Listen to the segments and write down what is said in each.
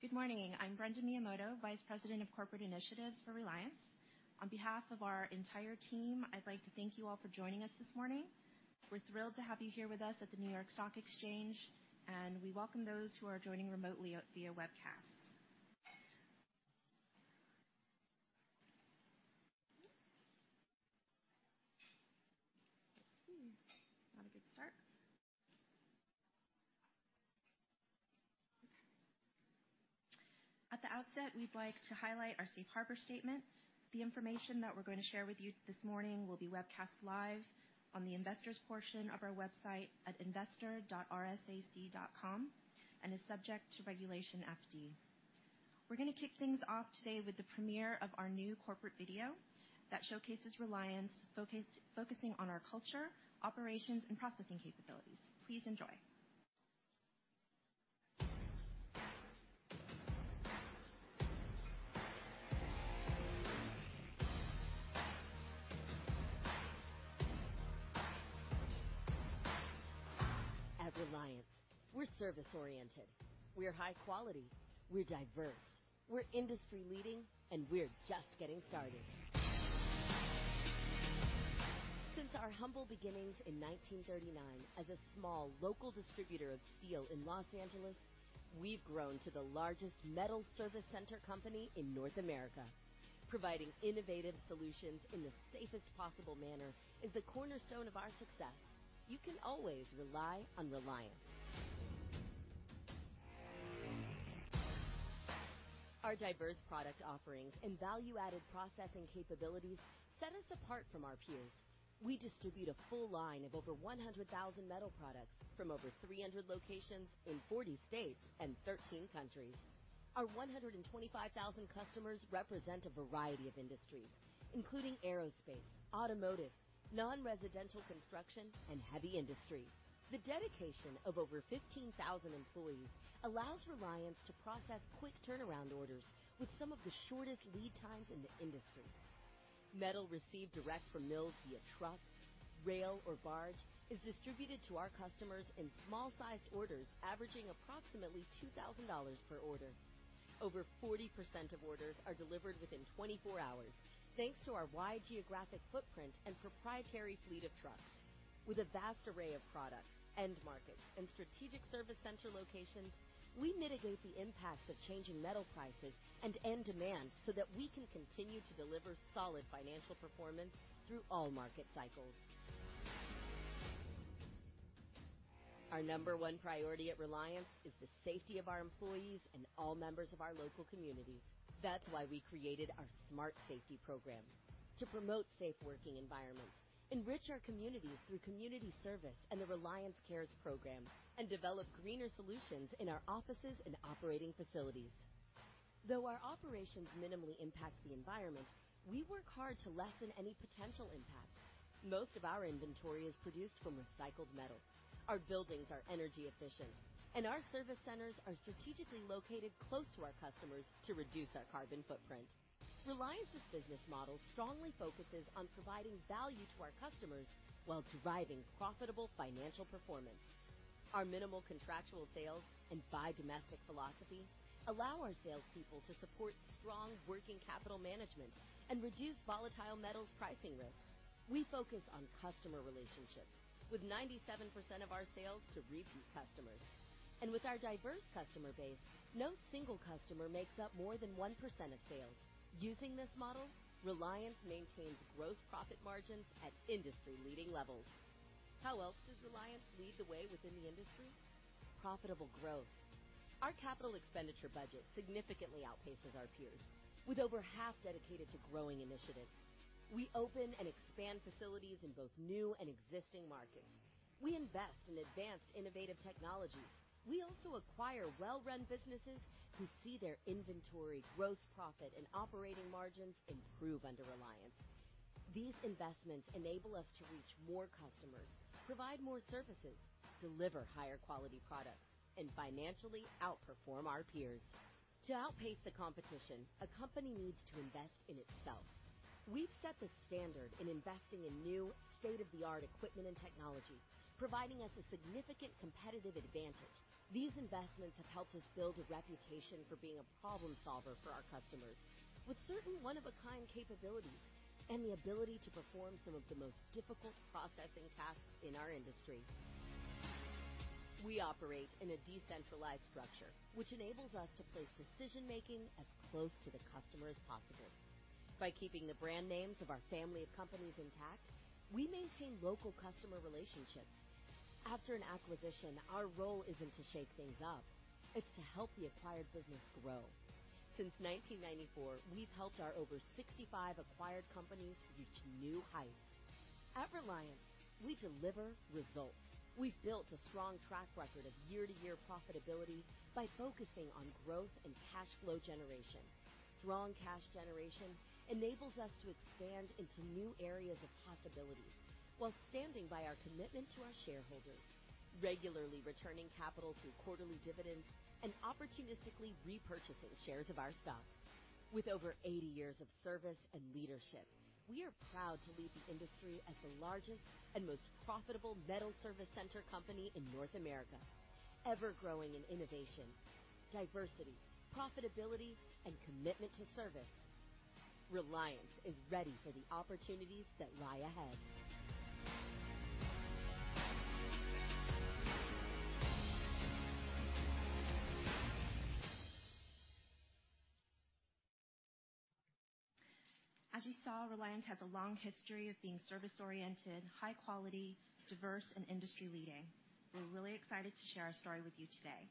Good morning. I'm Brenda Miyamoto, Vice President of Corporate Initiatives for Reliance. On behalf of our entire team, I'd like to thank you all for joining us this morning. We're thrilled to have you here with us at the New York Stock Exchange, and we welcome those who are joining remotely via webcast. Not a good start. At the outset, we'd like to highlight our safe harbor statement. The information that we're going to share with you this morning will be webcast live on the investors' portion of our website at investor.reliance.com and is subject to Regulation FD. We're going to kick things off today with the premiere of our new corporate video that showcases Reliance, focusing on our culture, operations, and processing capabilities. Please enjoy. At Reliance, we're service-oriented, we're high quality, we're diverse, we're industry-leading, and we're just getting started. Since our humble beginnings in 1939 as a small local distributor of steel in Los Angeles, we've grown to the largest metal service center company in North America. Providing innovative solutions in the safest possible manner is the cornerstone of our success. You can always rely on Reliance. Our diverse product offerings and value-added processing capabilities set us apart from our peers. We distribute a full line of over 100,000 metal products from over 300 locations in 40 states and 13 countries. Our 125,000 customers represent a variety of industries, including aerospace, automotive, non-residential construction, and heavy industry. The dedication of over 15,000 employees allows Reliance to process quick turnaround orders with some of the shortest lead times in the industry. Metal received direct from mills via truck, rail, or barge is distributed to our customers in small-sized orders averaging approximately $2,000 per order. Over 40% of orders are delivered within 24 hours, thanks to our wide geographic footprint and proprietary fleet of trucks. With a vast array of products, end markets, and strategic service center locations, we mitigate the impacts of changing metal prices and end demands so that we can continue to deliver solid financial performance through all market cycles. Our number one priority at Reliance is the safety of our employees and all members of our local communities. That's why we created our Smart Safety program to promote safe working environments, enrich our communities through community service and the Reliance Cares program, and develop greener solutions in our offices and operating facilities. Though our operations minimally impact the environment, we work hard to lessen any potential impact. Most of our inventory is produced from recycled metal. Our buildings are energy efficient, and our service centers are strategically located close to our customers to reduce our carbon footprint. Reliance's business model strongly focuses on providing value to our customers while driving profitable financial performance. Our minimal contractual sales and buy domestic philosophy allow our salespeople to support strong working capital management and reduce volatile metals pricing risks. We focus on customer relationships with 97% of our sales to repeat customers. With our diverse customer base, no single customer makes up more than 1% of sales. Using this model, Reliance maintains gross profit margins at industry-leading levels. How else does Reliance lead the way within the industry? Profitable growth. Our capital expenditure budget significantly outpaces our peers, with over half dedicated to growing initiatives. We open and expand facilities in both new and existing markets. We invest in advanced innovative technologies. We also acquire well-run businesses who see their inventory, gross profit, and operating margins improve under Reliance. These investments enable us to reach more customers, provide more services, deliver higher quality products, and financially outperform our peers. To outpace the competition, a company needs to invest in itself. We've set the standard in investing in new state-of-the-art equipment and technology, providing us a significant competitive advantage. These investments have helped us build a reputation for being a problem solver for our customers with certain one-of-a-kind capabilities and the ability to perform some of the most difficult processing tasks in our industry. We operate in a decentralized structure, which enables us to place decision-making as close to the customer as possible. By keeping the brand names of our family of companies intact, we maintain local customer relationships. After an acquisition, our role isn't to shake things up. It's to help the acquired business grow. Since 1994, we've helped our over 65 acquired companies reach new heights. At Reliance, we deliver results. We've built a strong track record of year-to-year profitability by focusing on growth and cash flow generation. Strong cash generation enables us to expand into new areas of possibilities while standing by our commitment to our shareholders, regularly returning capital through quarterly dividends and opportunistically repurchasing shares of our stock. With over 80 years of service and leadership, we are proud to lead the industry as the largest and most profitable metal service center company in North America. Ever-growing in innovation, diversity, profitability, and commitment to service, Reliance is ready for the opportunities that lie ahead. As you saw, Reliance has a long history of being service-oriented, high quality, diverse, and industry-leading. We're really excited to share our story with you today.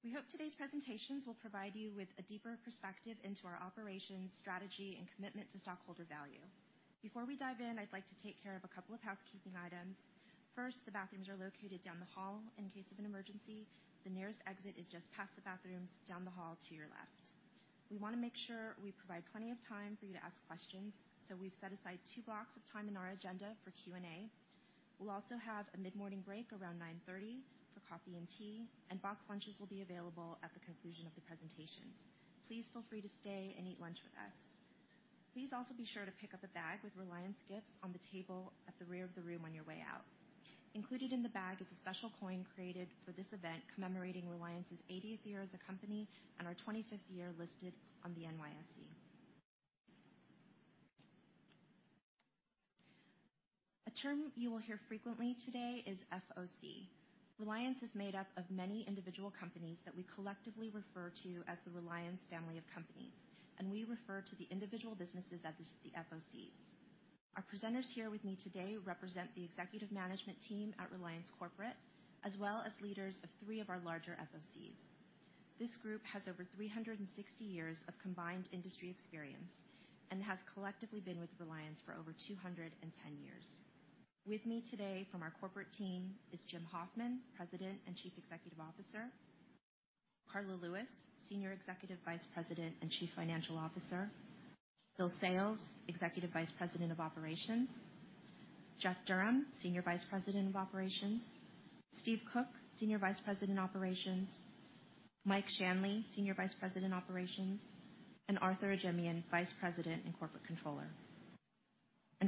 We hope today's presentations will provide you with a deeper perspective into our operations, strategy, and commitment to stockholder value. Before we dive in, I'd like to take care of a couple of housekeeping items. First, the bathrooms are located down the hall. In case of an emergency, the nearest exit is just past the bathrooms down the hall to your left. We want to make sure we provide plenty of time for you to ask questions, so we've set aside two blocks of time in our agenda for Q&A. We'll also have a mid-morning break around 9:30 for coffee and tea, and boxed lunches will be available at the conclusion of the presentation. Please feel free to stay and eat lunch with us. Please also be sure to pick up a bag with Reliance gifts on the table at the rear of the room on your way out. Included in the bag is a special coin created for this event commemorating Reliance's 80th year as a company and our 25th year listed on the NYSE. A term you will hear frequently today is FOC. Reliance is made up of many individual companies that we collectively refer to as the Reliance family of companies, and we refer to the individual businesses as the FOCs. Our presenters here with me today represent the executive management team at Reliance Corporate, as well as leaders of three of our larger FOCs. This group has over 360 years of combined industry experience and has collectively been with Reliance for over 210 years. With me today from our corporate team is Jim Hoffman, President and Chief Executive Officer. Karla Lewis, Senior Executive Vice President and Chief Financial Officer. Bill Sales, Executive Vice President of Operations. Jeff Durham, Senior Vice President of Operations. Steve Cook, Senior Vice President of Operations. Mike Shanley, Senior Vice President of Operations, and Arthur Ajemian, Vice President and Corporate Controller.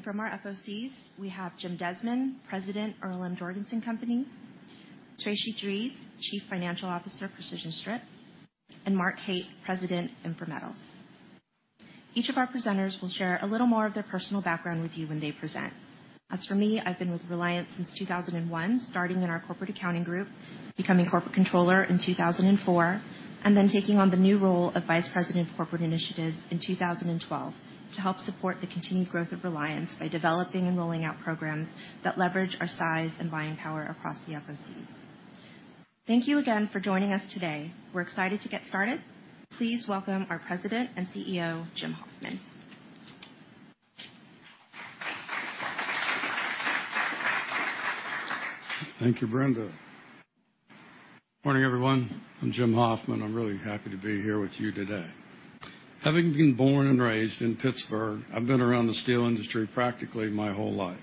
From our FOCs, we have Jim Desmond, President, Earle M. Jorgensen Company. Tracy Drees, Chief Financial Officer, Precision Strip, and Mark Haight, President, InfraMetals. Each of our presenters will share a little more of their personal background with you when they present. As for me, I've been with Reliance since 2001, starting in our corporate accounting group, becoming Corporate Controller in 2004, and then taking on the new role of Vice President of Corporate Initiatives in 2012 to help support the continued growth of Reliance by developing and rolling out programs that leverage our size and buying power across the FOCs. Thank you again for joining us today. We're excited to get started. Please welcome our President and CEO, Jim Hoffman. Thank you, Brenda. Morning, everyone. I'm Jim Hoffman. I'm really happy to be here with you today. Having been born and raised in Pittsburgh, I've been around the steel industry practically my whole life.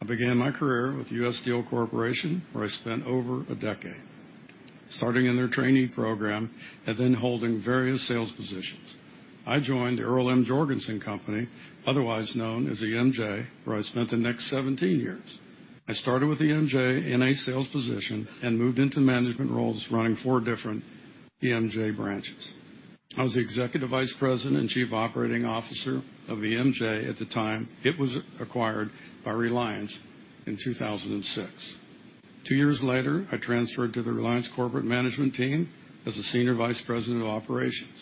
I began my career with US Steel Corporation, where I spent over a decade, starting in their training program and then holding various sales positions. I joined the Earle M. Jorgensen Company, otherwise known as EMJ, where I spent the next 17 years. I started with EMJ in a sales position and moved into management roles running four different EMJ branches. I was the Executive Vice President and Chief Operating Officer of EMJ at the time it was acquired by Reliance in 2006. Two years later, I transferred to the Reliance corporate management team as a Senior Vice President of Operations.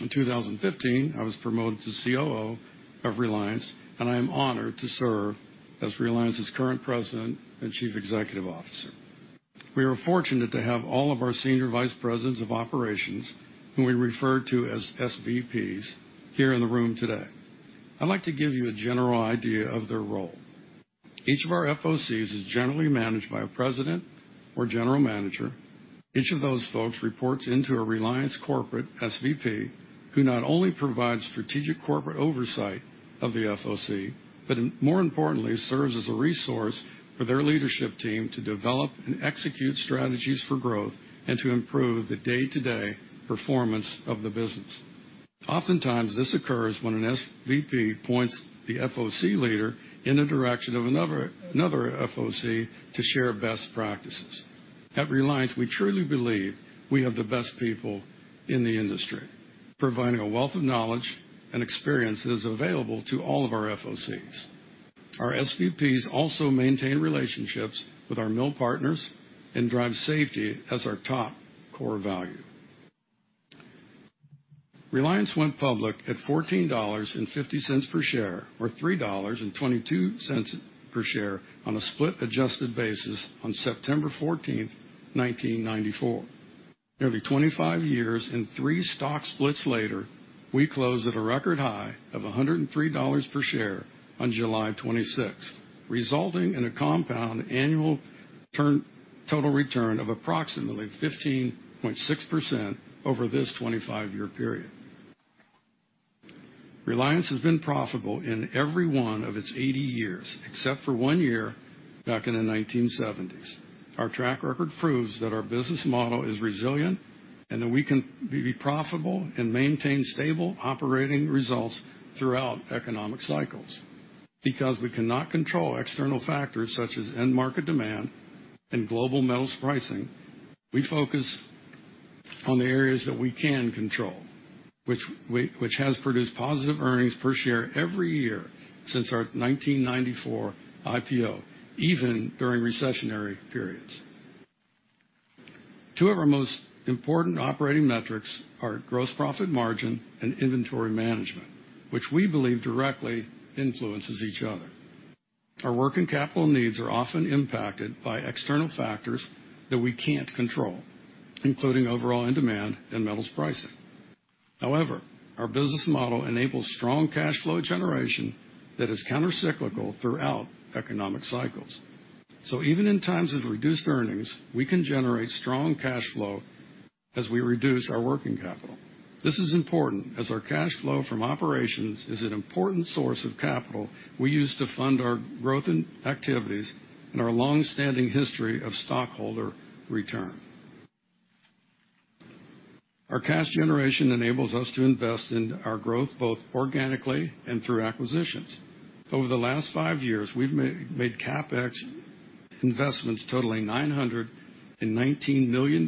In 2015, I was promoted to COO of Reliance, and I am honored to serve as Reliance's current President and Chief Executive Officer. We are fortunate to have all of our senior vice presidents of operations, whom we refer to as SVPs, here in the room today. I'd like to give you a general idea of their role. Each of our FOCs is generally managed by a president or general manager. Each of those folks reports into a Reliance corporate SVP, who not only provides strategic corporate oversight of the FOC, but more importantly, serves as a resource for their leadership team to develop and execute strategies for growth and to improve the day-to-day performance of the business. Oftentimes, this occurs when an SVP points the FOC leader in the direction of another FOC to share best practices. At Reliance, we truly believe we have the best people in the industry, providing a wealth of knowledge and experience that is available to all of our FOCs. Our SVPs also maintain relationships with our mill partners and drive safety as our top core value. Reliance went public at $14.50 per share or $3.22 per share on a split-adjusted basis on September 14, 1994. Nearly 25 years and three stock splits later, we closed at a record high of $103 per share on July 26, resulting in a compound annual total return of approximately 15.6% over this 25-year period. Reliance has been profitable in every one of its 80 years, except for one year back in the 1970s. Our track record proves that our business model is resilient and that we can be profitable and maintain stable operating results throughout economic cycles. Because we cannot control external factors such as end market demand and global metals pricing, we focus on the areas that we can control, which has produced positive earnings per share every year since our 1994 IPO, even during recessionary periods. Two of our most important operating metrics are gross profit margin and inventory management, which we believe directly influences each other. Our working capital needs are often impacted by external factors that we can't control, including overall end demand and metals pricing. However, our business model enables strong cash flow generation that is counter-cyclical throughout economic cycles. Even in times of reduced earnings, we can generate strong cash flow as we reduce our working capital. This is important, as our cash flow from operations is an important source of capital we use to fund our growth in activities and our longstanding history of stockholder return. Our cash generation enables us to invest in our growth both organically and through acquisitions. Over the last five years, we've made CapEx investments totaling $919 million,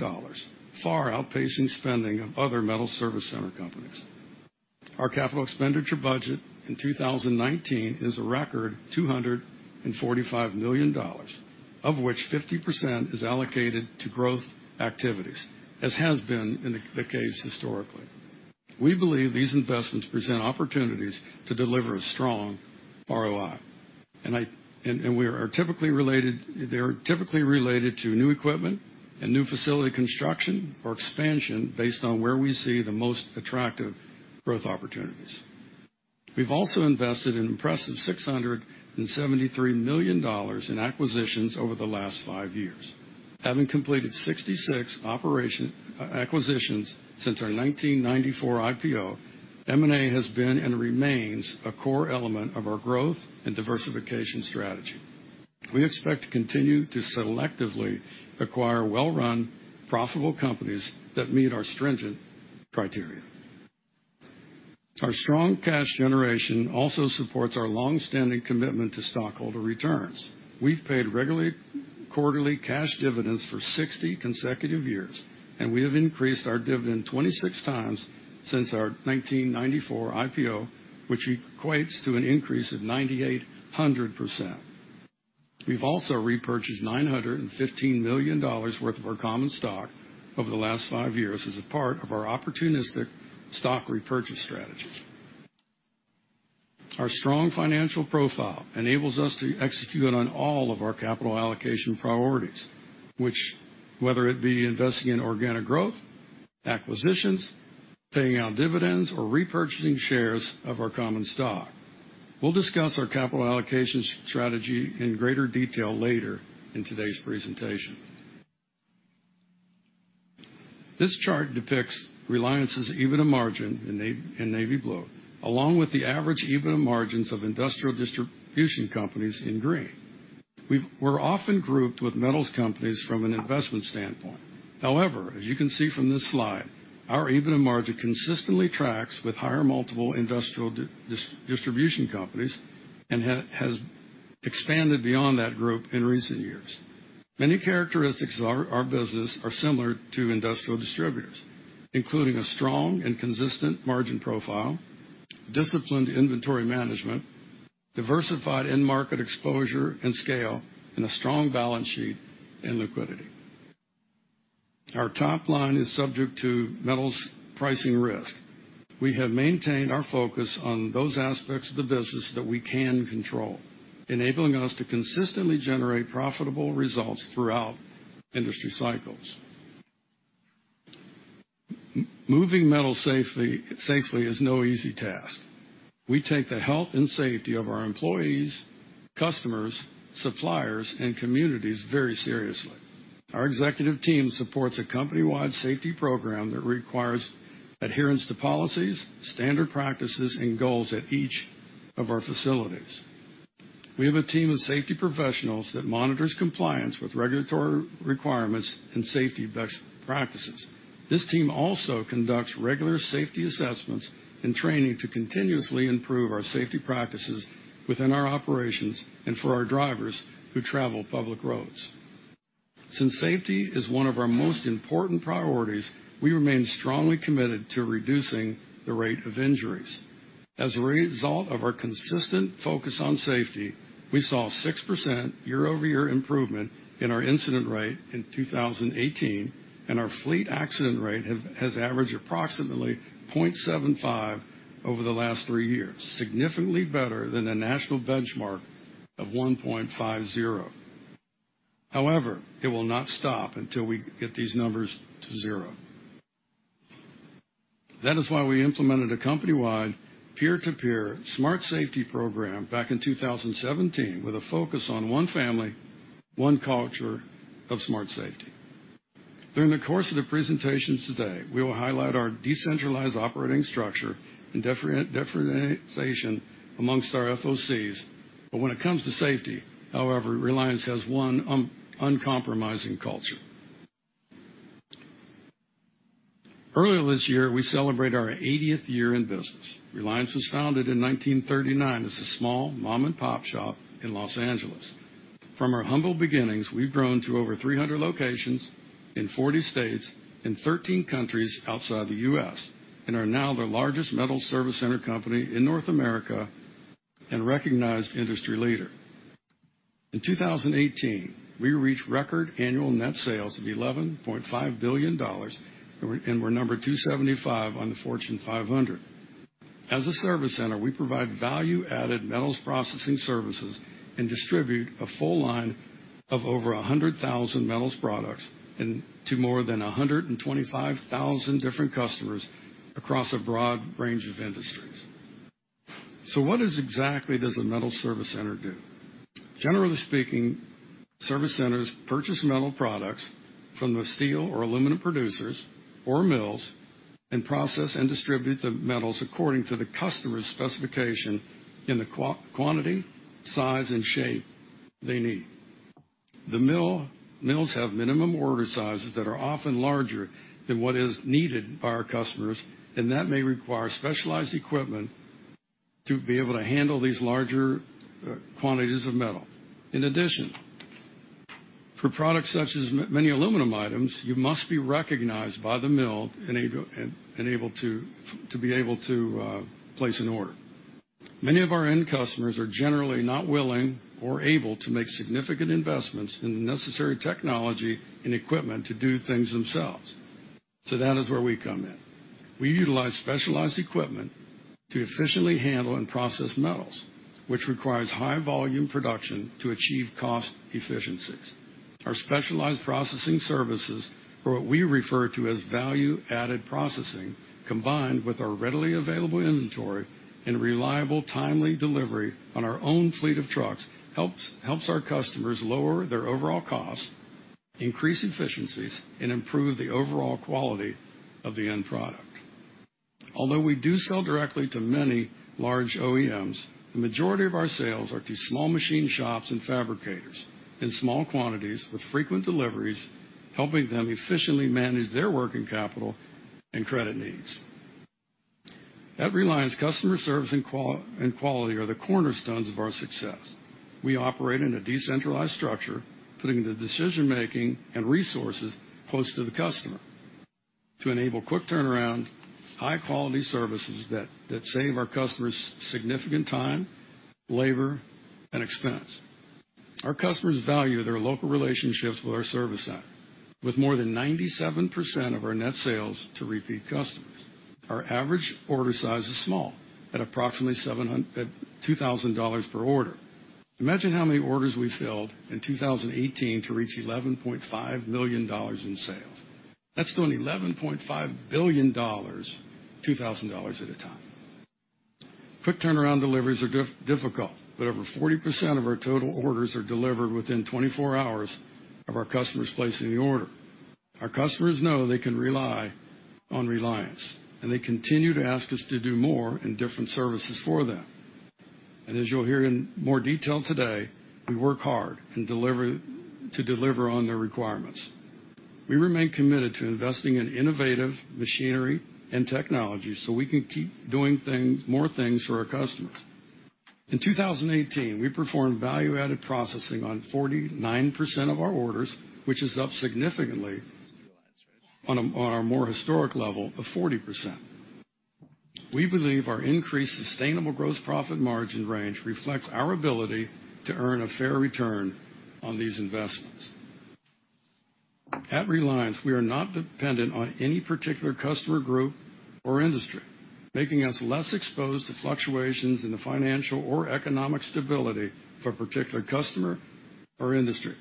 far outpacing spending of other metal service center companies. Our capital expenditure budget in 2019 is a record $245 million, of which 50% is allocated to growth activities, as has been the case historically. They are typically related to new equipment and new facility construction or expansion based on where we see the most attractive growth opportunities. We've also invested an impressive $673 million in acquisitions over the last five years. Having completed 66 acquisitions since our 1994 IPO, M&A has been and remains a core element of our growth and diversification strategy. We expect to continue to selectively acquire well-run, profitable companies that meet our stringent criteria. Our strong cash generation also supports our longstanding commitment to stockholder returns. We've paid regular quarterly cash dividends for 60 consecutive years. We have increased our dividend 26 times since our 1994 IPO, which equates to an increase of 9,800%. We've also repurchased $915 million worth of our common stock over the last five years as a part of our opportunistic stock repurchase strategy. Our strong financial profile enables us to execute on all of our capital allocation priorities, whether it be investing in organic growth, acquisitions, paying out dividends, or repurchasing shares of our common stock. We'll discuss our capital allocation strategy in greater detail later in today's presentation. This chart depicts Reliance's EBITDA margin in navy blue, along with the average EBITDA margins of industrial distribution companies in green. We're often grouped with metals companies from an investment standpoint. However, as you can see from this slide, our EBITDA margin consistently tracks with higher multiple industrial distribution companies and has expanded beyond that group in recent years. Many characteristics of our business are similar to industrial distributors, including a strong and consistent margin profile, disciplined inventory management, diversified end market exposure and scale, and a strong balance sheet and liquidity. Our top line is subject to metals pricing risk. We have maintained our focus on those aspects of the business that we can control, enabling us to consistently generate profitable results throughout industry cycles. Moving metal safely is no easy task. We take the health and safety of our employees, customers, suppliers, and communities very seriously. Our executive team supports a company-wide safety program that requires adherence to policies, standard practices, and goals at each of our facilities. We have a team of safety professionals that monitors compliance with regulatory requirements and safety best practices. This team also conducts regular safety assessments and training to continuously improve our safety practices within our operations and for our drivers who travel public roads. Since safety is one of our most important priorities, we remain strongly committed to reducing the rate of injuries. As a result of our consistent focus on safety, we saw a 6% year-over-year improvement in our incident rate in 2018, and our fleet accident rate has averaged approximately 0.75 over the last three years, significantly better than the national benchmark of 1.50. It will not stop until we get these numbers to zero. That is why we implemented a company-wide peer-to-peer SMART Safety program back in 2017 with a focus on one family, one culture of SMART Safety. During the course of the presentations today, we will highlight our decentralized operating structure and differentiation amongst our FOCs. When it comes to safety, however, Reliance has one uncompromising culture. Earlier this year, we celebrate our 80th year in business. Reliance was founded in 1939 as a small mom-and-pop shop in Los Angeles. From our humble beginnings, we've grown to over 300 locations in 40 states and 13 countries outside the U.S., and are now the largest metal service center company in North America and recognized industry leader. In 2018, we reached record annual net sales of $11.5 billion, and we're number 275 on the Fortune 500. As a service center, we provide value-added metals processing services and distribute a full line of over 100,000 metals products to more than 125,000 different customers across a broad range of industries. What is exactly does a metal service center do? Generally speaking, service centers purchase metal products from the steel or aluminum producers or mills, and process and distribute the metals according to the customer's specification in the quantity, size, and shape they need. The mills have minimum order sizes that are often larger than what is needed by our customers, and that may require specialized equipment to be able to handle these larger quantities of metal. In addition, for products such as many aluminum items, you must be recognized by the mill to be able to place an order. Many of our end customers are generally not willing or able to make significant investments in the necessary technology and equipment to do things themselves. That is where we come in. We utilize specialized equipment to efficiently handle and process metals, which requires high volume production to achieve cost efficiencies. Our specialized processing services, or what we refer to as value-added processing, combined with our readily available inventory and reliable, timely delivery on our own fleet of trucks, helps our customers lower their overall costs, increase efficiencies, and improve the overall quality of the end product. Although we do sell directly to many large OEMs, the majority of our sales are to small machine shops and fabricators in small quantities with frequent deliveries, helping them efficiently manage their working capital and credit needs. At Reliance, customer service and quality are the cornerstones of our success. We operate in a decentralized structure, putting the decision-making and resources close to the customer to enable quick turnaround, high-quality services that save our customers significant time, labor, and expense. Our customers value their local relationships with our service center. With more than 97% of our net sales to repeat customers, our average order size is small, at approximately $2,000 per order. Imagine how many orders we filled in 2018 to reach $11.5 million in sales. That's doing $11.5 billion, $2,000 at a time. Quick turnaround deliveries are difficult, but over 40% of our total orders are delivered within 24 hours of our customers placing the order. Our customers know they can rely on Reliance. They continue to ask us to do more and different services for them. As you'll hear in more detail today, we work hard to deliver on their requirements. We remain committed to investing in innovative machinery and technology so we can keep doing more things for our customers. In 2018, we performed value-added processing on 49% of our orders, which is up significantly on our more historic level of 40%. We believe our increased sustainable gross profit margin range reflects our ability to earn a fair return on these investments. At Reliance, we are not dependent on any particular customer group or industry, making us less exposed to fluctuations in the financial or economic stability of a particular customer or industry.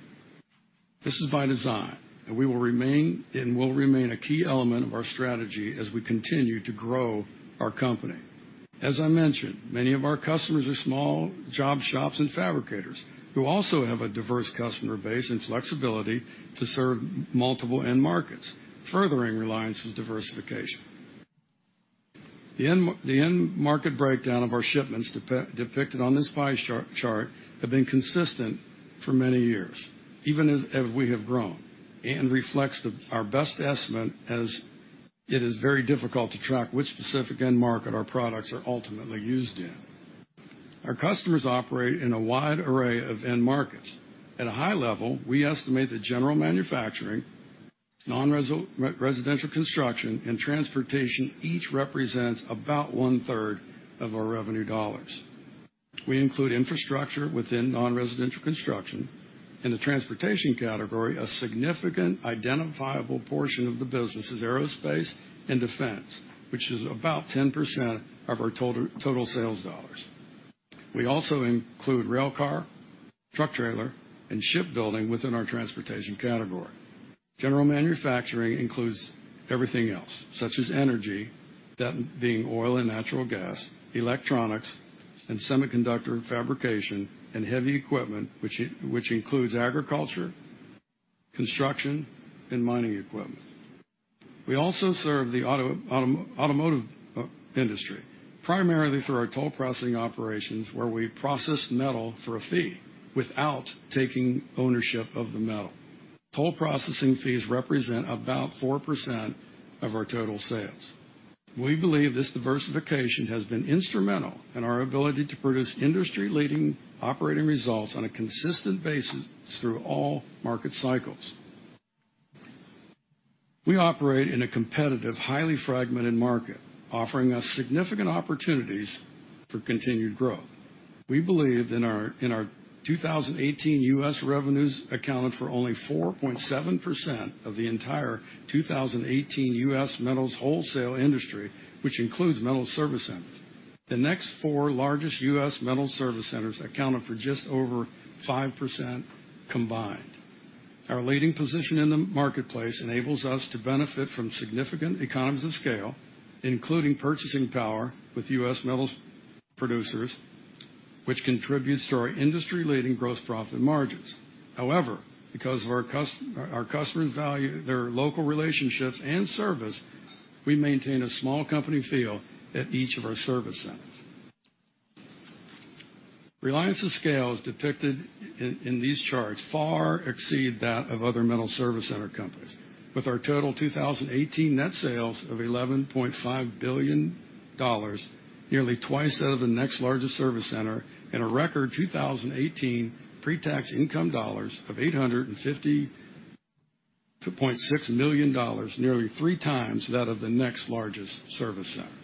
This is by design, and will remain a key element of our strategy as we continue to grow our company. As I mentioned, many of our customers are small job shops and fabricators who also have a diverse customer base and flexibility to serve multiple end markets, furthering Reliance's diversification. The end market breakdown of our shipments depicted on this pie chart have been consistent for many years, even as we have grown, and reflects our best estimate as it is very difficult to track which specific end market our products are ultimately used in. Our customers operate in a wide array of end markets. At a high level, we estimate that general manufacturing, non-residential construction, and transportation each represents about one-third of our revenue dollars. We include infrastructure within non-residential construction. In the transportation category, a significant identifiable portion of the business is aerospace and defense, which is about 10% of our total sales dollars. We also include railcar, truck trailer, and shipbuilding within our transportation category. General manufacturing includes everything else, such as energy, that being oil and natural gas, electronics, and semiconductor fabrication, and heavy equipment, which includes agriculture, construction, and mining equipment. We also serve the automotive industry, primarily through our toll processing operations, where we process metal for a fee without taking ownership of the metal. Toll processing fees represent about 4% of our total sales. We believe this diversification has been instrumental in our ability to produce industry-leading operating results on a consistent basis through all market cycles. We operate in a competitive, highly fragmented market, offering us significant opportunities for continued growth. We believe that our 2018 U.S. revenues accounted for only 4.7% of the entire 2018 U.S. metals wholesale industry, which includes metal service centers. The next four largest U.S. metal service centers accounted for just over 5% combined. Our leading position in the marketplace enables us to benefit from significant economies of scale, including purchasing power with U.S. metals producers, which contributes to our industry-leading gross profit margins. However, because our customers value their local relationships and service, we maintain a small company feel at each of our service centers. Reliance's scale, as depicted in these charts, far exceed that of other metals service center companies. With our total 2018 net sales of $11.5 billion, nearly twice that of the next largest service center, and a record 2018 pre-tax income dollars of $850.6 million, nearly three times that of the next largest service center.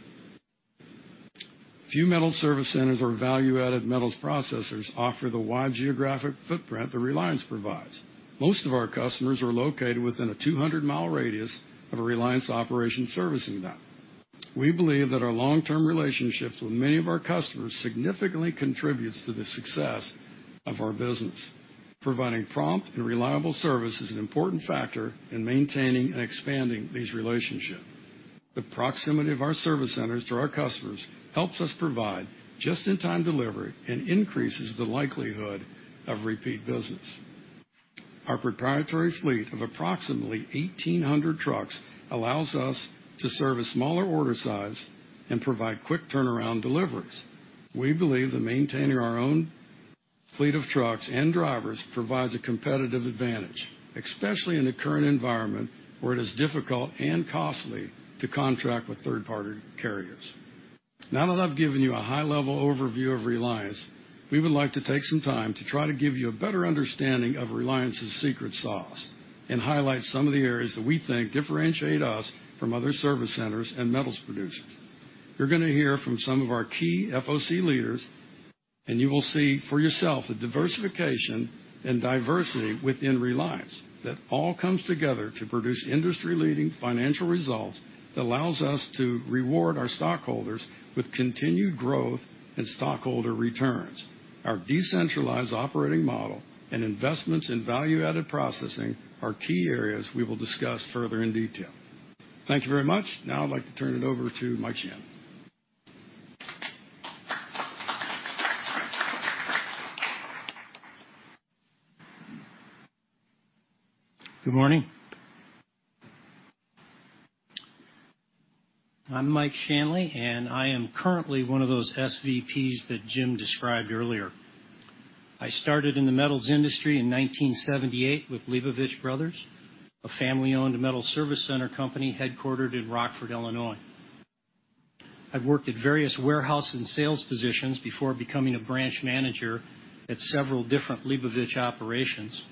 Few metals service centers or value-added metals processors offer the wide geographic footprint that Reliance provides. Most of our customers are located within a 200-mile radius of a Reliance operation servicing them. We believe that our long-term relationships with many of our customers significantly contributes to the success of our business. Providing prompt and reliable service is an important factor in maintaining and expanding these relationships. The proximity of our service centers to our customers helps us provide just-in-time delivery and increases the likelihood of repeat business. Our proprietary fleet of approximately 1,800 trucks allows us to service smaller order size and provide quick turnaround deliveries. We believe that maintaining our own fleet of trucks and drivers provides a competitive advantage, especially in the current environment where it is difficult and costly to contract with third-party carriers. Now that I've given you a high-level overview of Reliance, we would like to take some time to try to give you a better understanding of Reliance's secret sauce and highlight some of the areas that we think differentiate us from other service centers and metals producers. You're going to hear from some of our key FOC leaders, and you will see for yourself the diversification and diversity within Reliance that all comes together to produce industry-leading financial results that allows us to reward our stockholders with continued growth and stockholder returns. Our decentralized operating model and investments in value-added processing are key areas we will discuss further in detail. Thank you very much. Now I'd like to turn it over to Mike Shanley. Good morning. I'm Mike Shanley, and I am currently one of those SVPs that Jim described earlier. I started in the metals industry in 1978 with Liebovich Bros., a family-owned metal service center company headquartered in Rockford, Illinois. I've worked at various warehouse and sales positions before becoming a branch manager at several different Liebovich operations,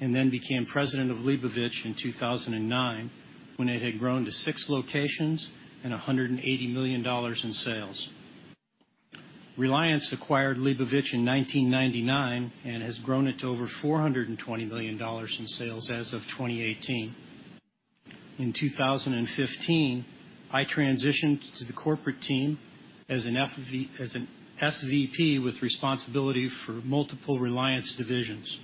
then became president of Liebovich in 2009 when it had grown to six locations and $180 million in sales. Reliance acquired Liebovich in 1999 and has grown it to over $420 million in sales as of 2018. In 2015, I transitioned to the corporate team as an SVP with responsibility for multiple Reliance divisions.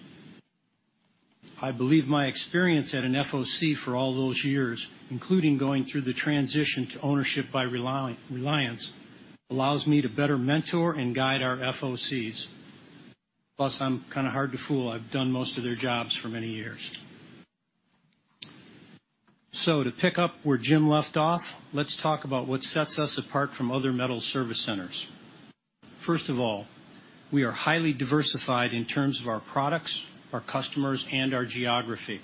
I believe my experience at an FOC for all those years, including going through the transition to ownership by Reliance, allows me to better mentor and guide our FOCs. Plus, I'm kind of hard to fool. I've done most of their jobs for many years. To pick up where Jim left off, let's talk about what sets us apart from other metal service centers. First of all, we are highly diversified in terms of our products, our customers, and our geography.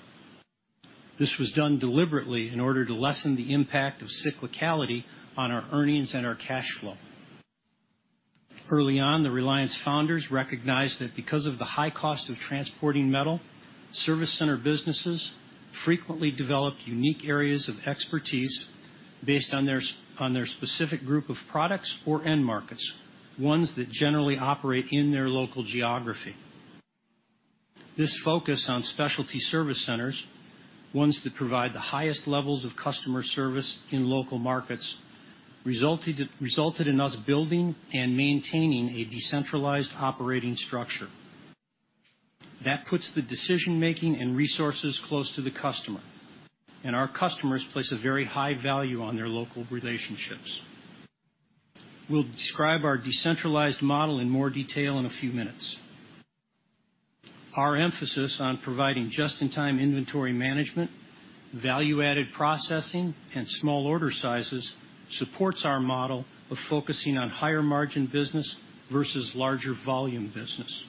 This was done deliberately in order to lessen the impact of cyclicality on our earnings and our cash flow. Early on, the Reliance founders recognized that because of the high cost of transporting metal, service center businesses frequently developed unique areas of expertise based on their specific group of products or end markets, ones that generally operate in their local geography. This focus on specialty service centers, ones that provide the highest levels of customer service in local markets, resulted in us building and maintaining a decentralized operating structure. That puts the decision-making and resources close to the customer, and our customers place a very high value on their local relationships. We'll describe our decentralized model in more detail in a few minutes. Our emphasis on providing just-in-time inventory management, value-added processing, and small order sizes supports our model of focusing on higher margin business versus larger volume business.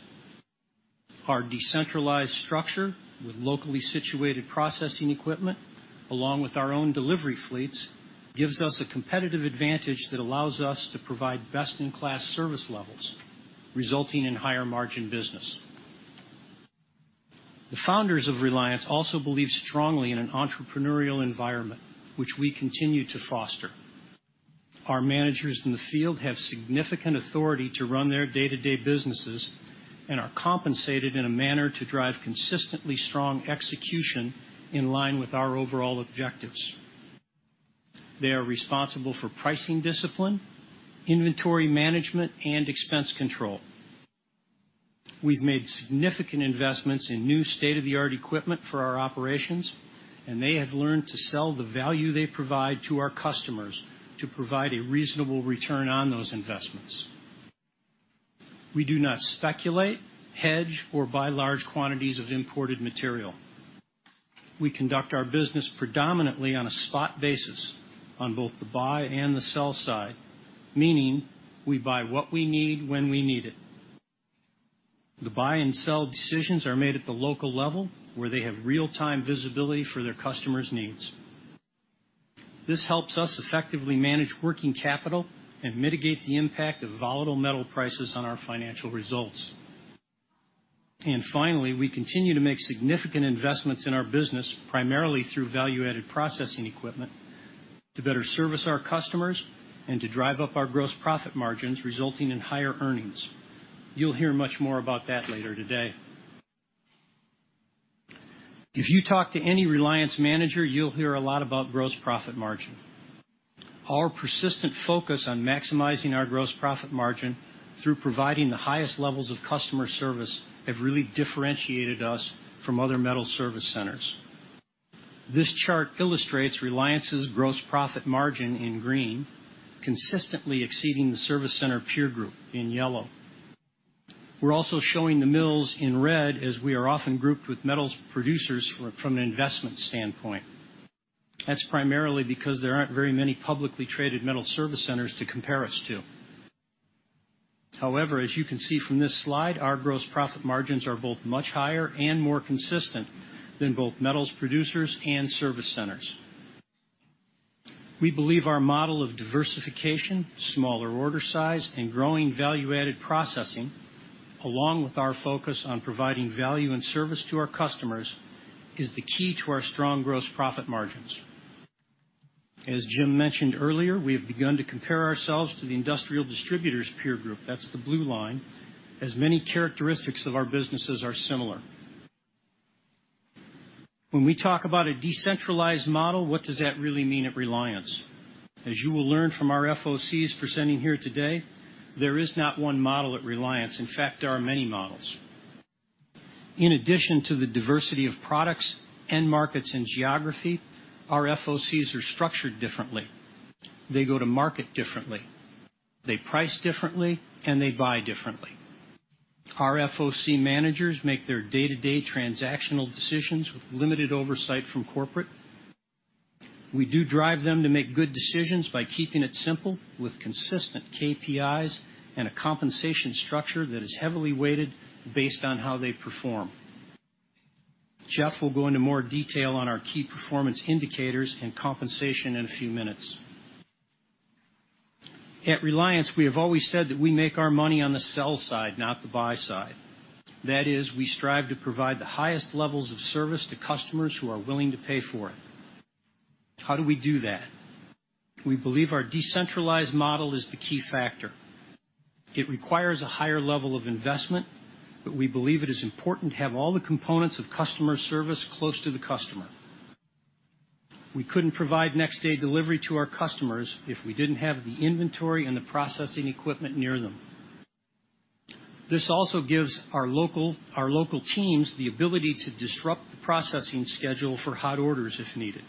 Our decentralized structure with locally situated processing equipment, along with our own delivery fleets, gives us a competitive advantage that allows us to provide best-in-class service levels, resulting in higher margin business. The founders of Reliance also believe strongly in an entrepreneurial environment, which we continue to foster. Our managers in the field have significant authority to run their day-to-day businesses and are compensated in a manner to drive consistently strong execution in line with our overall objectives. They are responsible for pricing discipline, inventory management, and expense control. We've made significant investments in new state-of-the-art equipment for our operations, and they have learned to sell the value they provide to our customers to provide a reasonable return on those investments. We do not speculate, hedge, or buy large quantities of imported material. We conduct our business predominantly on a spot basis on both the buy and the sell side, meaning we buy what we need when we need it. The buy and sell decisions are made at the local level, where they have real-time visibility for their customers' needs. This helps us effectively manage working capital and mitigate the impact of volatile metal prices on our financial results. Finally, we continue to make significant investments in our business, primarily through value-added processing equipment, to better service our customers and to drive up our gross profit margins, resulting in higher earnings. You'll hear much more about that later today. If you talk to any Reliance manager, you'll hear a lot about gross profit margin. Our persistent focus on maximizing our gross profit margin through providing the highest levels of customer service have really differentiated us from other metal service centers. This chart illustrates Reliance's gross profit margin in green, consistently exceeding the service center peer group in yellow. We're also showing the mills in red as we are often grouped with metals producers from an investment standpoint. That's primarily because there aren't very many publicly traded metal service centers to compare us to. However, as you can see from this slide, our gross profit margins are both much higher and more consistent than both metals producers and service centers. We believe our model of diversification, smaller order size, and growing value-added processing, along with our focus on providing value and service to our customers, is the key to our strong gross profit margins. As Jim mentioned earlier, we have begun to compare ourselves to the industrial distributors peer group, that's the blue line, as many characteristics of our businesses are similar. When we talk about a decentralized model, what does that really mean at Reliance? As you will learn from our FOCs presenting here today, there is not one model at Reliance. In fact, there are many models. In addition to the diversity of products, end markets, and geography, our FOCs are structured differently. They go to market differently. They price differently, they buy differently. Our FOC managers make their day-to-day transactional decisions with limited oversight from corporate. We do drive them to make good decisions by keeping it simple with consistent KPIs and a compensation structure that is heavily weighted based on how they perform. Jeff will go into more detail on our key performance indicators and compensation in a few minutes. At Reliance, we have always said that we make our money on the sell side, not the buy side. That is, we strive to provide the highest levels of service to customers who are willing to pay for it. How do we do that? We believe our decentralized model is the key factor. It requires a higher level of investment, but we believe it is important to have all the components of customer service close to the customer. We couldn't provide next-day delivery to our customers if we didn't have the inventory and the processing equipment near them. This also gives our local teams the ability to disrupt the processing schedule for hot orders if needed.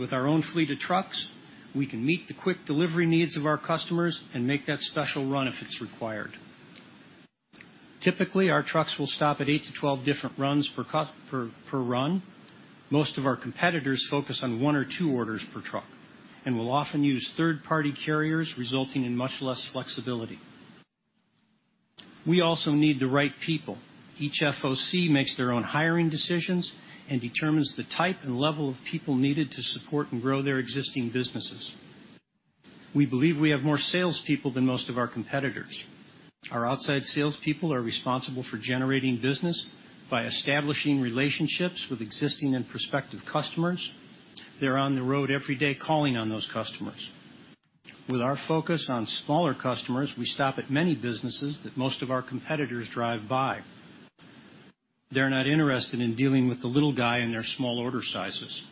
With our own fleet of trucks, we can meet the quick delivery needs of our customers and make that special run if it's required. Typically, our trucks will stop at eight to 12 different runs per run. Most of our competitors focus on one or two orders per truck and will often use third-party carriers, resulting in much less flexibility. We also need the right people. Each FOC makes their own hiring decisions and determines the type and level of people needed to support and grow their existing businesses. We believe we have more salespeople than most of our competitors. Our outside salespeople are responsible for generating business by establishing relationships with existing and prospective customers. They're on the road every day calling on those customers. With our focus on smaller customers, we stop at many businesses that most of our competitors drive by. They're not interested in dealing with the little guy and their small order sizes.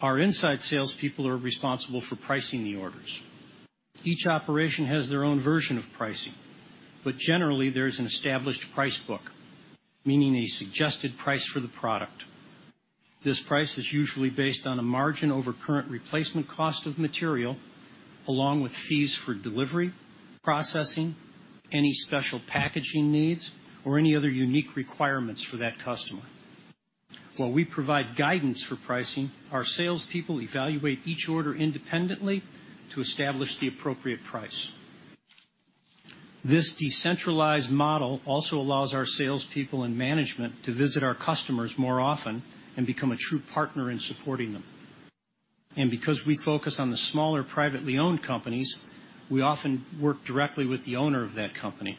Our inside salespeople are responsible for pricing the orders. Each operation has their own version of pricing, but generally, there's an established price book, meaning a suggested price for the product. This price is usually based on a margin over current replacement cost of material, along with fees for delivery, processing, any special packaging needs, or any other unique requirements for that customer. While we provide guidance for pricing, our salespeople evaluate each order independently to establish the appropriate price. This decentralized model also allows our salespeople and management to visit our customers more often and become a true partner in supporting them. Because we focus on the smaller privately owned companies, we often work directly with the owner of that company.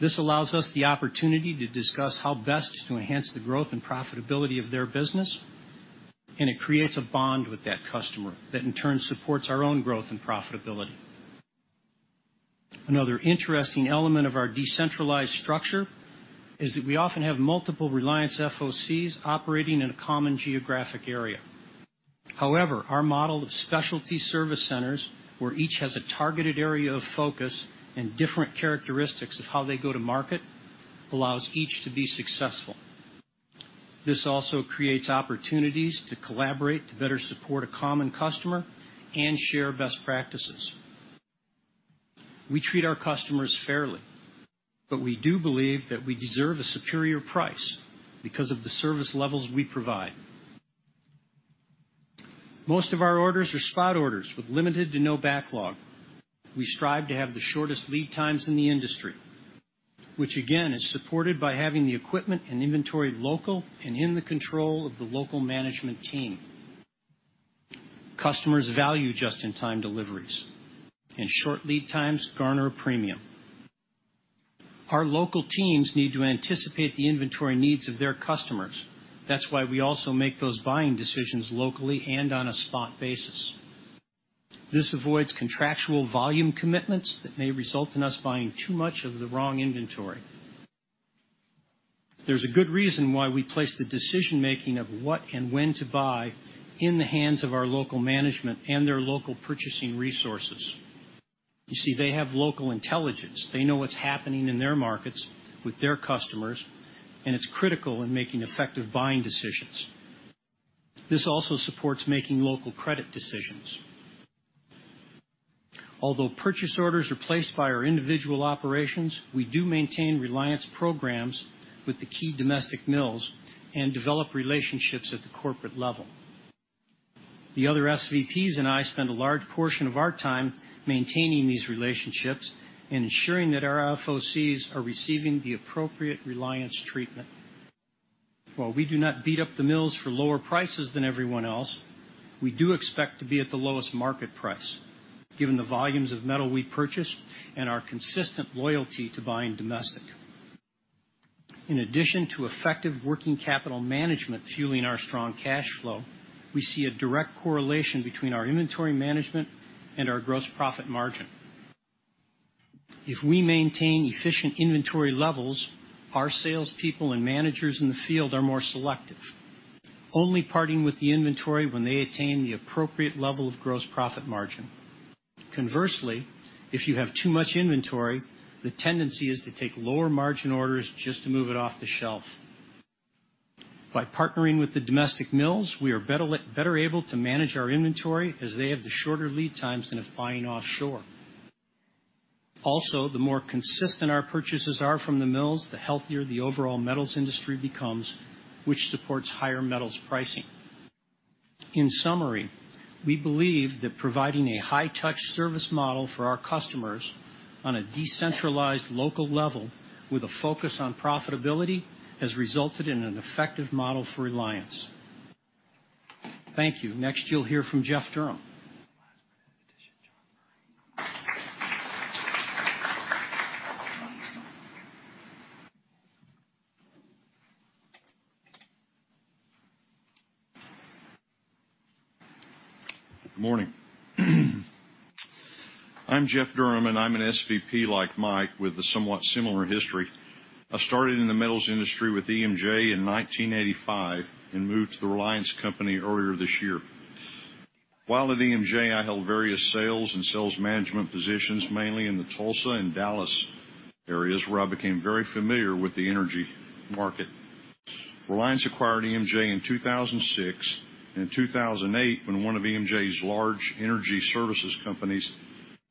This allows us the opportunity to discuss how best to enhance the growth and profitability of their business, and it creates a bond with that customer that, in turn, supports our own growth and profitability. Another interesting element of our decentralized structure is that we often have multiple Reliance FOCs operating in a common geographic area. Our model of specialty service centers, where each has a targeted area of focus and different characteristics of how they go to market, allows each to be successful. This also creates opportunities to collaborate to better support a common customer and share best practices. We treat our customers fairly. We do believe that we deserve a superior price because of the service levels we provide. Most of our orders are spot orders with limited to no backlog. We strive to have the shortest lead times in the industry, which again is supported by having the equipment and inventory local and in the control of the local management team. Customers value just-in-time deliveries, and short lead times garner a premium. Our local teams need to anticipate the inventory needs of their customers. That's why we also make those buying decisions locally and on a spot basis. This avoids contractual volume commitments that may result in us buying too much of the wrong inventory. There's a good reason why we place the decision-making of what and when to buy in the hands of our local management and their local purchasing resources. You see, they have local intelligence. They know what's happening in their markets with their customers, and it's critical in making effective buying decisions. This also supports making local credit decisions. Although purchase orders are placed by our individual operations, we do maintain Reliance programs with the key domestic mills and develop relationships at the corporate level. The other SVPs and I spend a large portion of our time maintaining these relationships and ensuring that our FOCs are receiving the appropriate Reliance treatment. While we do not beat up the mills for lower prices than everyone else, we do expect to be at the lowest market price, given the volumes of metal we purchase and our consistent loyalty to buying domestic. In addition to effective working capital management fueling our strong cash flow, we see a direct correlation between our inventory management and our gross profit margin. If we maintain efficient inventory levels, our salespeople and managers in the field are more selective, only parting with the inventory when they attain the appropriate level of gross profit margin. Conversely, if you have too much inventory, the tendency is to take lower margin orders just to move it off the shelf. By partnering with the domestic mills, we are better able to manage our inventory, as they have the shorter lead times than if buying offshore. Also, the more consistent our purchases are from the mills, the healthier the overall metals industry becomes, which supports higher metals pricing. In summary, we believe that providing a high-touch service model for our customers on a decentralized local level with a focus on profitability has resulted in an effective model for Reliance. Thank you. Next, you'll hear from Jeff Durham. Good morning. I'm Jeff Durham, and I'm an SVP like Mike with a somewhat similar history. I started in the metals industry with EMJ in 1985 and moved to the Reliance company earlier this year. While at EMJ, I held various sales and sales management positions, mainly in the Tulsa and Dallas areas, where I became very familiar with the energy market. Reliance acquired EMJ in 2006. In 2008, when one of EMJ's large energy services companies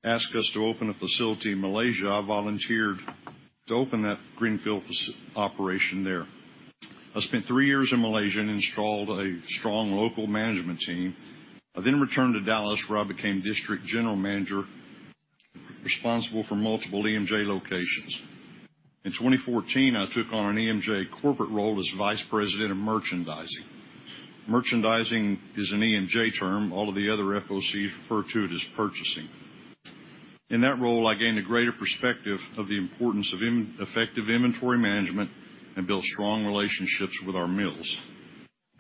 asked us to open a facility in Malaysia, I volunteered to open that greenfield operation there. I spent three years in Malaysia and installed a strong local management team. I returned to Dallas, where I became district general manager responsible for multiple EMJ locations. In 2014, I took on an EMJ corporate role as vice president of merchandising. Merchandising is an EMJ term. All of the other FOCs refer to it as purchasing. In that role, I gained a greater perspective of the importance of effective inventory management and built strong relationships with our mills.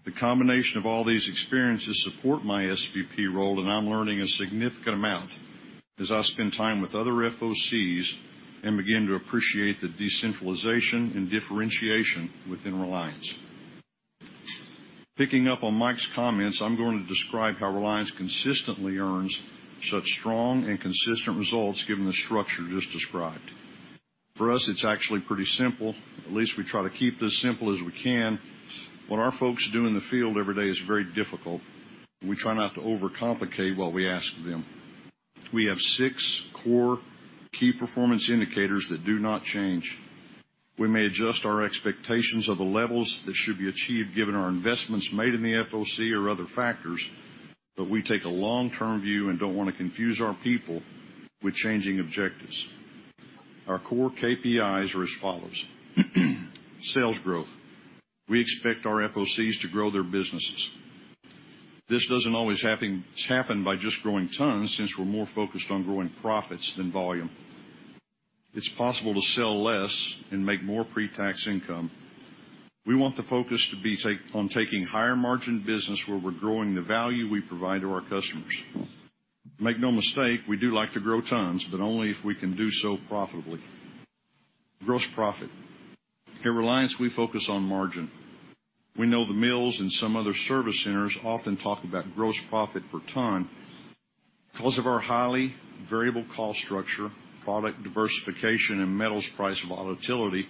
The combination of all these experiences support my SVP role, and I'm learning a significant amount as I spend time with other FOCs and begin to appreciate the decentralization and differentiation within Reliance. Picking up on Mike's comments, I'm going to describe how Reliance consistently earns such strong and consistent results given the structure just described. For us, it's actually pretty simple. At least we try to keep this simple as we can. What our folks do in the field every day is very difficult, and we try not to overcomplicate what we ask of them. We have six core key performance indicators that do not change. We may adjust our expectations of the levels that should be achieved given our investments made in the FOC or other factors, but we take a long-term view and don't want to confuse our people with changing objectives. Our core KPIs are as follows. Sales growth. We expect our FOCs to grow their businesses. This doesn't always happen by just growing tons, since we're more focused on growing profits than volume. It's possible to sell less and make more pre-tax income. We want the focus to be on taking higher margin business where we're growing the value we provide to our customers. Make no mistake, we do like to grow tons, but only if we can do so profitably. Gross profit. At Reliance, we focus on margin. We know the mills and some other service centers often talk about gross profit per ton. Because of our highly variable cost structure, product diversification, and metals price volatility,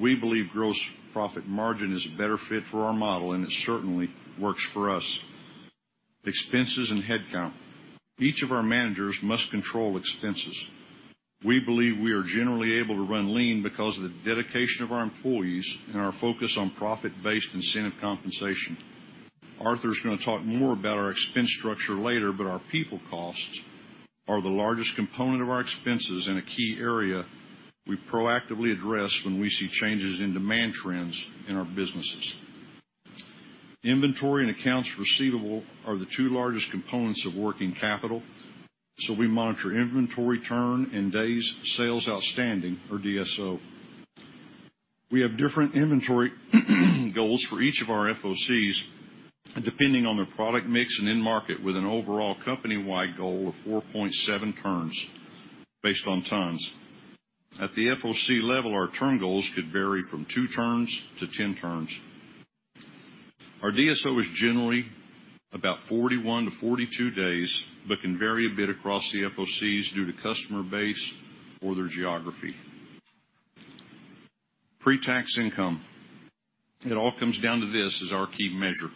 we believe gross profit margin is a better fit for our model, and it certainly works for us. Expenses and headcount. Each of our managers must control expenses. We believe we are generally able to run lean because of the dedication of our employees and our focus on profit-based incentive compensation. Arthur's going to talk more about our expense structure later, but our people costs are the largest component of our expenses in a key area we proactively address when we see changes in demand trends in our businesses. Inventory and accounts receivable are the two largest components of working capital. We monitor inventory turn and days sales outstanding or DSO. We have different inventory goals for each of our FOCs depending on their product mix and end market with an overall company-wide goal of 4.7 turns based on tons. At the FOC level, our turn goals could vary from 2 turns to 10 turns. Our DSO is generally about 41 to 42 days, but can vary a bit across the FOCs due to customer base or their geography. Pre-tax income. It all comes down to this as our key measure.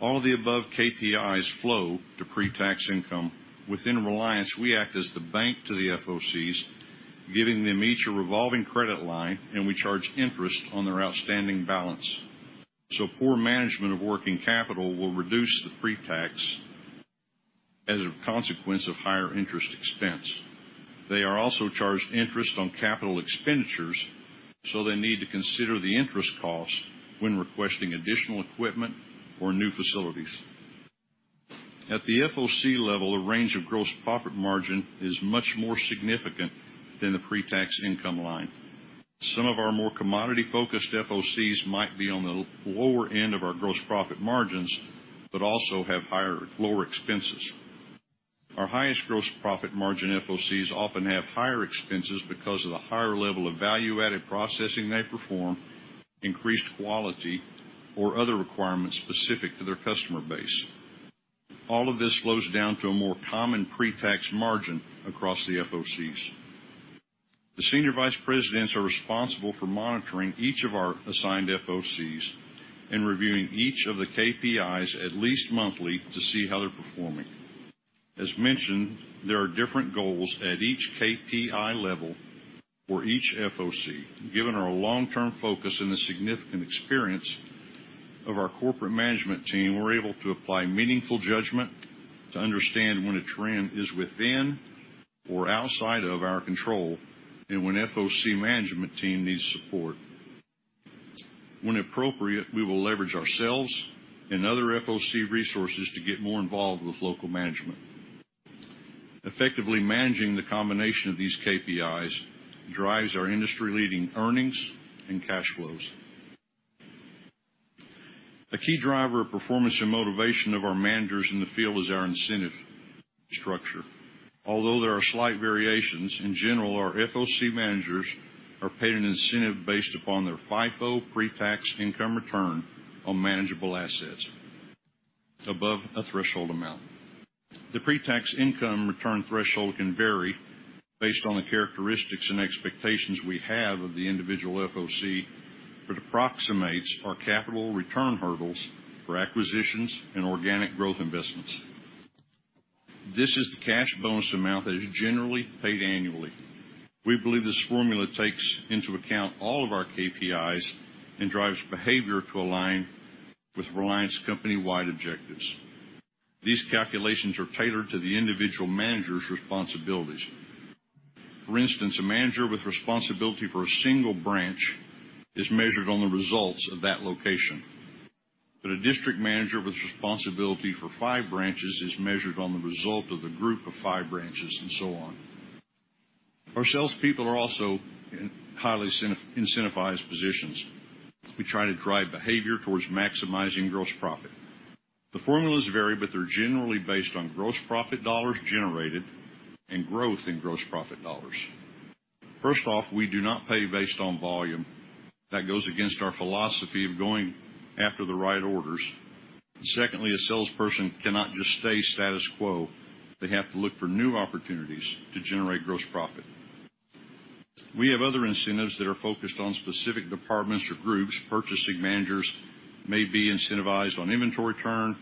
All of the above KPIs flow to pre-tax income. Within Reliance, we act as the bank to the FOCs, giving them each a revolving credit line, and we charge interest on their outstanding balance. Poor management of working capital will reduce the pre-tax as a consequence of higher interest expense. They are also charged interest on capital expenditures, so they need to consider the interest cost when requesting additional equipment or new facilities. At the FOC level, the range of gross profit margin is much more significant than the pre-tax income line. Some of our more commodity-focused FOCs might be on the lower end of our gross profit margins, but also have lower expenses. Our highest gross profit margin FOCs often have higher expenses because of the higher level of value-added processing they perform, increased quality, or other requirements specific to their customer base. All of this flows down to a more common pre-tax margin across the FOCs. The Senior Vice Presidents are responsible for monitoring each of our assigned FOCs and reviewing each of the KPIs at least monthly to see how they're performing. As mentioned, there are different goals at each KPI level for each FOC. Given our long-term focus and the significant experience of our corporate management team, we're able to apply meaningful judgment to understand when a trend is within or outside of our control, and when FOC management team needs support. When appropriate, we will leverage ourselves and other FOC resources to get more involved with local management. Effectively managing the combination of these KPIs drives our industry-leading earnings and cash flows. A key driver of performance and motivation of our managers in the field is our incentive structure. Although there are slight variations, in general, our FOC managers are paid an incentive based upon their FIFO pre-tax income return on manageable assets above a threshold amount. The pre-tax income return threshold can vary based on the characteristics and expectations we have of the individual FOC that approximates our capital return hurdles for acquisitions and organic growth investments. This is the cash bonus amount that is generally paid annually. We believe this formula takes into account all of our KPIs and drives behavior to align with Reliance company-wide objectives. These calculations are tailored to the individual manager's responsibilities. For instance, a manager with responsibility for a single branch is measured on the results of that location. A district manager with responsibility for five branches is measured on the result of the group of five branches, and so on. Our salespeople are also in highly incentivized positions. We try to drive behavior towards maximizing gross profit. The formulas vary, but they're generally based on gross profit dollars generated and growth in gross profit dollars. First off, we do not pay based on volume. That goes against our philosophy of going after the right orders. Secondly, a salesperson cannot just stay status quo. They have to look for new opportunities to generate gross profit. We have other incentives that are focused on specific departments or groups. Purchasing managers may be incentivized on inventory turn,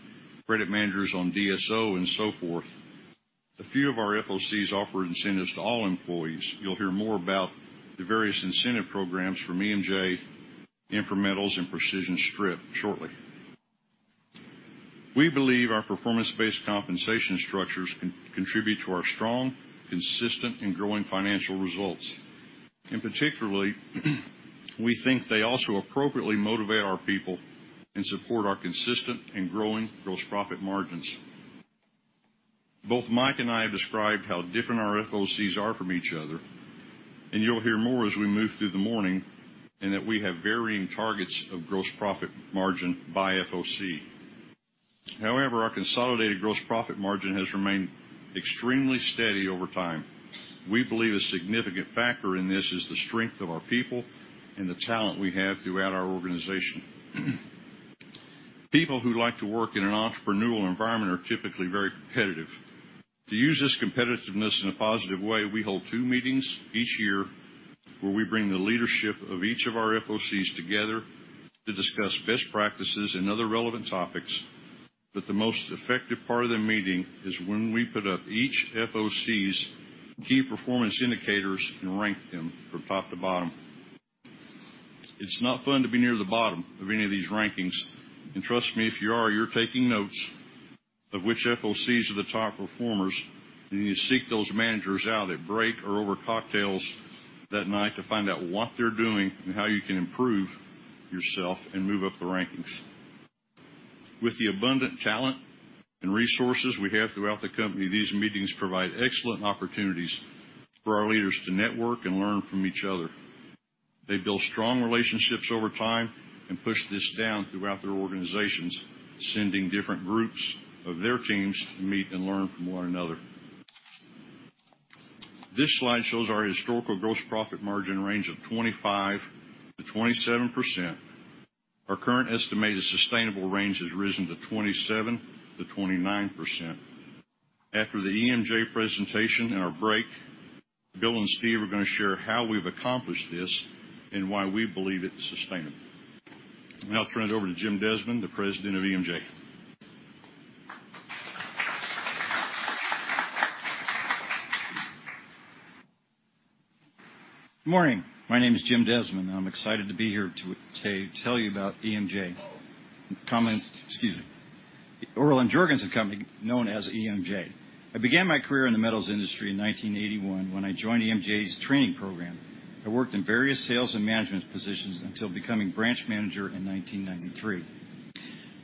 credit managers on DSO, and so forth. A few of our FOCs offer incentives to all employees. You'll hear more about the various incentive programs from EMJ, InfraMetals, and Precision Strip shortly. We believe our performance-based compensation structures contribute to our strong, consistent, and growing financial results. Particularly, we think they also appropriately motivate our people and support our consistent and growing gross profit margins. Both Mike and I have described how different our FOCs are from each other, and you'll hear more as we move through the morning, and that we have varying targets of gross profit margin by FOC. However, our consolidated gross profit margin has remained extremely steady over time. We believe a significant factor in this is the strength of our people and the talent we have throughout our organization. People who like to work in an entrepreneurial environment are typically very competitive. To use this competitiveness in a positive way, we hold two meetings each year where we bring the leadership of each of our FOCs together to discuss best practices and other relevant topics. The most effective part of the meeting is when we put up each FOC's key performance indicators and rank them from top to bottom. It's not fun to be near the bottom of any of these rankings. Trust me, if you are, you're taking notes of which FOCs are the top performers, and you seek those managers out at break or over cocktails that night to find out what they're doing and how you can improve yourself and move up the rankings. With the abundant talent and resources we have throughout the company, these meetings provide excellent opportunities for our leaders to network and learn from each other. They build strong relationships over time and push this down throughout their organizations, sending different groups of their teams to meet and learn from one another. This slide shows our historical gross profit margin range of 25%-27%. Our current estimated sustainable range has risen to 27%-29%. After the EMJ presentation and our break, Bill and Steve are going to share how we've accomplished this and why we believe it's sustainable. I'll now turn it over to Jim Desmond, the President of EMJ. Good morning. My name is Jim Desmond. I'm excited to be here to tell you about EMJ. Excuse me. Earle M. Jorgensen Company, known as EMJ. I began my career in the metals industry in 1981 when I joined EMJ's training program. I worked in various sales and management positions until becoming branch manager in 1993.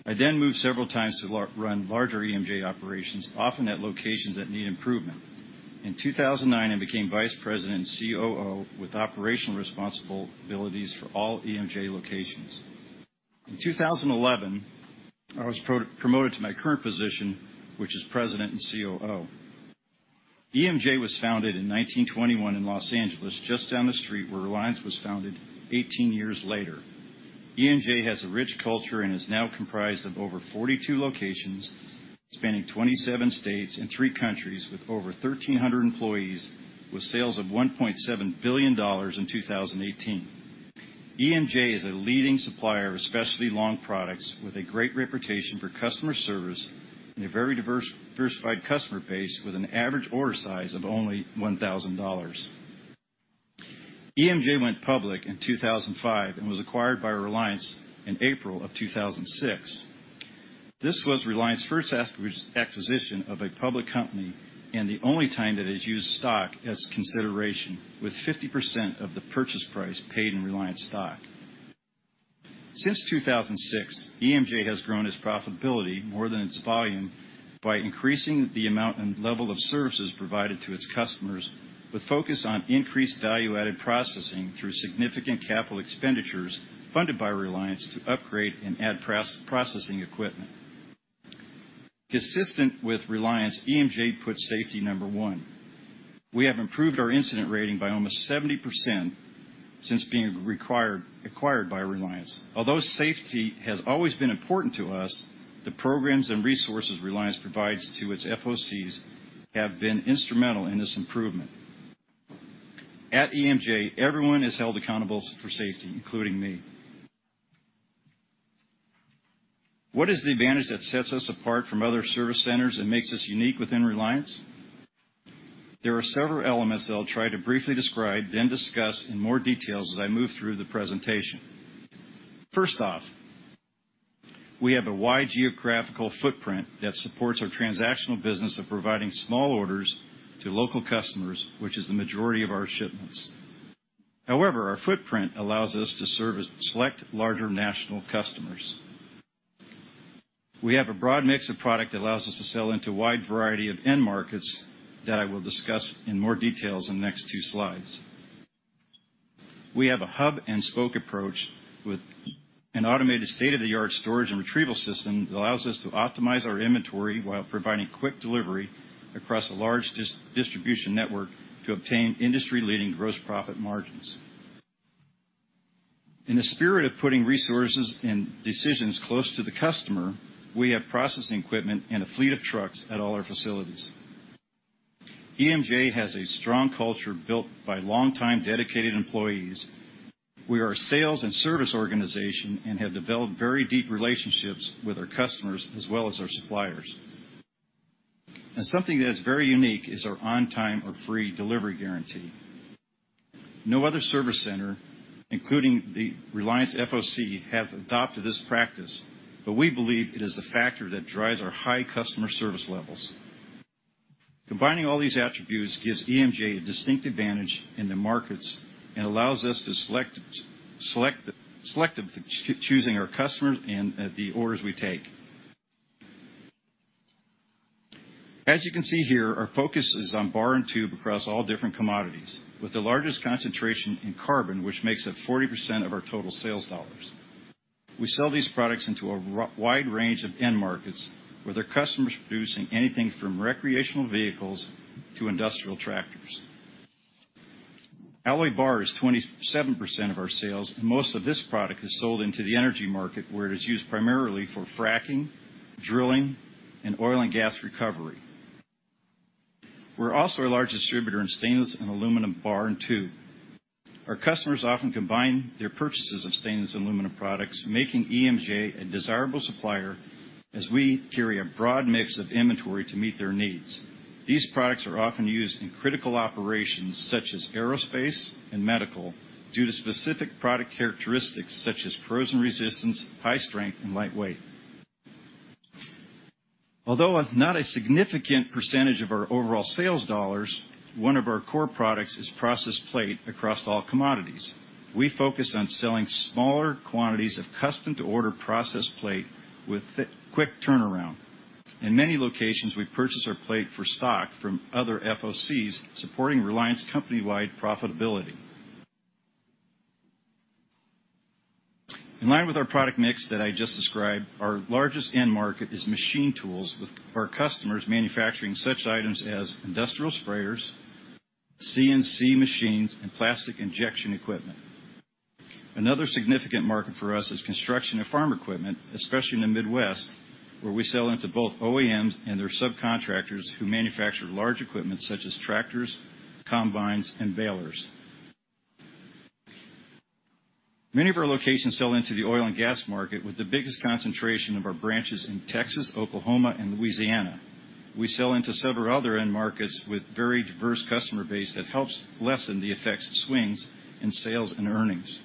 I then moved several times to run larger EMJ operations, often at locations that need improvement. In 2009, I became Vice President and COO with operational responsibilities for all EMJ locations. In 2011, I was promoted to my current position, which is President and COO. EMJ was founded in 1921 in Los Angeles, just down the street where Reliance was founded 18 years later. EMJ has a rich culture and is now comprised of over 42 locations, spanning 27 states and three countries with over 1,300 employees with sales of $1.7 billion in 2018. EMJ is a leading supplier of specialty long products with a great reputation for customer service and a very diversified customer base with an average order size of only $1,000. EMJ went public in 2005 and was acquired by Reliance in April of 2006. This was Reliance's first acquisition of a public company, and the only time that it has used stock as consideration, with 50% of the purchase price paid in Reliance stock. Since 2006, EMJ has grown its profitability more than its volume by increasing the amount and level of services provided to its customers, with focus on increased value-added processing through significant capital expenditures funded by Reliance to upgrade and add processing equipment. Consistent with Reliance, EMJ puts safety number one. We have improved our incident rating by almost 70% since being acquired by Reliance. Although safety has always been important to us, the programs and resources Reliance provides to its FOCs have been instrumental in this improvement. At EMJ, everyone is held accountable for safety, including me. What is the advantage that sets us apart from other service centers and makes us unique within Reliance? There are several elements that I'll try to briefly describe, then discuss in more details as I move through the presentation. First off, we have a wide geographical footprint that supports our transactional business of providing small orders to local customers, which is the majority of our shipments. However, our footprint allows us to serve a select larger national customers. We have a broad mix of product that allows us to sell into a wide variety of end markets that I will discuss in more details in the next two slides. We have a hub-and-spoke approach with an automated state-of-the-art storage and retrieval system that allows us to optimize our inventory while providing quick delivery across a large distribution network to obtain industry-leading gross profit margins. In the spirit of putting resources and decisions close to the customer, we have processing equipment and a fleet of trucks at all our facilities. EMJ has a strong culture built by longtime dedicated employees. We are a sales and service organization and have developed very deep relationships with our customers as well as our suppliers. Something that is very unique is our on-time or free delivery guarantee. No other service center, including the Reliance FOC, have adopted this practice, but we believe it is a factor that drives our high customer service levels. Combining all these attributes gives EMJ a distinct advantage in the markets and allows us the selective choosing our customers and the orders we take. As you can see here, our focus is on bar and tube across all different commodities, with the largest concentration in carbon, which makes up 40% of our total sales dollars. We sell these products into a wide range of end markets, with our customers producing anything from recreational vehicles to industrial tractors. Alloy bar is 27% of our sales. Most of this product is sold into the energy market, where it is used primarily for fracking, drilling, and oil and gas recovery. We're also a large distributor in stainless and aluminum bar and tube. Our customers often combine their purchases of stainless and aluminum products, making EMJ a desirable supplier as we carry a broad mix of inventory to meet their needs. These products are often used in critical operations such as aerospace and medical due to specific product characteristics such as corrosion resistance, high strength, and light weight. Although not a significant percentage of our overall sales dollars, one of our core products is processed plate across all commodities. We focus on selling smaller quantities of custom-to-order processed plate with quick turnaround. In many locations, we purchase our plate for stock from other FOCs, supporting Reliance company-wide profitability. In line with our product mix that I just described, our largest end market is machine tools with our customers manufacturing such items as industrial sprayers, CNC machines, and plastic injection equipment. Another significant market for us is construction of farm equipment, especially in the Midwest, where we sell into both OEMs and their subcontractors who manufacture large equipment such as tractors, combines, and balers. Many of our locations sell into the oil and gas market, with the biggest concentration of our branches in Texas, Oklahoma, and Louisiana. We sell into several other end markets with very diverse customer base that helps lessen the effects of swings in sales and earnings.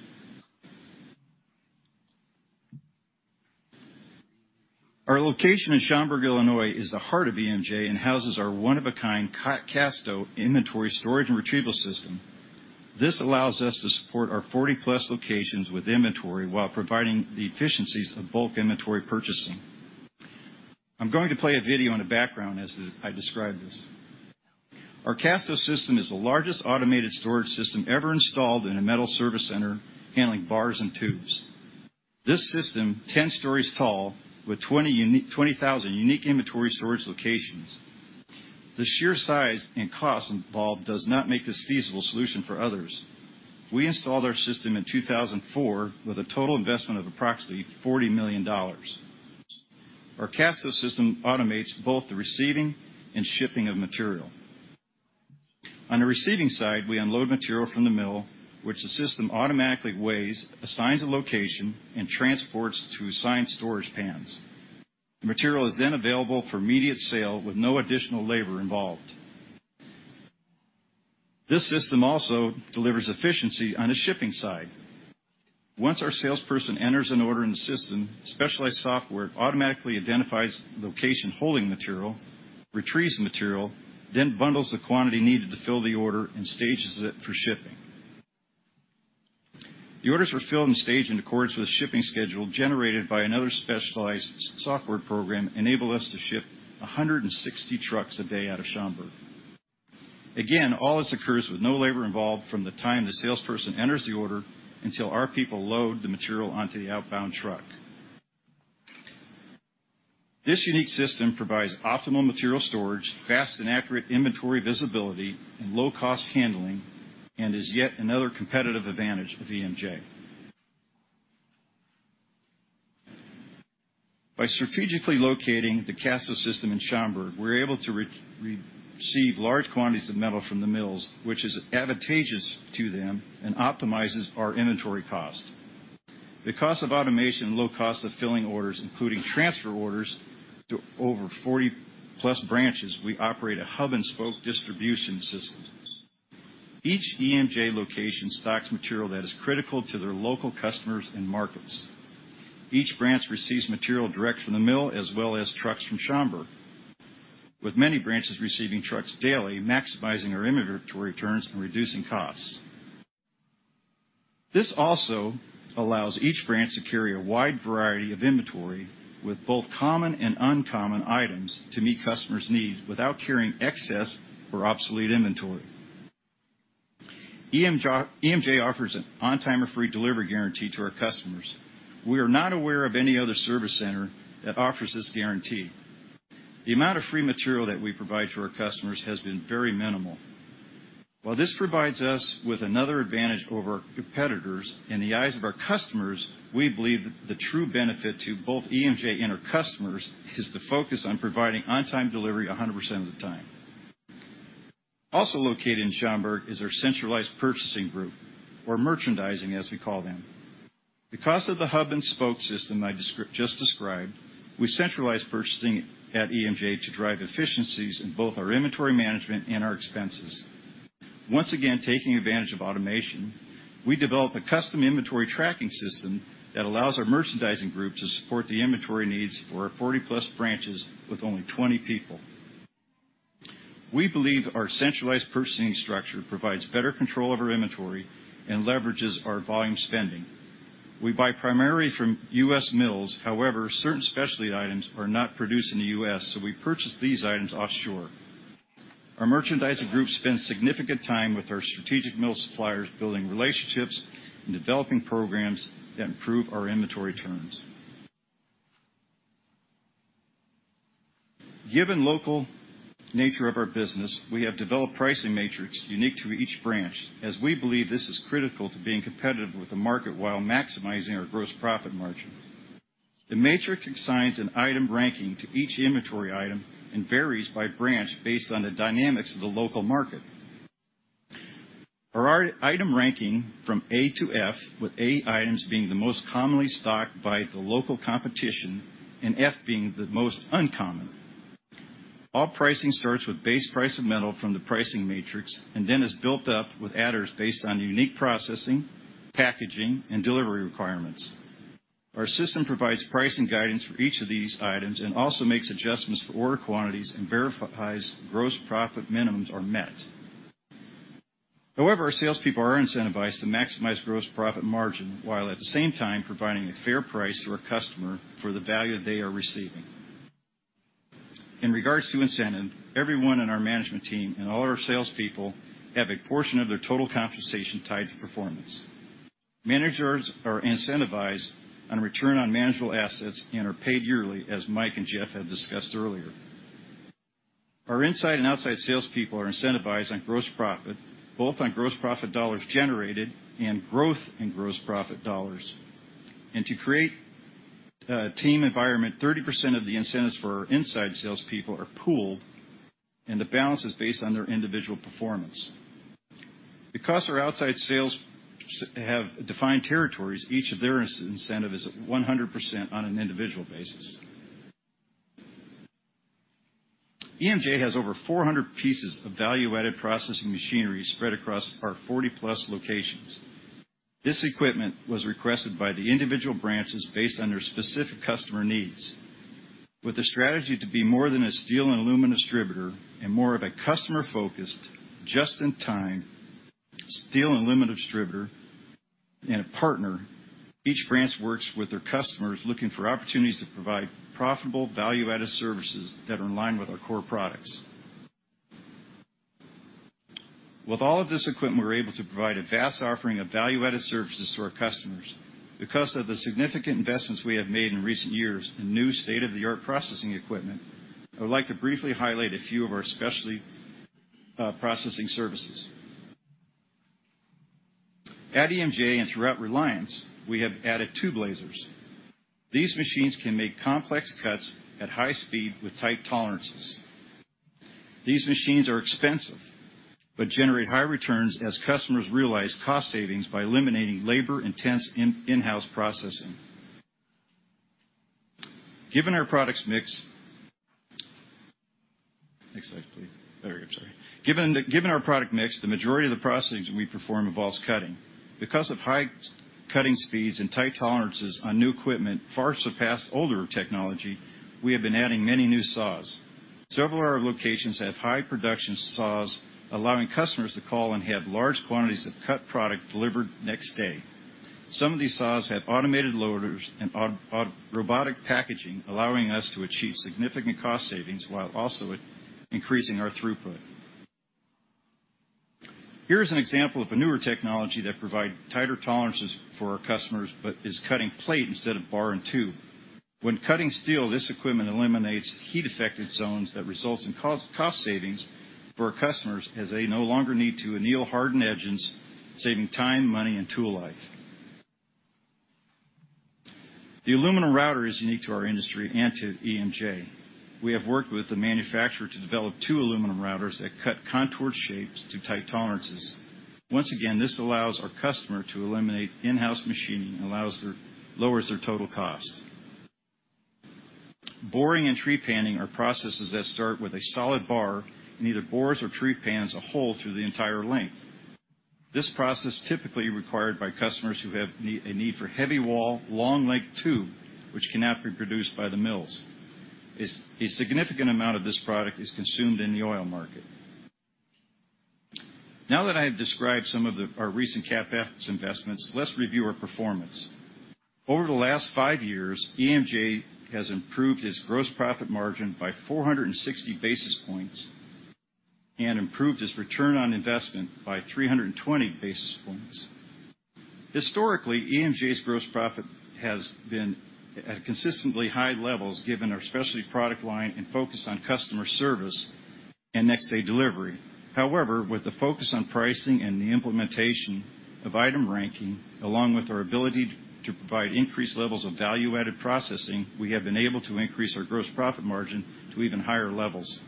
Our location in Schaumburg, Illinois, is the heart of EMJ and houses our one-of-a-kind KASTO inventory storage and retrieval system. This allows us to support our 40-plus locations with inventory while providing the efficiencies of bulk inventory purchasing. I'm going to play a video in the background as I describe this. Our KASTO system is the largest automated storage system ever installed in a metal service center handling bars and tubes. This system, 10 stories tall with 20,000 unique inventory storage locations. The sheer size and cost involved does not make this feasible solution for others. We installed our system in 2004 with a total investment of approximately $40 million. Our KASTO system automates both the receiving and shipping of material. On the receiving side, we unload material from the mill, which the system automatically weighs, assigns a location, and transports to assigned storage pans. The material is available for immediate sale with no additional labor involved. This system also delivers efficiency on the shipping side. Once our salesperson enters an order in the system, specialized software automatically identifies the location holding material, retrieves the material, then bundles the quantity needed to fill the order, and stages it for shipping. The orders are filled and staged in accordance with a shipping schedule generated by another specialized software program enable us to ship 160 trucks a day out of Schaumburg. Again, all this occurs with no labor involved from the time the salesperson enters the order until our people load the material onto the outbound truck. This unique system provides optimal material storage, fast and accurate inventory visibility, and low-cost handling, and is yet another competitive advantage of EMJ. By strategically locating the KASTO system in Schaumburg, we're able to receive large quantities of metal from the mills, which is advantageous to them and optimizes our inventory cost. The cost of automation and low cost of filling orders, including transfer orders, to over 40-plus branches, we operate a hub-and-spoke distribution system. Each EMJ location stocks material that is critical to their local customers and markets. Each branch receives material direct from the mill as well as trucks from Schaumburg, with many branches receiving trucks daily, maximizing our inventory turns and reducing costs. This also allows each branch to carry a wide variety of inventory with both common and uncommon items to meet customers' needs without carrying excess or obsolete inventory. EMJ offers an on-time or free delivery guarantee to our customers. We are not aware of any other service center that offers this guarantee. The amount of free material that we provide to our customers has been very minimal. While this provides us with another advantage over competitors, in the eyes of our customers, we believe that the true benefit to both EMJ and our customers is the focus on providing on-time delivery 100% of the time. Also located in Schaumburg is our centralized purchasing group, or merchandising, as we call them. Because of the hub-and-spoke system I just described, we centralize purchasing at EMJ to drive efficiencies in both our inventory management and our expenses. Once again, taking advantage of automation, we developed a custom inventory tracking system that allows our merchandising group to support the inventory needs for our 40-plus branches with only 20 people. We believe our centralized purchasing structure provides better control of our inventory and leverages our volume spending. We buy primarily from U.S. mills. However, certain specialty items are not produced in the U.S., so we purchase these items offshore. Our merchandising group spends significant time with our strategic mill suppliers building relationships and developing programs that improve our inventory terms. Given local nature of our business, we have developed pricing matrix unique to each branch, as we believe this is critical to being competitive with the market while maximizing our gross profit margin. The matrix assigns an item ranking to each inventory item and varies by branch based on the dynamics of the local market. Our item ranking from A to F, with A items being the most commonly stocked by the local competition and F being the most uncommon. All pricing starts with base price of metal from the pricing matrix and then is built up with adders based on unique processing, packaging, and delivery requirements. Our system provides pricing guidance for each of these items and also makes adjustments for order quantities and verifies gross profit minimums are met. However, our salespeople are incentivized to maximize gross profit margin while at the same time providing a fair price to our customer for the value they are receiving. In regards to incentive, everyone in our management team and all our salespeople have a portion of their total compensation tied to performance. Managers are incentivized on return on manageable assets and are paid yearly, as Mike and Jeff have discussed earlier. Our inside and outside salespeople are incentivized on gross profit, both on gross profit dollars generated and growth in gross profit dollars. To create a team environment, 30% of the incentives for our inside salespeople are pooled, and the balance is based on their individual performance. Because our outside sales have defined territories, each of their incentive is at 100% on an individual basis. EMJ has over 400 pieces of value-added processing machinery spread across our 40-plus locations. This equipment was requested by the individual branches based on their specific customer needs. With a strategy to be more than a steel and aluminum distributor and more of a customer-focused, just-in-time, steel and aluminum distributor and a partner, each branch works with their customers looking for opportunities to provide profitable value-added services that are in line with our core products. With all of this equipment, we're able to provide a vast offering of value-added services to our customers. Because of the significant investments we have made in recent years in new state-of-the-art processing equipment, I would like to briefly highlight a few of our specialty processing services. At EMJ and throughout Reliance, we have added two lasers. These machines can make complex cuts at high speed with tight tolerances. These machines are expensive but generate high returns as customers realize cost savings by eliminating labor-intense in-house processing. Given our products mix. Next slide, please. There we go. Sorry. Given our product mix, the majority of the processing we perform involves cutting. Because of high cutting speeds and tight tolerances on new equipment far surpass older technology, we have been adding many new saws. Several of our locations have high-production saws, allowing customers to call and have large quantities of cut product delivered next day. Some of these saws have automated loaders and robotic packaging, allowing us to achieve significant cost savings while also increasing our throughput. Here is an example of a newer technology that provide tighter tolerances for our customers but is cutting plate instead of bar and tube. When cutting steel, this equipment eliminates heat-affected zones that results in cost savings for our customers as they no longer need to anneal hardened edges, saving time, money, and tool life. The aluminum router is unique to our industry and to EMJ. We have worked with the manufacturer to develop two aluminum routers that cut contoured shapes to tight tolerances. Once again, this allows our customer to eliminate in-house machining and lowers their total cost. Boring and trepanning are processes that start with a solid bar and either bores or trepans a hole through the entire length. This process typically required by customers who have a need for heavy wall, long length tube, which cannot be produced by the mills. A significant amount of this product is consumed in the oil market. Now that I have described some of our recent CapEx investments, let's review our performance. Over the last five years, EMJ has improved its gross profit margin by 460 basis points. Improved its return on investment by 320 basis points. Historically, EMJ's gross profit has been at consistently high levels given our specialty product line and focus on customer service and next-day delivery. However, with the focus on pricing and the implementation of item ranking, along with our ability to provide increased levels of value-added processing, we have been able to increase our gross profit margin to even higher levels.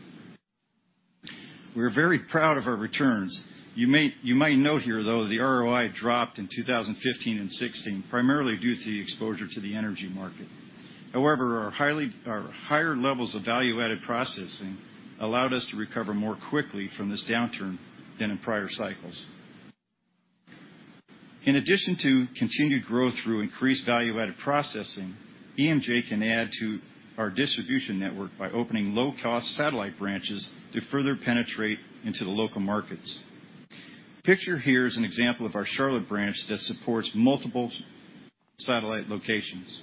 We're very proud of our returns. You might note here, though, the ROI dropped in 2015 and 2016, primarily due to the exposure to the energy market. However, our higher levels of value-added processing allowed us to recover more quickly from this downturn than in prior cycles. In addition to continued growth through increased value-added processing, EMJ can add to our distribution network by opening low-cost satellite branches to further penetrate into the local markets. Pictured here is an example of our Charlotte branch that supports multiple satellite locations.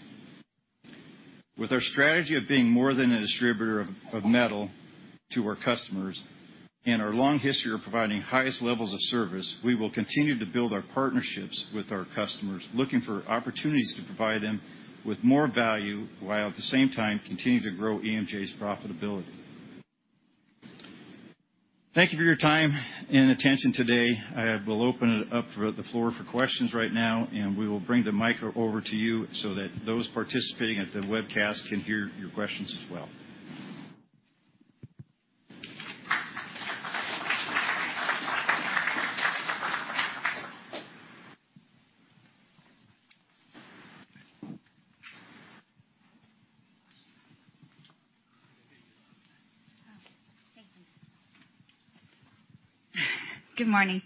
With our strategy of being more than a distributor of metal to our customers and our long history of providing highest levels of service, we will continue to build our partnerships with our customers, looking for opportunities to provide them with more value, while at the same time continuing to grow EMJ's profitability. Thank you for your time and attention today. I will open up the floor for questions right now, and we will bring the mic over to you so that those participating at the webcast can hear your questions as well. Good morning.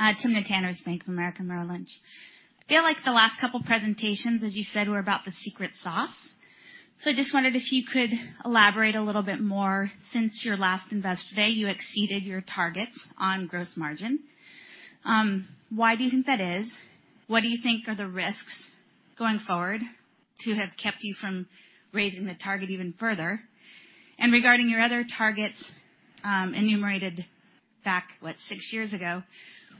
Timna Tanners, Bank of America, Merrill Lynch. I feel like the last couple presentations, as you said, were about the secret sauce. I just wondered if you could elaborate a little bit more. Since your last Investor Day, you exceeded your targets on gross margin. Why do you think that is? What do you think are the risks going forward to have kept you from raising the target even further? Regarding your other targets enumerated back, what, six years ago,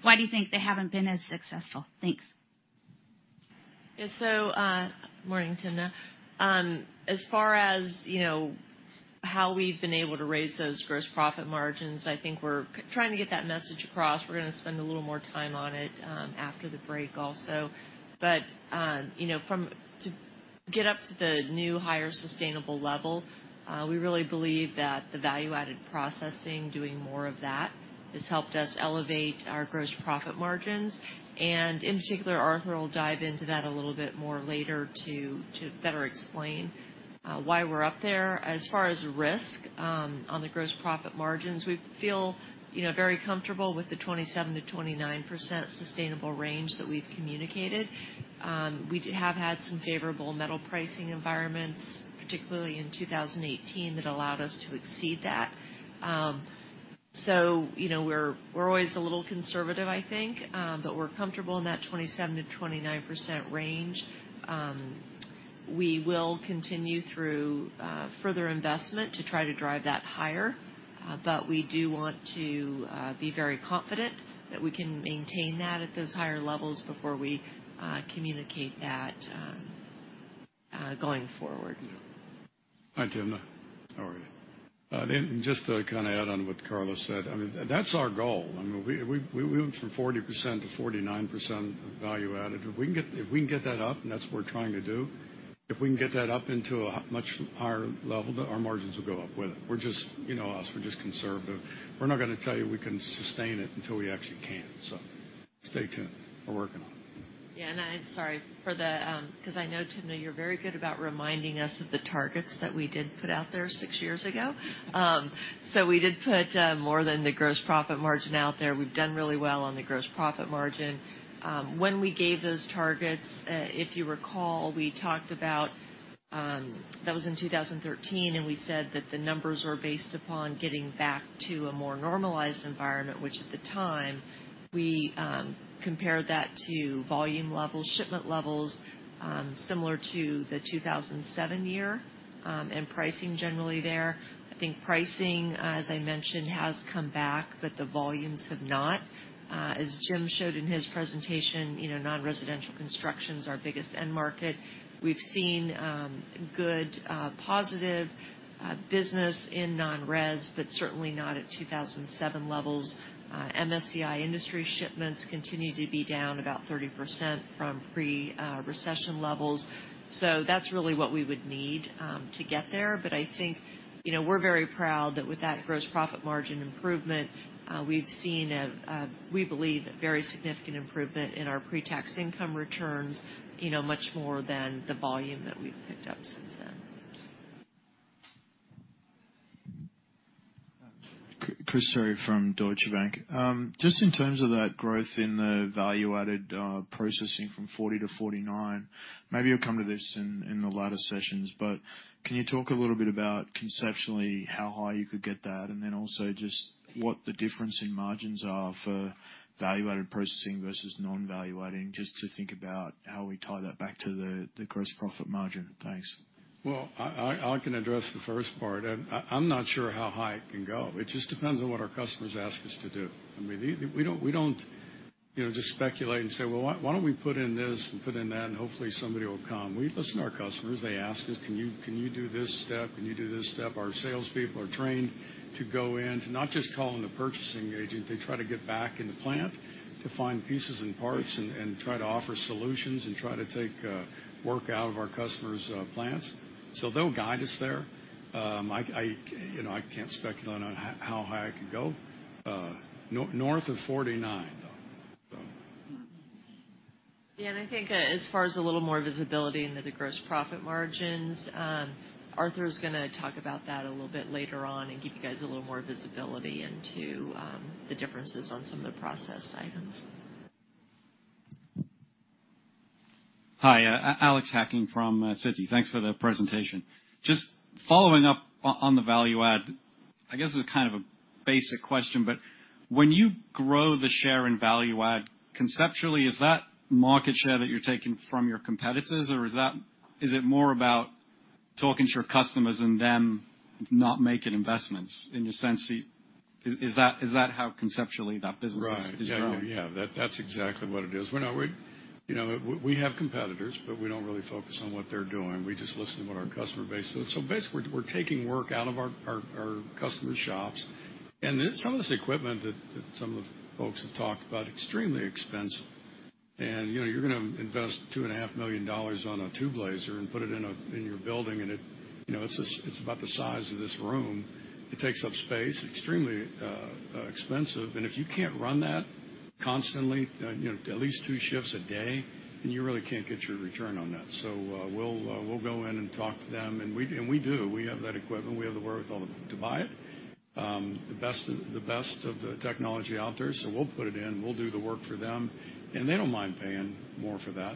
why do you think they haven't been as successful? Thanks. Morning, Timna. As far as how we've been able to raise those gross profit margins, I think we're trying to get that message across. We're going to spend a little more time on it after the break also. To get up to the new, higher sustainable level, we really believe that the value-added processing, doing more of that, has helped us elevate our gross profit margins. In particular, Arthur will dive into that a little bit more later to better explain why we're up there. As far as risk on the gross profit margins, we feel very comfortable with the 27%-29% sustainable range that we've communicated. We have had some favorable metal pricing environments, particularly in 2018, that allowed us to exceed that. We're always a little conservative, I think, we're comfortable in that 27%-29% range. We will continue through further investment to try to drive that higher. We do want to be very confident that we can maintain that at those higher levels before we communicate that going forward. Hi, Timna. How are you? Just to add on to what Karla said, that's our goal. We went from 40% to 49% value added. If we can get that up, and that's what we're trying to do, if we can get that up into a much higher level, our margins will go up with it. You know us, we're just conservative. We're not going to tell you we can sustain it until we actually can. Stay tuned. We're working on it. I'm sorry, because I know, Timna, you're very good about reminding us of the targets that we did put out there six years ago. We did put more than the gross profit margin out there. We've done really well on the gross profit margin. When we gave those targets, if you recall, we talked about, that was in 2013, and we said that the numbers were based upon getting back to a more normalized environment, which at the time, we compared that to volume level, shipment levels, similar to the 2007 year, and pricing generally there. I think pricing, as I mentioned, has come back, but the volumes have not. As Jim showed in his presentation, non-residential construction's our biggest end market. We've seen good, positive business in non-res, but certainly not at 2007 levels. MSCI industry shipments continue to be down about 30% from pre-recession levels. That's really what we would need to get there. I think we're very proud that with that gross profit margin improvement, we've seen, we believe, a very significant improvement in our pre-tax income returns, much more than the volume that we've picked up since then. Chris Terry from Deutsche Bank. Just in terms of that growth in the value-added processing from 40 to 49, maybe you'll come to this in the latter sessions, but can you talk a little bit about conceptually how high you could get that, and then also just what the difference in margins are for value-added processing versus non-value adding, just to think about how we tie that back to the gross profit margin. Thanks. Well, I can address the first part. I'm not sure how high it can go. It just depends on what our customers ask us to do. We don't. Just speculate and say, "Well, why don't we put in this and put in that, and hopefully somebody will come?" We listen to our customers. They ask us, "Can you do this step? Can you do this step?" Our salespeople are trained to go in, to not just call in the purchasing agent. They try to get back in the plant to find pieces and parts, and try to offer solutions, and try to take work out of our customers' plants. They'll guide us there. I can't speculate on how high I could go. North of 49, though. Yeah, I think as far as a little more visibility into the gross profit margins, Arthur is going to talk about that a little bit later on and give you guys a little more visibility into the differences on some of the processed items. Hi, Alex Hacking from Citi. Thanks for the presentation. Just following up on the value add. I guess this is kind of a basic question, but when you grow the share in value add, conceptually, is that market share that you're taking from your competitors, or is it more about talking to your customers and them not making investments? Is that how conceptually that business is grown? Right. Yeah. That's exactly what it is. We have competitors. We don't really focus on what they're doing. We just listen to what our customer base says. Basically, we're taking work out of our customers' shops. Some of this equipment that some of the folks have talked about, extremely expensive. You're going to invest $2.5 million on a tube laser and put it in your building, and it's about the size of this room. It takes up space. Extremely expensive. If you can't run that constantly, at least two shifts a day, then you really can't get your return on that. We'll go in and talk to them. We do. We have that equipment. We have the wherewithal to buy it. The best of the technology out there. We'll put it in, we'll do the work for them, and they don't mind paying more for that.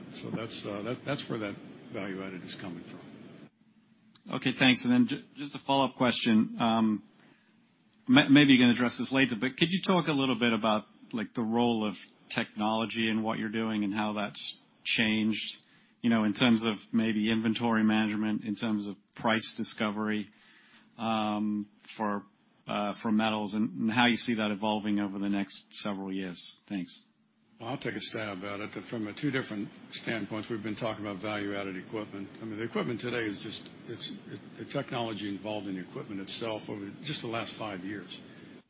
That's where that value add is coming from. Okay, thanks. Just a follow-up question. Maybe you can address this later, but could you talk a little bit about the role of technology in what you're doing and how that's changed, in terms of maybe inventory management, in terms of price discovery for metals, and how you see that evolving over the next several years? Thanks. I'll take a stab at it from two different standpoints. We've been talking about value-added equipment. The equipment today, the technology involved in the equipment itself over just the last five years.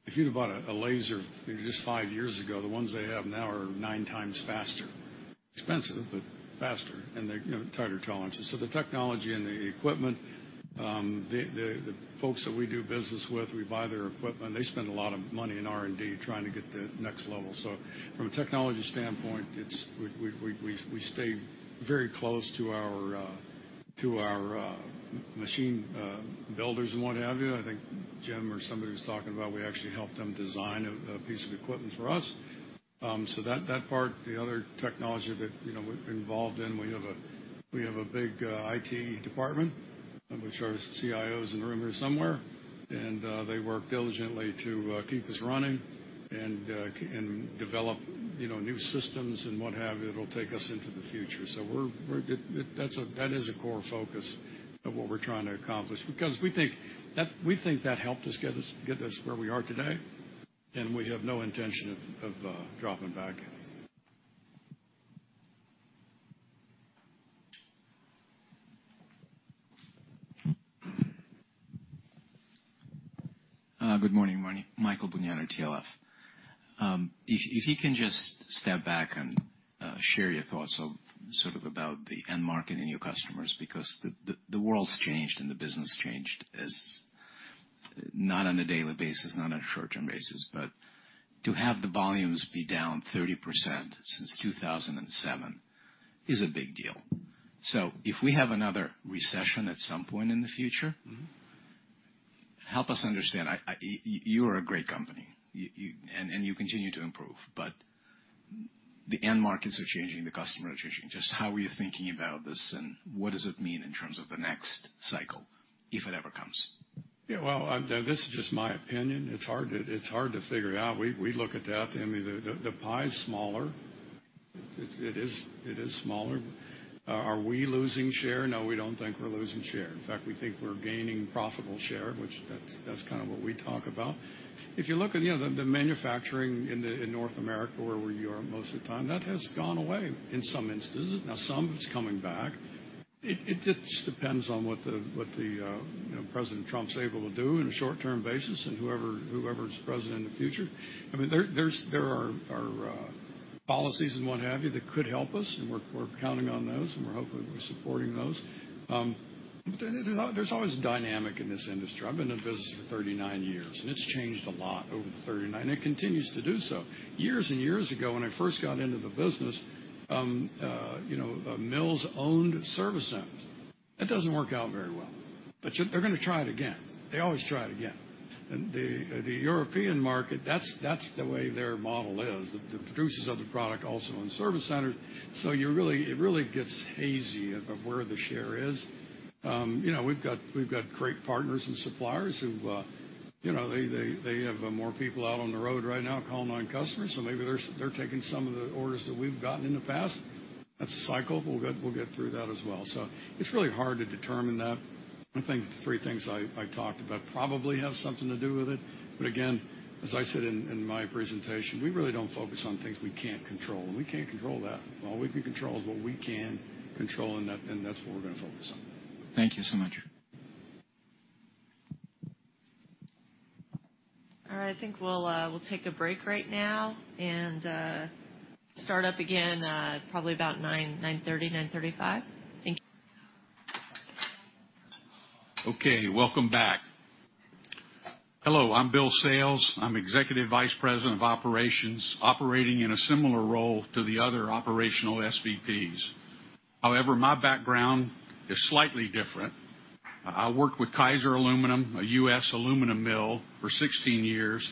If you'd have bought a laser maybe just five years ago, the ones they have now are nine times faster. Expensive, but faster, and they're tighter tolerances. The technology and the equipment, the folks that we do business with, we buy their equipment. They spend a lot of money in R&D trying to get to the next level. From a technology standpoint, we stay very close to our machine builders and what have you. I think Jim or somebody was talking about we actually helped them design a piece of equipment for us. That part. The other technology that we're involved in, we have a big IT department, which our CIO is in the room here somewhere. They work diligently to keep us running and develop new systems and what have you, that'll take us into the future. That is a core focus of what we're trying to accomplish because we think that helped us get us where we are today, and we have no intention of dropping back. Good morning. Michael Bugnana, TLF. You can just step back and share your thoughts sort of about the end market and your customers, because the world's changed and the business changed, not on a daily basis, not on a short-term basis. To have the volumes be down 30% since 2007 is a big deal. If we have another recession at some point in the future Help us understand. You are a great company, and you continue to improve. The end markets are changing, the customer is changing. How are you thinking about this, and what does it mean in terms of the next cycle, if it ever comes? Yeah. Well, this is just my opinion. It's hard to figure it out. We look at that. The pie is smaller. It is smaller. Are we losing share? No, we don't think we're losing share. In fact, we think we're gaining profitable share, which that's kind of what we talk about. If you look at the manufacturing in North America, where we are most of the time, that has gone away in some instances. Now some is coming back. It just depends on what the Donald Trump's able to do in a short-term basis and whoever's president in the future. There are policies and what have you that could help us, and we're counting on those, and we're hopefully supporting those. There's always a dynamic in this industry. I've been in business for 39 years, and it's changed a lot over the 39, and it continues to do so. Years and years ago, when I first got into the business, mills owned service centers. That doesn't work out very well. They're going to try it again. They always try it again. The European market, that's the way their model is. The producers of the product also own service centers. It really gets hazy of where the share is. We've got great partners and suppliers who have more people out on the road right now calling on customers. Maybe they're taking some of the orders that we've gotten in the past. That's a cycle. We'll get through that as well. It's really hard to determine that. I think the three things I talked about probably have something to do with it. Again, as I said in my presentation, we really don't focus on things we can't control, and we can't control that. All we can control is what we can control, and that's what we're going to focus on. Thank you so much. All right. I think we'll take a break right now and start up again probably about 9:30 A.M., 9:35 A.M. Thank you. Okay. Welcome back. Hello, I'm Bill Sales. I'm Executive Vice President of Operations, operating in a similar role to the other operational SVPs. However, my background is slightly different. I worked with Kaiser Aluminum, a U.S. aluminum mill, for 16 years,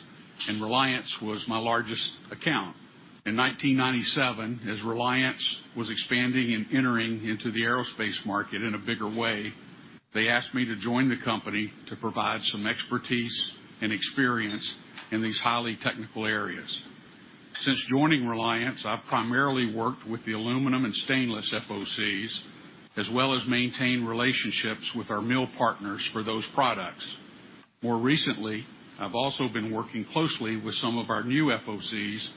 and Reliance was my largest account. In 1997, as Reliance was expanding and entering into the aerospace market in a bigger way, they asked me to join the company to provide some expertise and experience in these highly technical areas. Since joining Reliance, I've primarily worked with the aluminum and stainless FOCs, as well as maintained relationships with our mill partners for those products. More recently, I've also been working closely with some of our new FOCs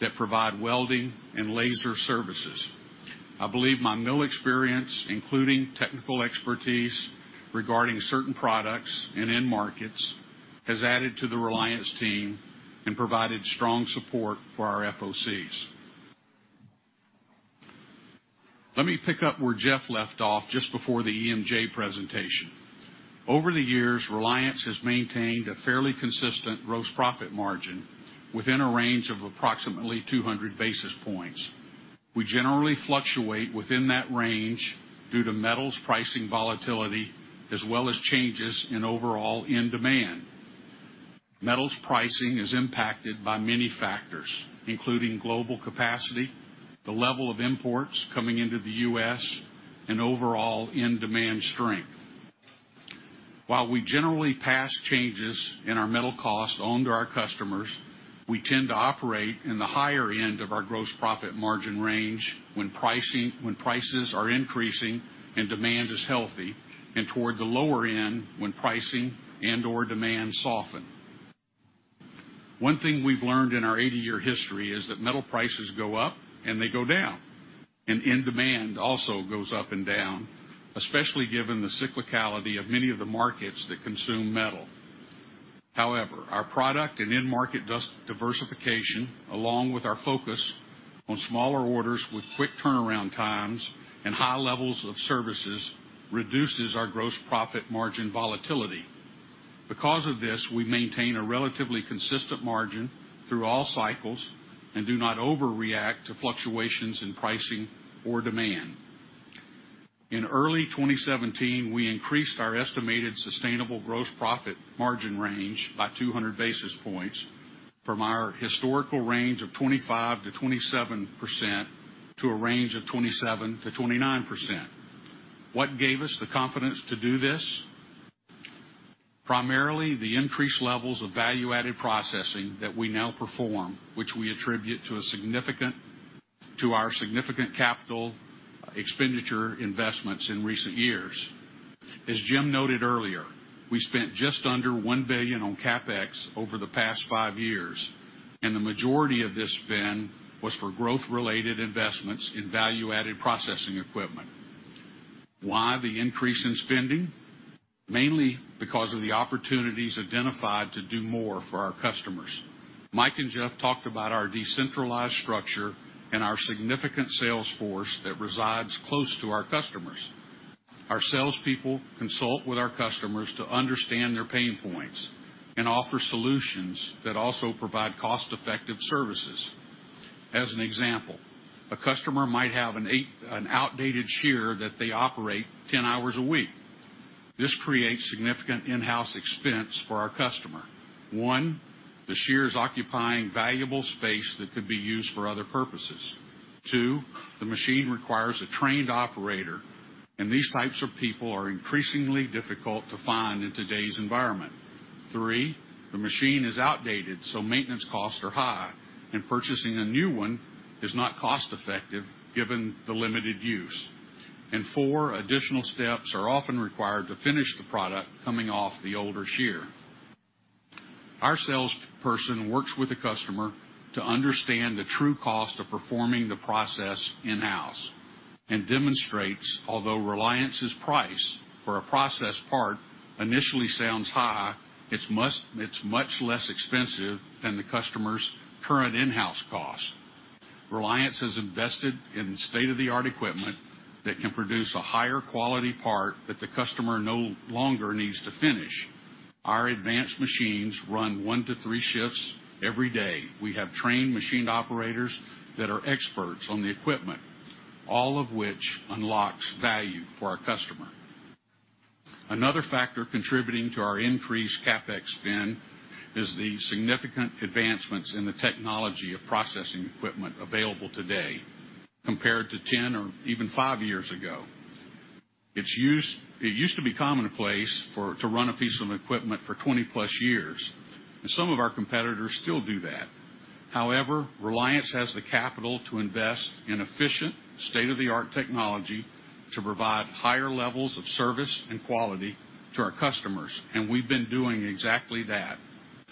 that provide welding and laser services. I believe my mill experience, including technical expertise regarding certain products and end markets, has added to the Reliance team and provided strong support for our FOCs. Let me pick up where Jeff left off just before the EMJ presentation. Over the years, Reliance has maintained a fairly consistent gross profit margin within a range of approximately 200 basis points. We generally fluctuate within that range due to metals pricing volatility, as well as changes in overall end demand. Metals pricing is impacted by many factors, including global capacity, the level of imports coming into the U.S., and overall end demand strength. While we generally pass changes in our metal cost on to our customers, we tend to operate in the higher end of our gross profit margin range when prices are increasing and demand is healthy, and toward the lower end when pricing and/or demand soften. One thing we've learned in our 80-year history is that metal prices go up and they go down, and end demand also goes up and down, especially given the cyclicality of many of the markets that consume metal. However, our product and end market diversification, along with our focus on smaller orders with quick turnaround times and high levels of services, reduces our gross profit margin volatility. Because of this, we maintain a relatively consistent margin through all cycles and do not overreact to fluctuations in pricing or demand. In early 2017, we increased our estimated sustainable gross profit margin range by 200 basis points from our historical range of 25%-27% to a range of 27%-29%. What gave us the confidence to do this? Primarily, the increased levels of value-added processing that we now perform, which we attribute to our significant capital expenditure investments in recent years. As Jim noted earlier, we spent just under $1 billion on CapEx over the past five years, and the majority of this spend was for growth-related investments in value-added processing equipment. Why the increase in spending? Mainly because of the opportunities identified to do more for our customers. Mike and Jeff talked about our decentralized structure and our significant sales force that resides close to our customers. Our salespeople consult with our customers to understand their pain points and offer solutions that also provide cost-effective services. As an example, a customer might have an outdated shear that they operate 10 hours a week. This creates significant in-house expense for our customer. One, the shear is occupying valuable space that could be used for other purposes. 2, the machine requires a trained operator, and these types of people are increasingly difficult to find in today's environment. 3, the machine is outdated, so maintenance costs are high, and purchasing a new one is not cost-effective given the limited use. 4, additional steps are often required to finish the product coming off the older shear. Our salesperson works with the customer to understand the true cost of performing the process in-house and demonstrates, although Reliance's price for a processed part initially sounds high, it's much less expensive than the customer's current in-house cost. Reliance has invested in state-of-the-art equipment that can produce a higher quality part that the customer no longer needs to finish. Our advanced machines run one to three shifts every day. We have trained machine operators that are experts on the equipment, all of which unlocks value for our customer. Another factor contributing to our increased CapEx spend is the significant advancements in the technology of processing equipment available today compared to 10 or even five years ago. It used to be commonplace to run a piece of equipment for 20-plus years. Some of our competitors still do that. However, Reliance has the capital to invest in efficient, state-of-the-art technology to provide higher levels of service and quality to our customers. We've been doing exactly that,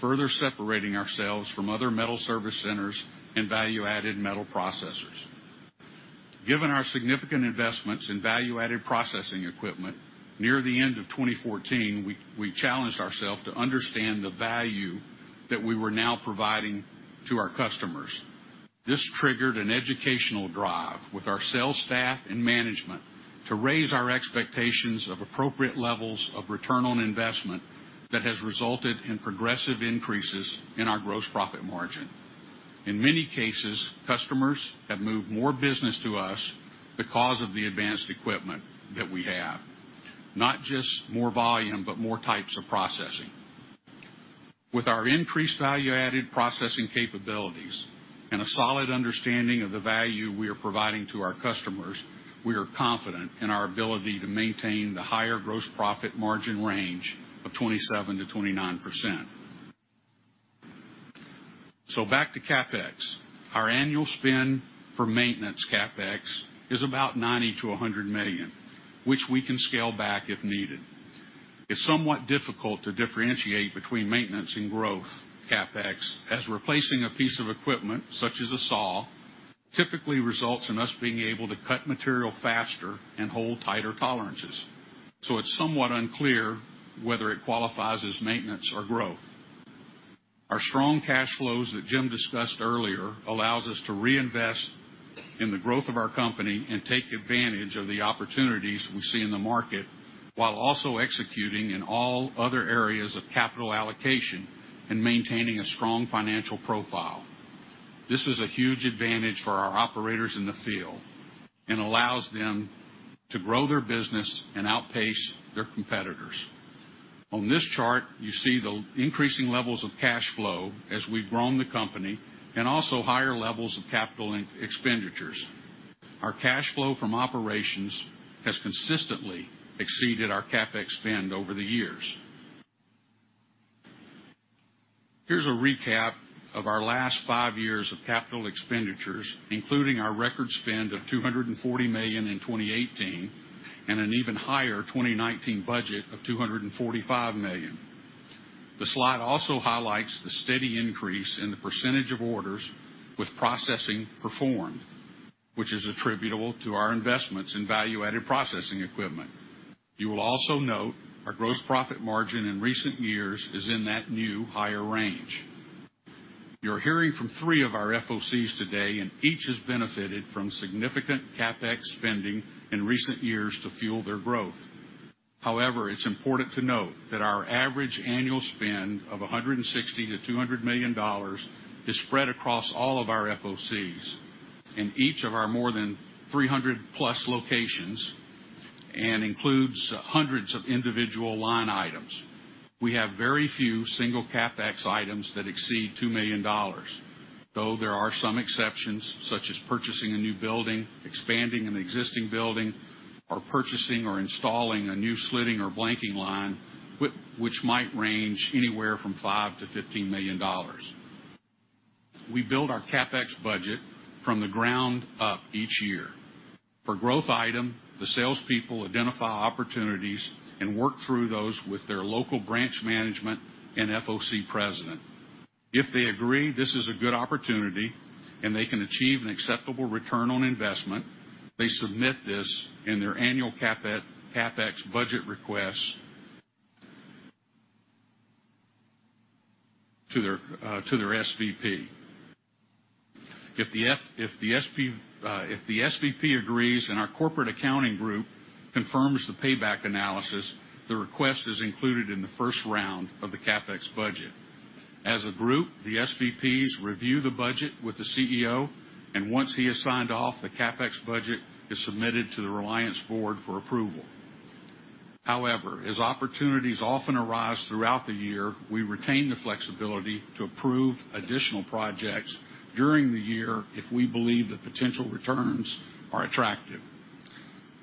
further separating ourselves from other metal service centers and value-added metal processors. Given our significant investments in value-added processing equipment, near the end of 2014, we challenged ourselves to understand the value that we were now providing to our customers. This triggered an educational drive with our sales staff and management to raise our expectations of appropriate levels of return on investment that has resulted in progressive increases in our gross profit margin. In many cases, customers have moved more business to us because of the advanced equipment that we have. Not just more volume, but more types of processing. With our increased value-added processing capabilities and a solid understanding of the value we are providing to our customers, we are confident in our ability to maintain the higher gross profit margin range of 27%-29%. Back to CapEx. Our annual spend for maintenance CapEx is about $90 million-$100 million, which we can scale back if needed. It's somewhat difficult to differentiate between maintenance and growth CapEx, as replacing a piece of equipment, such as a saw, typically results in us being able to cut material faster and hold tighter tolerances. It's somewhat unclear whether it qualifies as maintenance or growth. Our strong cash flows that Jim discussed earlier allows us to reinvest in the growth of our company and take advantage of the opportunities we see in the market, while also executing in all other areas of capital allocation and maintaining a strong financial profile. This is a huge advantage for our operators in the field and allows them to grow their business and outpace their competitors. On this chart, you see the increasing levels of cash flow as we've grown the company and also higher levels of capital expenditures. Our cash flow from operations has consistently exceeded our CapEx spend over the years. Here's a recap of our last five years of capital expenditures, including our record spend of $240 million in 2018 and an even higher 2019 budget of $245 million. The slide also highlights the steady increase in the % of orders with processing performed, which is attributable to our investments in value-added processing equipment. You will also note our gross profit margin in recent years is in that new, higher range. You're hearing from three of our FOCs today, and each has benefited from significant CapEx spending in recent years to fuel their growth. However, it's important to note that our average annual spend of $160 million-$200 million is spread across all of our FOCs in each of our more than 300-plus locations and includes hundreds of individual line items. We have very few single CapEx items that exceed $2 million, though there are some exceptions, such as purchasing a new building, expanding an existing building, or purchasing or installing a new slitting or blanking line, which might range anywhere from $5 million-$15 million. We build our CapEx budget from the ground up each year. For growth item, the salespeople identify opportunities and work through those with their local branch management and FOC President. If they agree this is a good opportunity and they can achieve an acceptable return on investment, they submit this in their annual CapEx budget request to their SVP. If the SVP agrees and our corporate accounting group confirms the payback analysis, the request is included in the first round of the CapEx budget. As a group, the SVPs review the budget with the CEO. Once he has signed off, the CapEx budget is submitted to the Reliance board for approval. However, as opportunities often arise throughout the year, we retain the flexibility to approve additional projects during the year if we believe the potential returns are attractive.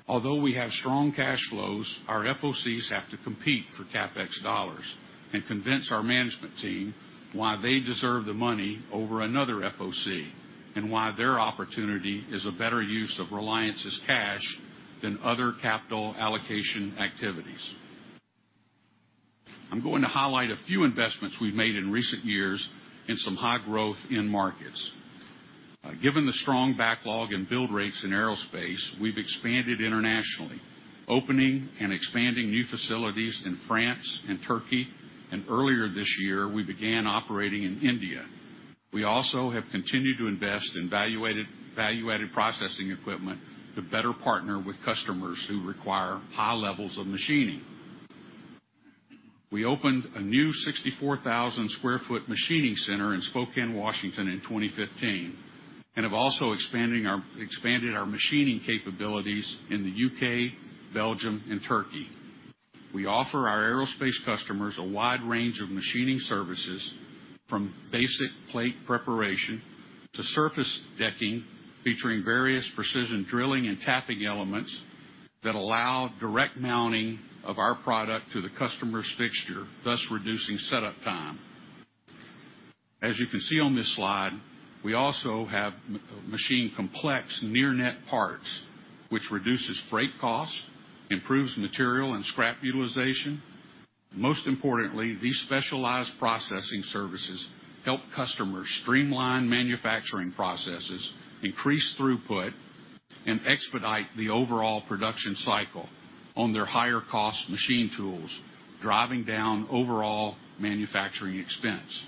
Although we have strong cash flows, our FOCs have to compete for CapEx dollars and convince our management team why they deserve the money over another FOC and why their opportunity is a better use of Reliance's cash than other capital allocation activities. I'm going to highlight a few investments we've made in recent years in some high-growth end markets. Given the strong backlog and build rates in aerospace, we've expanded internationally, opening and expanding new facilities in France and Turkey. Earlier this year, we began operating in India. We also have continued to invest in value-added processing equipment to better partner with customers who require high levels of machining. We opened a new 64,000 square foot machining center in Spokane, Washington in 2015, and have also expanded our machining capabilities in the U.K., Belgium, and Turkey. We offer our aerospace customers a wide range of machining services, from basic plate preparation to surface decking, featuring various precision drilling and tapping elements that allow direct mounting of our product to the customer's fixture, thus reducing setup time. As you can see on this slide, we also have machined complex near-net parts, which reduces freight cost, improves material and scrap utilization, and most importantly, these specialized processing services help customers streamline manufacturing processes, increase throughput, and expedite the overall production cycle on their higher-cost machine tools, driving down overall manufacturing expense.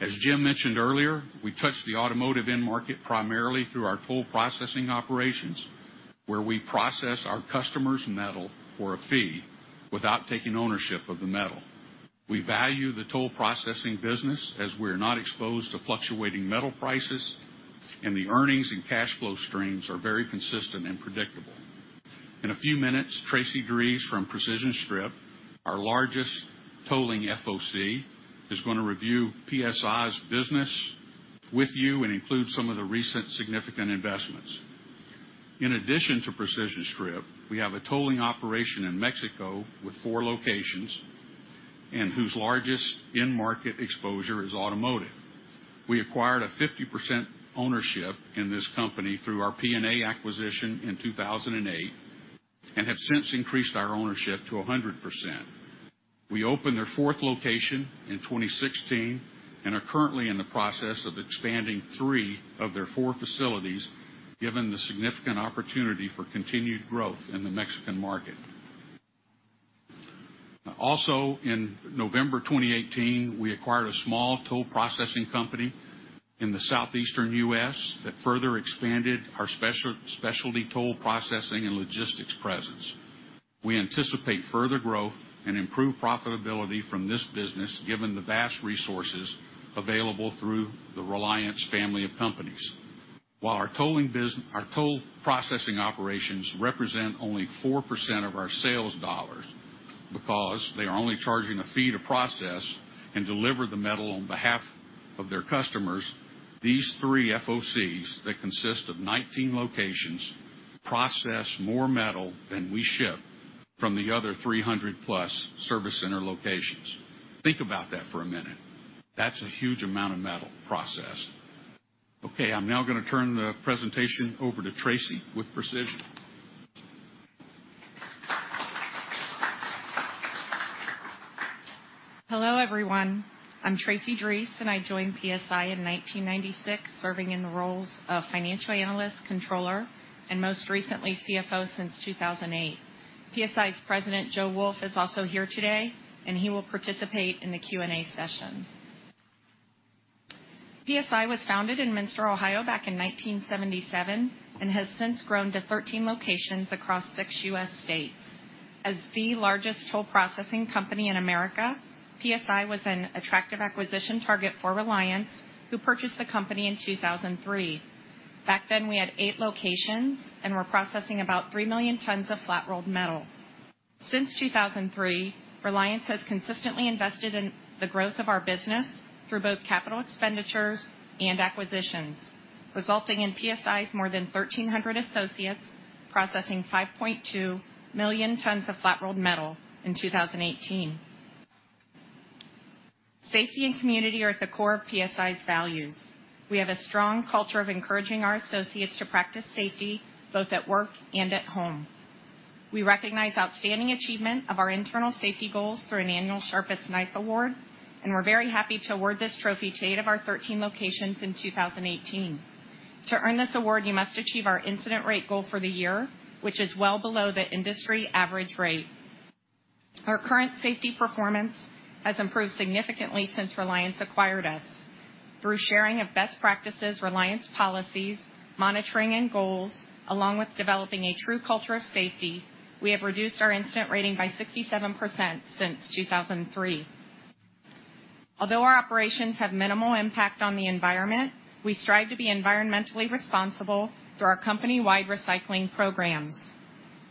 As Jim mentioned earlier, we touch the automotive end market primarily through our toll processing operations, where we process our customers' metal for a fee without taking ownership of the metal. We value the toll processing business, as we're not exposed to fluctuating metal prices, and the earnings and cash flow streams are very consistent and predictable. In a few minutes, Tracy Drees from Precision Strip, our largest tolling FOC, is going to review PSI's business with you and include some of the recent significant investments. In addition to Precision Strip, we have a tolling operation in Mexico with four locations, and whose largest end-market exposure is automotive. We acquired a 50% ownership in this company through our PNA acquisition in 2008 and have since increased our ownership to 100%. We opened their fourth location in 2016 and are currently in the process of expanding three of their four facilities, given the significant opportunity for continued growth in the Mexican market. Also, in November 2018, we acquired a small toll processing company in the southeastern U.S. that further expanded our specialty toll processing and logistics presence. We anticipate further growth and improved profitability from this business, given the vast resources available through the Reliance family of companies. While our toll processing operations represent only 4% of our sales dollars because they are only charging a fee to process and deliver the metal on behalf of their customers. These 3 FOCs, that consist of 19 locations, process more metal than we ship from the other 300-plus service center locations. Think about that for a minute. That's a huge amount of metal processed. Okay, I'm now going to turn the presentation over to Tracy with Precision. Hello, everyone. I'm Tracy Drees. I joined PSI in 1996, serving in the roles of financial analyst, controller, and most recently, CFO since 2008. PSI's President, Joe Wolf, is also here today, and he will participate in the Q&A session. PSI was founded in Minster, Ohio, back in 1977 and has since grown to 13 locations across six U.S. states. As the largest toll processing company in America, PSI was an attractive acquisition target for Reliance, who purchased the company in 2003. Back then, we had eight locations and were processing about 3 million tons of flat rolled metal. Since 2003, Reliance has consistently invested in the growth of our business through both capital expenditures and acquisitions, resulting in PSI's more than 1,300 associates processing 5.2 million tons of flat rolled metal in 2018. Safety and community are at the core of PSI's values. We have a strong culture of encouraging our associates to practice safety both at work and at home. We recognize outstanding achievement of our internal safety goals through an annual Sharpest Knife award, and we are very happy to award this trophy to eight of our 13 locations in 2018. To earn this award, you must achieve our incident rate goal for the year, which is well below the industry average rate. Our current safety performance has improved significantly since Reliance acquired us. Through sharing of best practices, Reliance policies, monitoring, and goals, along with developing a true culture of safety, we have reduced our incident rating by 67% since 2003. Although our operations have minimal impact on the environment, we strive to be environmentally responsible through our company-wide recycling programs.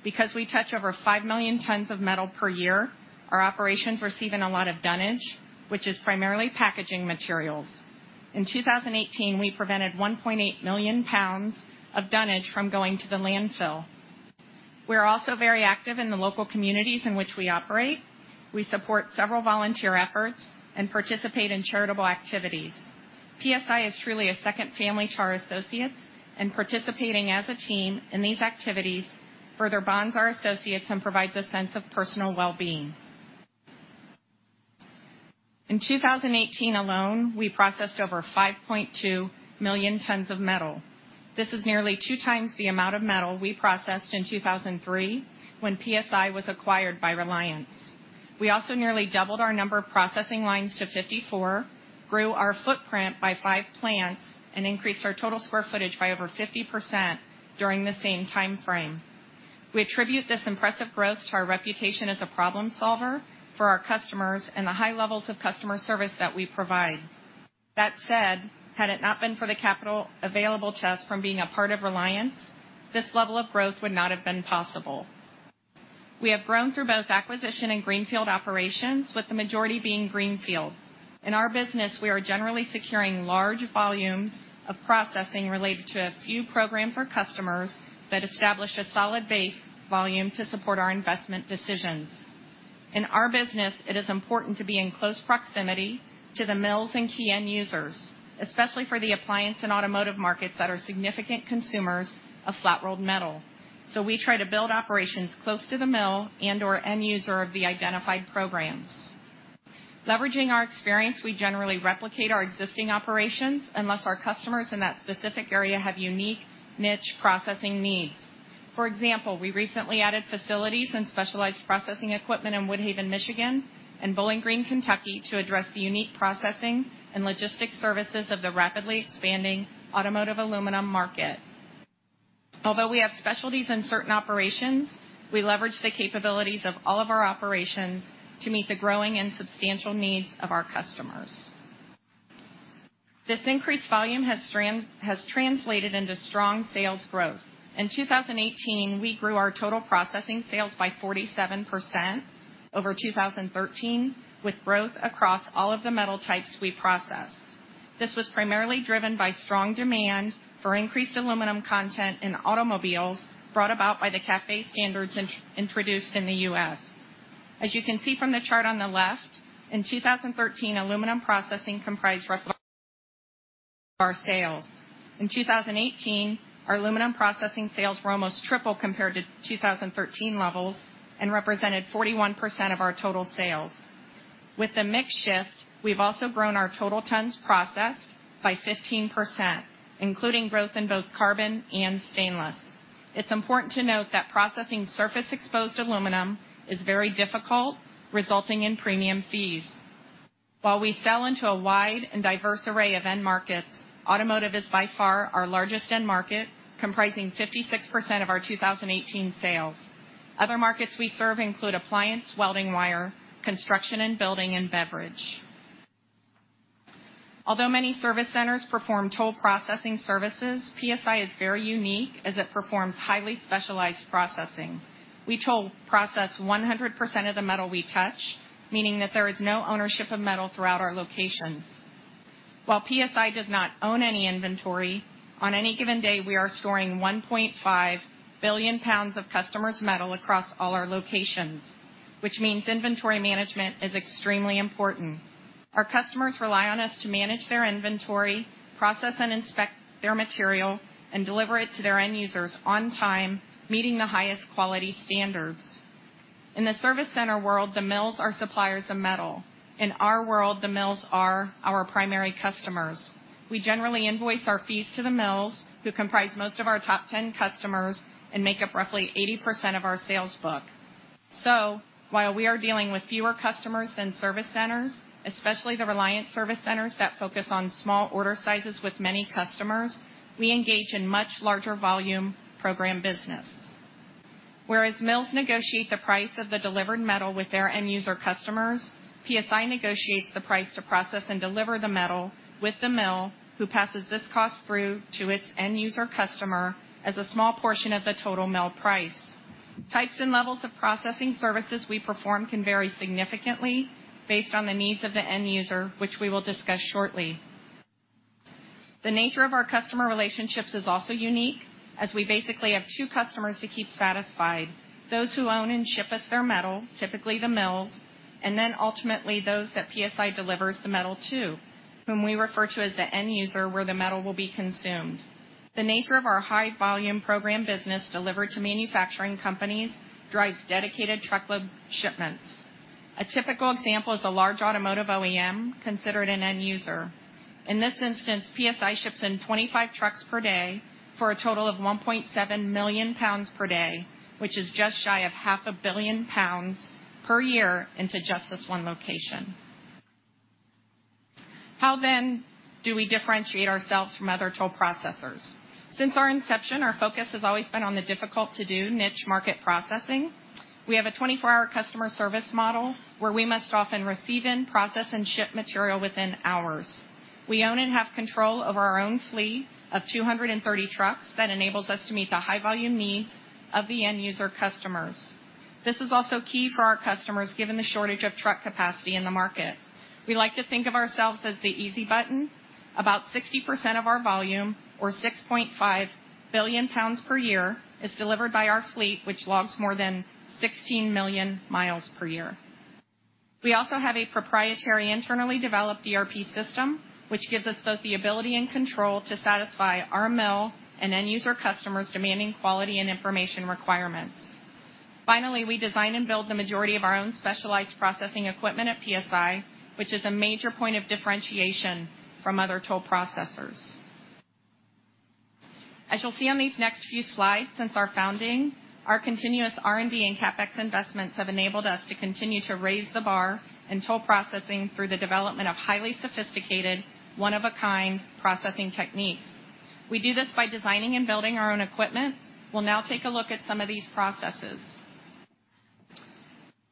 Because we touch over 5 million tons of metal per year, our operations receive in a lot of dunnage, which is primarily packaging materials. In 2018, we prevented 1.8 million pounds of dunnage from going to the landfill. We're also very active in the local communities in which we operate. We support several volunteer efforts and participate in charitable activities. PSI is truly a second family to our associates, and participating as a team in these activities further bonds our associates and provides a sense of personal well-being. In 2018 alone, we processed over 5.2 million tons of metal. This is nearly two times the amount of metal we processed in 2003, when PSI was acquired by Reliance. We also nearly doubled our number of processing lines to 54, grew our footprint by five plants, and increased our total square footage by over 50% during the same time frame. We attribute this impressive growth to our reputation as a problem solver for our customers and the high levels of customer service that we provide. That said, had it not been for the capital available to us from being a part of Reliance, this level of growth would not have been possible. We have grown through both acquisition and greenfield operations, with the majority being greenfield. In our business, we are generally securing large volumes of processing related to a few programs or customers that establish a solid base volume to support our investment decisions. In our business, it is important to be in close proximity to the mills and key end users, especially for the appliance and automotive markets that are significant consumers of flat-rolled metal. We try to build operations close to the mill and/or end user of the identified programs. Leveraging our experience, we generally replicate our existing operations unless our customers in that specific area have unique niche processing needs. For example, we recently added facilities and specialized processing equipment in Woodhaven, Michigan, and Bowling Green, Kentucky, to address the unique processing and logistics services of the rapidly expanding automotive aluminum market. Although we have specialties in certain operations, we leverage the capabilities of all of our operations to meet the growing and substantial needs of our customers. This increased volume has translated into strong sales growth. In 2018, we grew our total processing sales by 47% over 2013, with growth across all of the metal types we process. This was primarily driven by strong demand for increased aluminum content in automobiles brought about by the CAFE standards introduced in the U.S. As you can see from the chart on the left, in 2013, aluminum processing comprised roughly our sales. In 2018, our aluminum processing sales were almost triple compared to 2013 levels and represented 41% of our total sales. With the mix shift, we've also grown our total tons processed by 15%, including growth in both carbon and stainless. It's important to note that processing surface-exposed aluminum is very difficult, resulting in premium fees. While we sell into a wide and diverse array of end markets, automotive is by far our largest end market, comprising 56% of our 2018 sales. Other markets we serve include appliance, welding wire, construction and building, and beverage. Although many service centers perform toll processing services, PSI is very unique as it performs highly specialized processing. We toll process 100% of the metal we touch, meaning that there is no ownership of metal throughout our locations. While PSI does not own any inventory, on any given day, we are storing 1.5 billion pounds of customers' metal across all our locations, which means inventory management is extremely important. Our customers rely on us to manage their inventory, process and inspect their material, and deliver it to their end users on time, meeting the highest quality standards. In the service center world, the mills are suppliers of metal. In our world, the mills are our primary customers. We generally invoice our fees to the mills, who comprise most of our top 10 customers and make up roughly 80% of our sales book. While we are dealing with fewer customers than service centers, especially the Reliance service centers that focus on small order sizes with many customers, we engage in much larger volume program business. Whereas mills negotiate the price of the delivered metal with their end user customers, PSI negotiates the price to process and deliver the metal with the mill who passes this cost through to its end user customer as a small portion of the total mill price. Types and levels of processing services we perform can vary significantly based on the needs of the end user, which we will discuss shortly. The nature of our customer relationships is also unique, as we basically have two customers to keep satisfied: Those who own and ship us their metal, typically the mills, and then ultimately those that PSI delivers the metal to, whom we refer to as the end user, where the metal will be consumed. The nature of our high-volume program business delivered to manufacturing companies drives dedicated truckload shipments. A typical example is a large automotive OEM considered an end user. In this instance, PSI ships in 25 trucks per day for a total of 1.7 million pounds per day, which is just shy of 0.5 billion pounds per year into just this one location. How then, do we differentiate ourselves from other toll processors? Since our inception, our focus has always been on the difficult-to-do niche market processing. We have a 24-hour customer service model where we must often receive in, process, and ship material within hours. We own and have control of our own fleet of 230 trucks that enables us to meet the high-volume needs of the end user customers. This is also key for our customers, given the shortage of truck capacity in the market. We like to think of ourselves as the easy button. About 60% of our volume, or 6.5 billion pounds per year, is delivered by our fleet, which logs more than 16 million miles per year. We also have a proprietary internally developed ERP system, which gives us both the ability and control to satisfy our mill and end user customers' demanding quality and information requirements. Finally, we design and build the majority of our own specialized processing equipment at PSI, which is a major point of differentiation from other toll processors. As you'll see on these next few slides, since our founding, our continuous R&D and CapEx investments have enabled us to continue to raise the bar in toll processing through the development of highly sophisticated, one-of-a-kind processing techniques. We do this by designing and building our own equipment. We'll now take a look at some of these processes.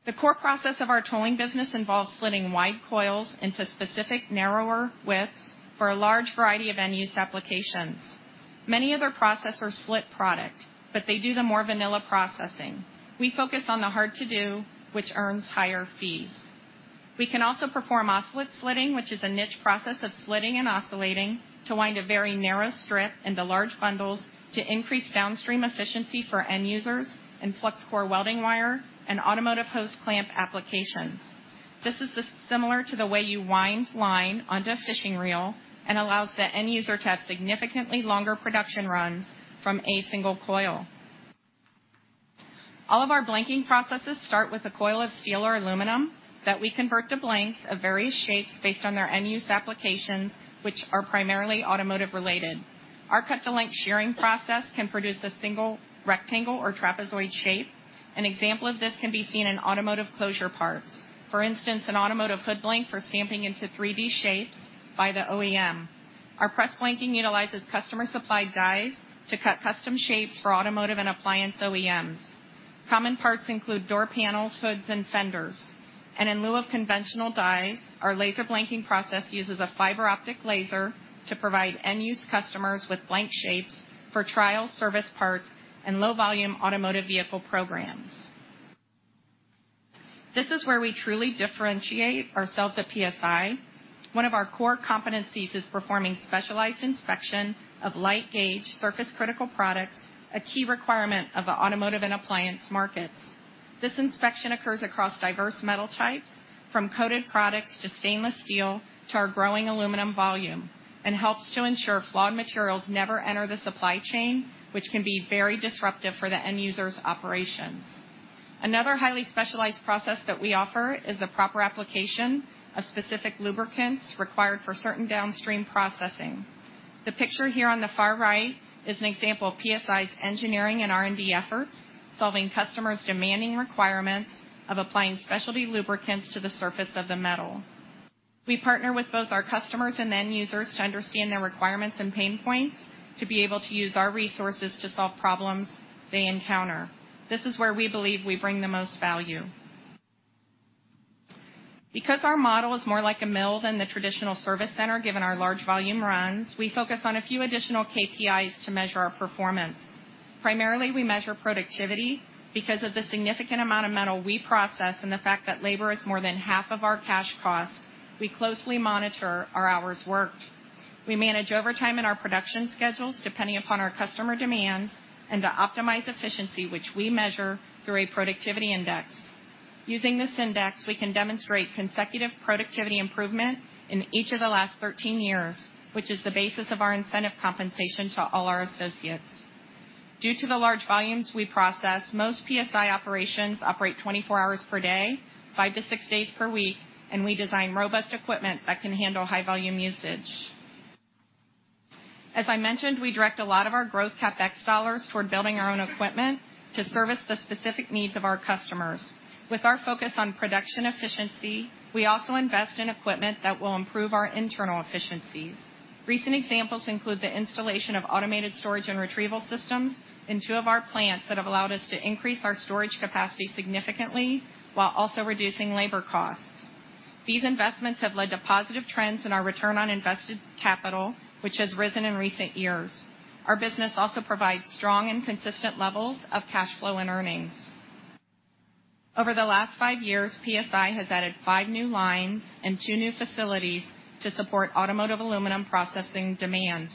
The core process of our tolling business involves slitting wide coils into specific narrower widths for a large variety of end-use applications. Many other processors slit product, but they do the more vanilla processing. We focus on the hard-to-do, which earns higher fees. We can also perform oscillate slitting, which is a niche process of slitting and oscillating to wind a very narrow strip into large bundles to increase downstream efficiency for end users in flux core welding wire and automotive hose clamp applications. This is similar to the way you wind line onto a fishing reel and allows the end user to have significantly longer production runs from a single coil. All of our blanking processes start with a coil of steel or aluminum that we convert to blanks of various shapes based on their end-use applications, which are primarily automotive related. Our cut-to-length shearing process can produce a single rectangle or trapezoid shape. An example of this can be seen in automotive closure parts. For instance, an automotive hood blank for stamping into 3D shapes by the OEM. Our press blanking utilizes customer-supplied dies to cut custom shapes for automotive and appliance OEMs. Common parts include door panels, hoods, and fenders. In lieu of conventional dies, our laser blanking process uses a fiber optic laser to provide end-use customers with blank shapes for trial service parts and low-volume automotive vehicle programs. This is where we truly differentiate ourselves at PSI. One of our core competencies is performing specialized inspection of light gauge, surface-critical products, a key requirement of the automotive and appliance markets. This inspection occurs across diverse metal types, from coated products to stainless steel to our growing aluminum volume, and helps to ensure flawed materials never enter the supply chain, which can be very disruptive for the end user's operations. Another highly specialized process that we offer is the proper application of specific lubricants required for certain downstream processing. The picture here on the far right is an example of PSI's engineering and R&D efforts, solving customers' demanding requirements of applying specialty lubricants to the surface of the metal. We partner with both our customers and end users to understand their requirements and pain points to be able to use our resources to solve problems they encounter. This is where we believe we bring the most value. Because our model is more like a mill than the traditional service center, given our large volume runs, we focus on a few additional KPIs to measure our performance. Primarily, we measure productivity. Because of the significant amount of metal we process and the fact that labor is more than half of our cash cost, we closely monitor our hours worked. We manage overtime in our production schedules depending upon our customer demands and to optimize efficiency, which we measure through a productivity index. Using this index, we can demonstrate consecutive productivity improvement in each of the last 13 years, which is the basis of our incentive compensation to all our associates. Due to the large volumes we process, most PSI operations operate 24 hours per day, five to six days per week, and we design robust equipment that can handle high-volume usage. As I mentioned, we direct a lot of our growth CapEx dollars toward building our own equipment to service the specific needs of our customers. With our focus on production efficiency, we also invest in equipment that will improve our internal efficiencies. Recent examples include the installation of automated storage and retrieval systems in two of our plants that have allowed us to increase our storage capacity significantly while also reducing labor costs. These investments have led to positive trends in our return on invested capital, which has risen in recent years. Our business also provides strong and consistent levels of cash flow and earnings. Over the last five years, PSI has added five new lines and two new facilities to support automotive aluminum processing demand.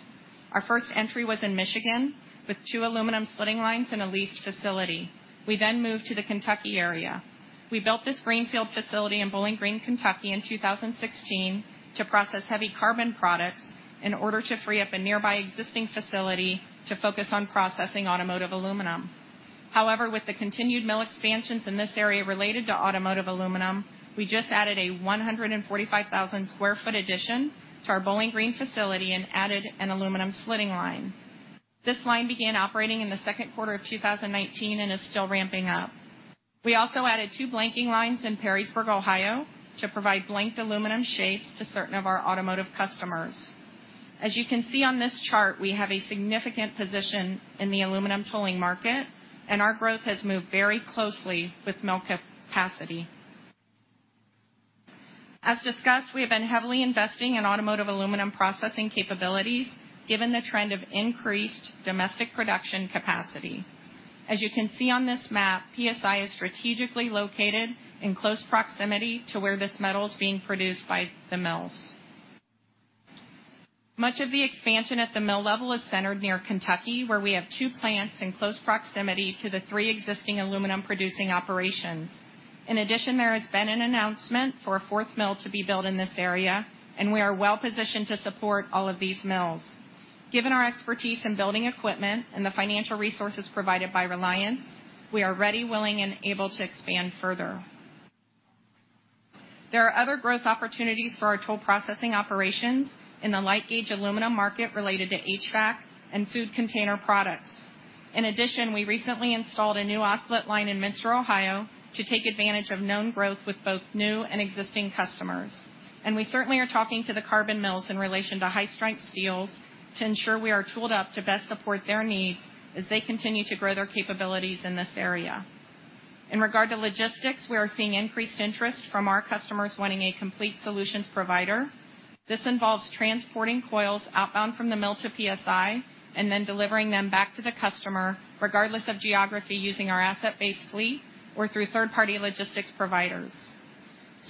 Our first entry was in Michigan, with two aluminum slitting lines in a leased facility. We moved to the Kentucky area. We built this greenfield facility in Bowling Green, Kentucky, in 2016 to process heavy carbon products in order to free up a nearby existing facility to focus on processing automotive aluminum. With the continued mill expansions in this area related to automotive aluminum, we just added a 145,000 sq ft addition to our Bowling Green facility and added an aluminum slitting line. This line began operating in the second quarter of 2019 and is still ramping up. We also added two blanking lines in Perrysburg, Ohio, to provide blanked aluminum shapes to certain of our automotive customers. As you can see on this chart, we have a significant position in the aluminum tolling market, and our growth has moved very closely with mill capacity. As discussed, we have been heavily investing in automotive aluminum processing capabilities given the trend of increased domestic production capacity. As you can see on this map, PSI is strategically located in close proximity to where this metal is being produced by the mills. Much of the expansion at the mill level is centered near Kentucky, where we have two plants in close proximity to the three existing aluminum-producing operations. In addition, there has been an announcement for a fourth mill to be built in this area, and we are well-positioned to support all of these mills. Given our expertise in building equipment and the financial resources provided by Reliance, we are ready, willing, and able to expand further. There are other growth opportunities for our toll processing operations in the light gauge aluminum market related to HVAC and food container products. In addition, we recently installed a new oscillate line in Minster, Ohio, to take advantage of known growth with both new and existing customers. We certainly are talking to the carbon mills in relation to high-strength steels to ensure we are tooled up to best support their needs as they continue to grow their capabilities in this area. In regard to logistics, we are seeing increased interest from our customers wanting a complete solutions provider. This involves transporting coils outbound from the mill to PSI and then delivering them back to the customer, regardless of geography, using our asset-based fleet or through third-party logistics providers.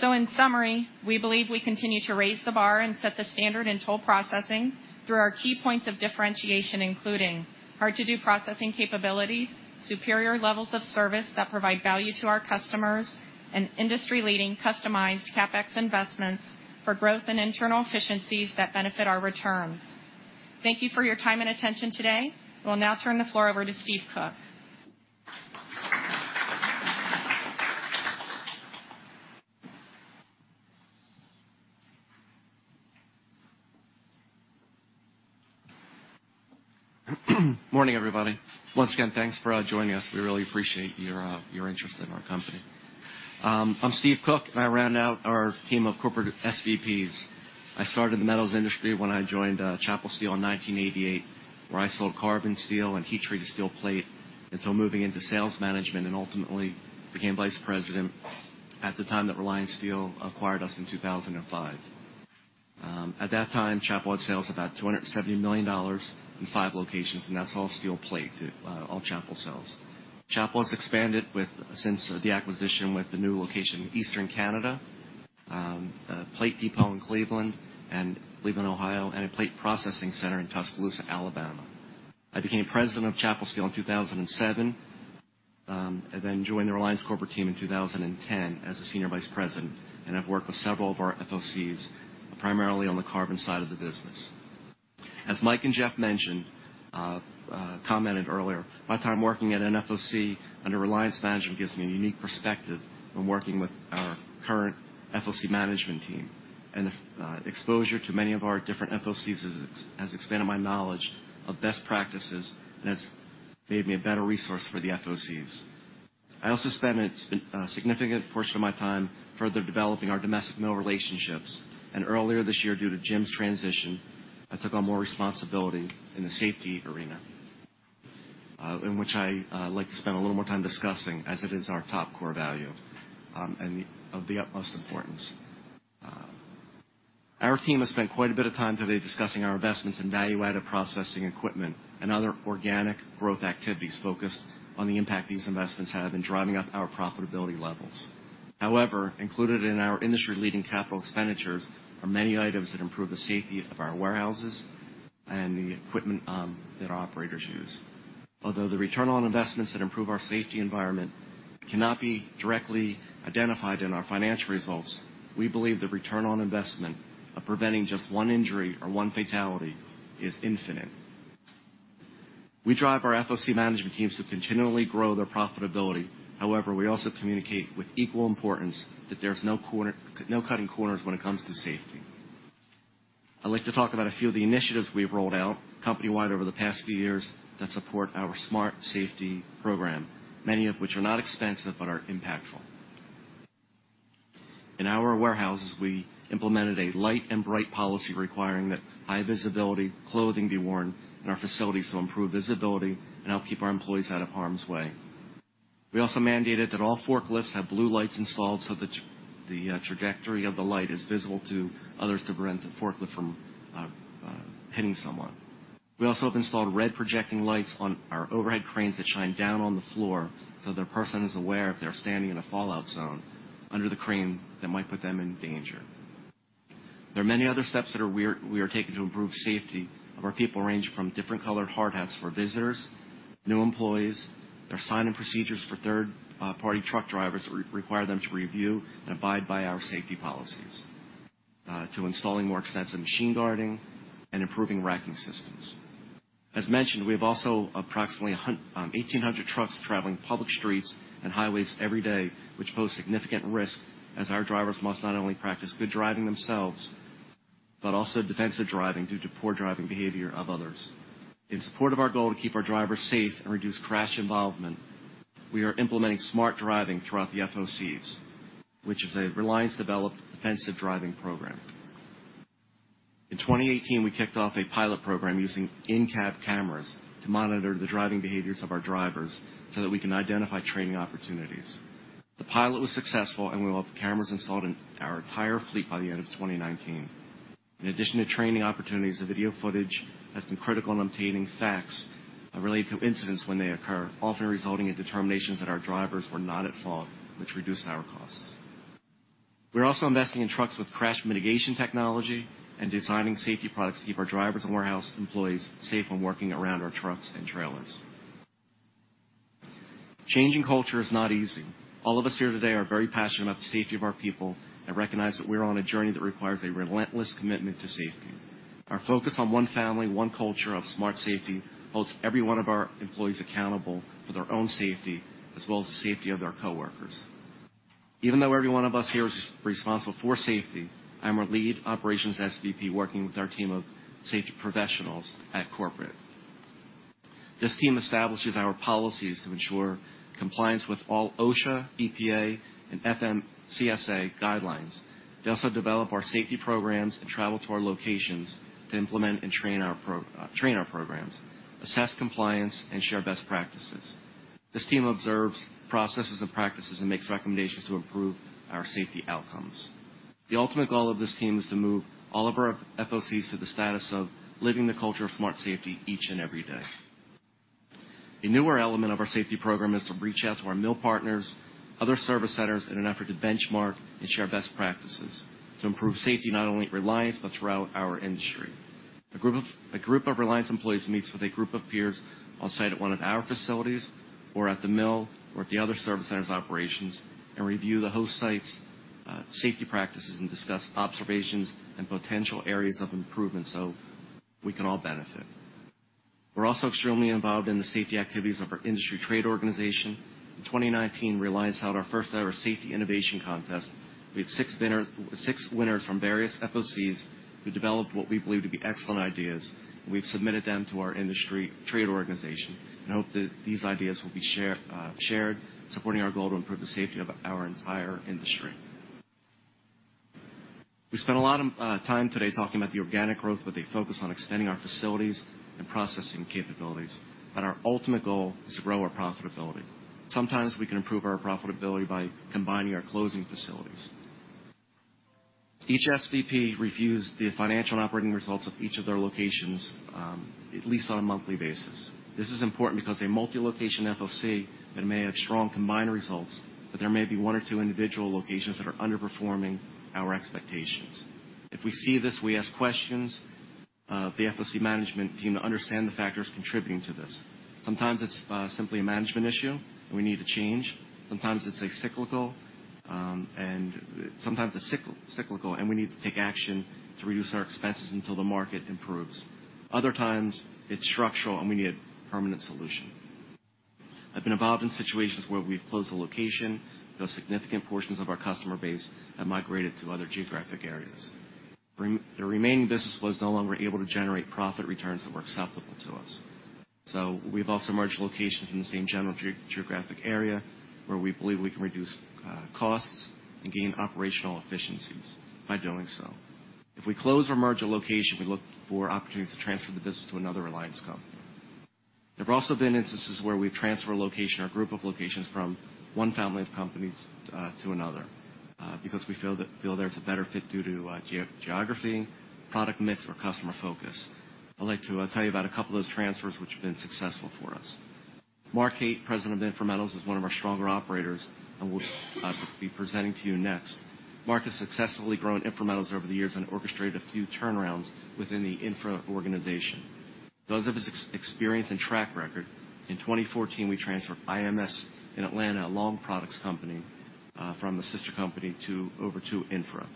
In summary, we believe we continue to raise the bar and set the standard in toll processing through our key points of differentiation, including hard-to-do processing capabilities, superior levels of service that provide value to our customers, and industry-leading customized CapEx investments for growth and internal efficiencies that benefit our returns. Thank you for your time and attention today. We'll now turn the floor over to Steve Cook. Morning, everybody. Once again, thanks for joining us. We really appreciate your interest in our company. I'm Steve Cook, I run our team of corporate SVPs. I started in the metals industry when I joined Chapel Steel in 1988, where I sold carbon steel and heat-treated steel plate, moving into sales management and ultimately became vice president at the time that Reliance Steel acquired us in 2005. At that time, Chapel had sales of about $270 million in five locations, that's all steel plate, all Chapel sales. Chapel has expanded since the acquisition with a new location in Eastern Canada, a plate depot in Cleveland, Ohio, and a plate processing center in Tuscaloosa, Alabama. I became president of Chapel Steel in 2007, then joined the Reliance corporate team in 2010 as a senior vice president, and I've worked with several of our FOCs, primarily on the carbon side of the business. As Mike and Jeff mentioned, commented earlier, my time working at an FOC under Reliance management gives me a unique perspective when working with our current FOC management team. The exposure to many of our different FOCs has expanded my knowledge of best practices and has made me a better resource for the FOCs. I also spent a significant portion of my time further developing our domestic mill relationships, and earlier this year, due to Jim's transition, I took on more responsibility in the safety arena, in which I like to spend a little more time discussing as it is our top core value and of the utmost importance. Our team has spent quite a bit of time today discussing our investments in value-added processing equipment and other organic growth activities focused on the impact these investments have in driving up our profitability levels. Included in our industry-leading CapEx are many items that improve the safety of our warehouses and the equipment that our operators use. Although the ROI that improve our safety environment cannot be directly identified in our financial results, we believe the ROI of preventing just one injury or one fatality is infinite. We drive our FOC management teams to continually grow their profitability. We also communicate with equal importance that there's no cutting corners when it comes to safety. I'd like to talk about a few of the initiatives we've rolled out company-wide over the past few years that support our SMART Safety program, many of which are not expensive but are impactful. In our warehouses, we implemented a light and bright policy requiring that high-visibility clothing be worn in our facilities to improve visibility and help keep our employees out of harm's way. We also mandated that all forklifts have blue lights installed so that the trajectory of the light is visible to others to prevent the forklift from hitting someone. We also have installed red projecting lights on our overhead cranes that shine down on the floor so the person is aware if they're standing in a fallout zone under the crane that might put them in danger. There are many other steps that we are taking to improve safety of our people, ranging from different colored hard hats for visitors, new employees. There are sign-in procedures for third-party truck drivers that require them to review and abide by our safety policies, to installing more extensive machine guarding and improving racking systems. As mentioned, we have also approximately 1,800 trucks traveling public streets and highways every day, which pose a significant risk, as our drivers must not only practice good driving themselves, but also defensive driving due to poor driving behavior of others. In support of our goal to keep our drivers safe and reduce crash involvement, we are implementing Smart Driving throughout the FOCs, which is a Reliance-developed defensive driving program. In 2018, we kicked off a pilot program using in-cab cameras to monitor the driving behaviors of our drivers so that we can identify training opportunities. The pilot was successful. We will have cameras installed in our entire fleet by the end of 2019. In addition to training opportunities, the video footage has been critical in obtaining facts related to incidents when they occur, often resulting in determinations that our drivers were not at fault, which reduced our costs. We're also investing in trucks with crash mitigation technology and designing safety products to keep our drivers and warehouse employees safe when working around our trucks and trailers. Changing culture is not easy. All of us here today are very passionate about the safety of our people and recognize that we're on a journey that requires a relentless commitment to safety. Our focus on one family, one culture of SMART Safety holds every one of our employees accountable for their own safety, as well as the safety of their coworkers. Even though every one of us here is responsible for safety, I'm our lead operations SVP working with our team of safety professionals at corporate. This team establishes our policies to ensure compliance with all OSHA, EPA, and FMCSA guidelines. They also develop our safety programs and travel to our locations to implement and train our programs, assess compliance, and share best practices. This team observes processes and practices and makes recommendations to improve our safety outcomes. The ultimate goal of this team is to move all of our FOCs to the status of living the culture of SMART Safety each and every day. A newer element of our safety program is to reach out to our mill partners, other service centers in an effort to benchmark and share best practices to improve safety, not only at Reliance but throughout our industry. A group of Reliance employees meets with a group of peers on site at one of our facilities or at the mill or at the other service centers operations and review the host sites safety practices and discuss observations and potential areas of improvement so we can all benefit. We're also extremely involved in the safety activities of our industry trade organization. In 2019, Reliance held our first-ever safety innovation contest. We had six winners from various FOCs who developed what we believe to be excellent ideas, and we've submitted them to our industry trade organization and hope that these ideas will be shared, supporting our goal to improve the safety of our entire industry. We spent a lot of time today talking about the organic growth with a focus on extending our facilities and processing capabilities, but our ultimate goal is to grow our profitability. Sometimes we can improve our profitability by combining our closing facilities. Each SVP reviews the financial and operating results of each of their locations, at least on a monthly basis. This is important because a multi-location FOC that may have strong combined results, but there may be one or two individual locations that are underperforming our expectations. If we see this, we ask questions of the FOC management team to understand the factors contributing to this. Sometimes it's simply a management issue, and we need to change. Sometimes it's cyclical, and we need to take action to reduce our expenses until the market improves. Other times, it's structural, and we need a permanent solution. I've been involved in situations where we've closed the location, though significant portions of our customer base have migrated to other geographic areas. The remaining business was no longer able to generate profit returns that were acceptable to us. We've also merged locations in the same general geographic area where we believe we can reduce costs and gain operational efficiencies by doing so. If we close or merge a location, we look for opportunities to transfer the business to another Reliance company. There have also been instances where we've transferred a location or group of locations from one family of companies to another because we feel there's a better fit due to geography, product mix, or customer focus. I'd like to tell you about a couple of those transfers which have been successful for us. Mark Haight, President of InfraMetals, is one of our stronger operators and will be presenting to you next. Mark has successfully grown InfrMetals over the years and orchestrated a few turnarounds within the Infra organization. Because of his experience and track record, in 2014, we transferred IMS in Atlanta, a long products company, from the sister company over to Infra.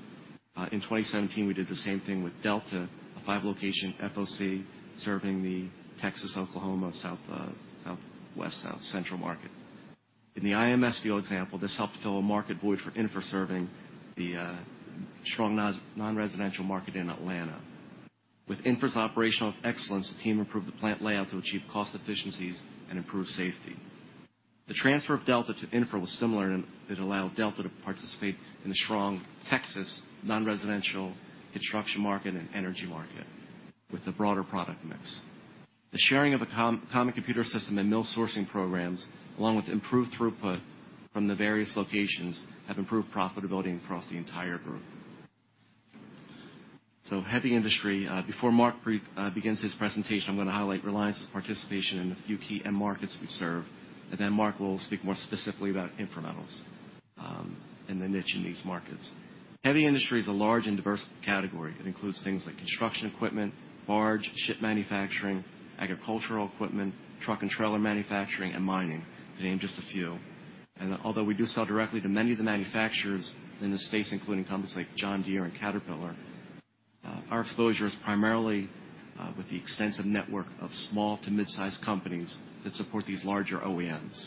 In 2017, we did the same thing with Delta, a 5-location FOC serving the Texas, Oklahoma, South Central market. In the IMS steel example, this helped fill a market void for Infra serving the strong non-residential market in Atlanta. With Infra's operational excellence, the team improved the plant layout to achieve cost efficiencies and improve safety. The transfer of Delta to Infra was similar, and it allowed Delta to participate in the strong Texas non-residential construction market and energy market with a broader product mix. The sharing of a common computer system and mill sourcing programs, along with improved throughput from the various locations, have improved profitability across the entire group. Heavy industry. Before Mark begins his presentation, I'm going to highlight Reliance's participation in a few key end markets we serve, then Mark will speak more specifically about InfraMetals and the niche in these markets. Heavy industry is a large and diverse category. It includes things like construction equipment, barge, ship manufacturing, agricultural equipment, truck and trailer manufacturing, and mining, to name just a few. Although we do sell directly to many of the manufacturers in this space, including companies like John Deere and Caterpillar, our exposure is primarily with the extensive network of small to mid-size companies that support these larger OEMs.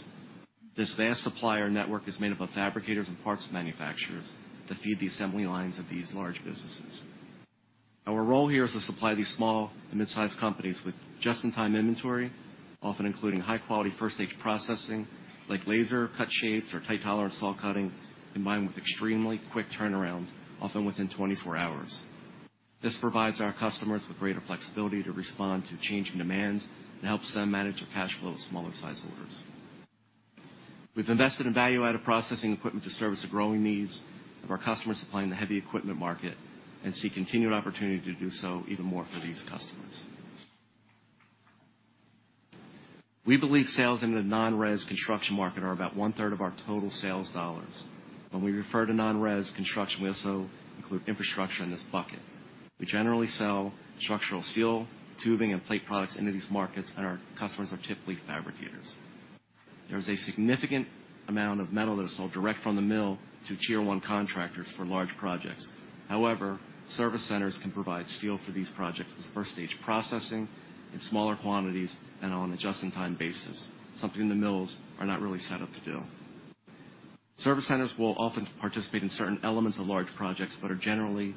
This vast supplier network is made up of fabricators and parts manufacturers that feed the assembly lines of these large businesses. Our role here is to supply these small and mid-size companies with just-in-time inventory, often including high-quality first-stage processing, like laser-cut shapes or tight tolerance saw cutting, combined with extremely quick turnaround, often within 24 hours. This provides our customers with greater flexibility to respond to changing demands and helps them manage their cash flow with smaller size orders. We've invested in value-added processing equipment to service the growing needs of our customers supplying the heavy equipment market and see continued opportunity to do so even more for these customers. We believe sales in the non-res construction market are about 1/3 of our total sales dollars. When we refer to non-res construction, we also include infrastructure in this bucket. We generally sell structural steel, tubing, and plate products into these markets, and our customers are typically fabricators. There is a significant amount of metal that is sold direct from the mill to tier 1 contractors for large projects. Service centers can provide steel for these projects with 1st-stage processing in smaller quantities and on a just-in-time basis, something the mills are not really set up to do. Service centers will often participate in certain elements of large projects but are generally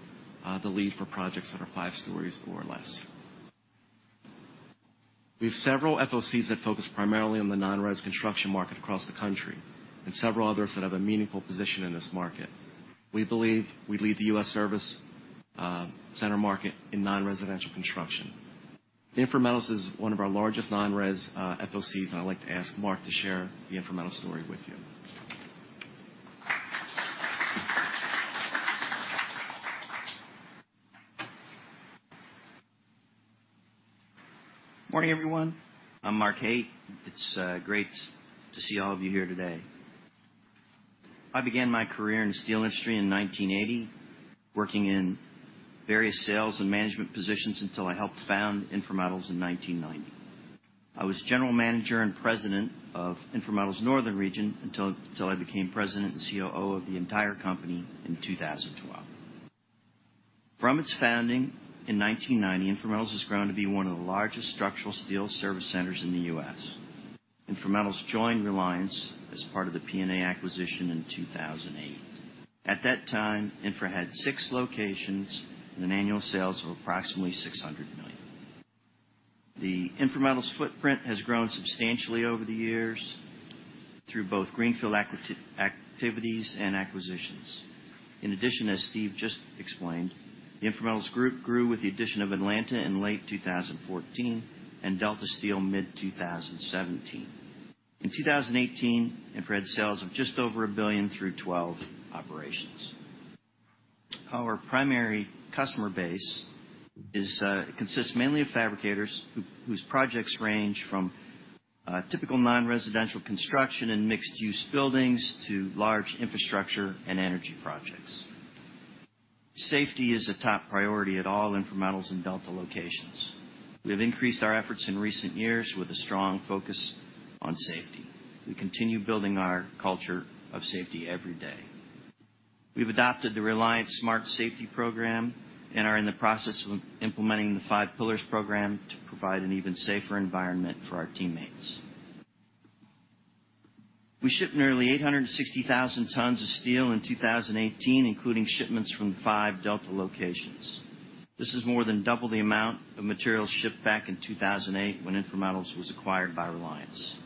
the lead for projects that are 5 stories or less. We have several FOCs that focus primarily on the non-res construction market across the country and several others that have a meaningful position in this market. We believe we lead the U.S. service-center market in non-residential construction. InfraMetals is one of our largest non-res FOCs, and I'd like to ask Mark to share the InfraMetals story with you. Good morning, everyone. I'm Mark Haight. It's great to see all of you here today. I began my career in the steel industry in 1980, working in various sales and management positions until I helped found InfraMetals in 1990. I was General Manager and President of InfraMetals' northern region until I became President and COO of the entire company in 2012. From its founding in 1990, InfraMetals has grown to be one of the largest structural steel service centers in the U.S. InfraMetals joined Reliance as part of the PNA acquisition in 2008. At that time, Infra had six locations and an annual sales of approximately $600 million. The InfraMetals footprint has grown substantially over the years through both greenfield activities and acquisitions. As Steve just explained, the InfraMetals group grew with the addition of Atlanta in late 2014 and Delta Steel mid-2017. In 2018, InfraMetals had sales of just over $1 billion through 12 operations. Our primary customer base consists mainly of fabricators whose projects range from typical non-residential construction and mixed-use buildings to large infrastructure and energy projects. Safety is a top priority at all InfraMetals and Delta Steel locations. We have increased our efforts in recent years with a strong focus on safety. We continue building our culture of safety every day. We've adopted the Reliance Smart Safety program and are in the process of implementing the Five Pillars program to provide an even safer environment for our teammates. We shipped nearly 860,000 tons of steel in 2018, including shipments from five Delta Steel locations. This is more than double the amount of materials shipped back in 2008 when InfrMetals was acquired by Reliance.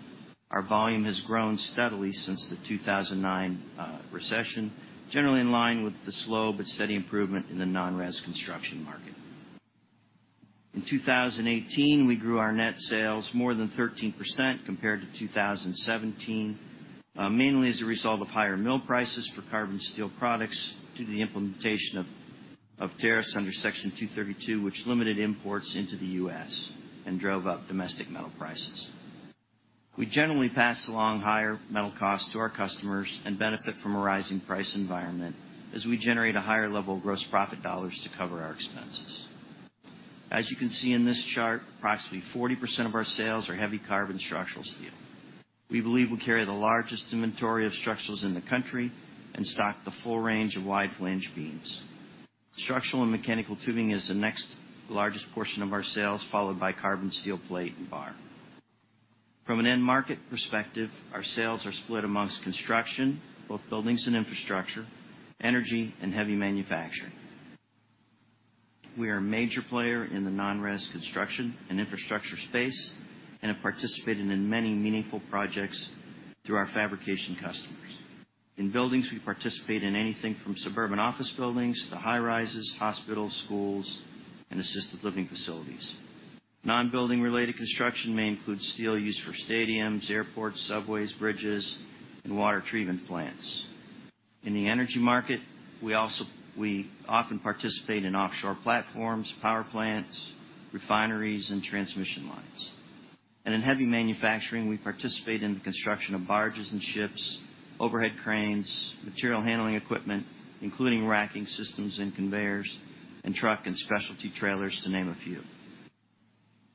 Our volume has grown steadily since the 2009 recession, generally in line with the slow but steady improvement in the non-res construction market. In 2018, we grew our net sales more than 13% compared to 2017, mainly as a result of higher mill prices for carbon steel products due to the implementation of tariffs under Section 232, which limited imports into the U.S. and drove up domestic metal prices. We generally pass along higher metal costs to our customers and benefit from a rising price environment as we generate a higher level of gross profit dollars to cover our expenses. As you can see in this chart, approximately 40% of our sales are heavy carbon structural steel. We believe we carry the largest inventory of structurals in the country and stock the full range of wide flange beams. Structural and mechanical tubing is the next largest portion of our sales, followed by carbon steel plate and bar. From an end market perspective, our sales are split amongst construction, both buildings and infrastructure, energy, and heavy manufacturing. We are a major player in the non-res construction and infrastructure space and have participated in many meaningful projects through our fabrication customers. In buildings, we participate in anything from suburban office buildings to high rises, hospitals, schools, and assisted living facilities. Non-building related construction may include steel used for stadiums, airports, subways, bridges, and water treatment plants. In the energy market, we often participate in offshore platforms, power plants, refineries, and transmission lines. In heavy manufacturing, we participate in the construction of barges and ships, overhead cranes, material handling equipment, including racking systems and conveyors, and truck and specialty trailers, to name a few.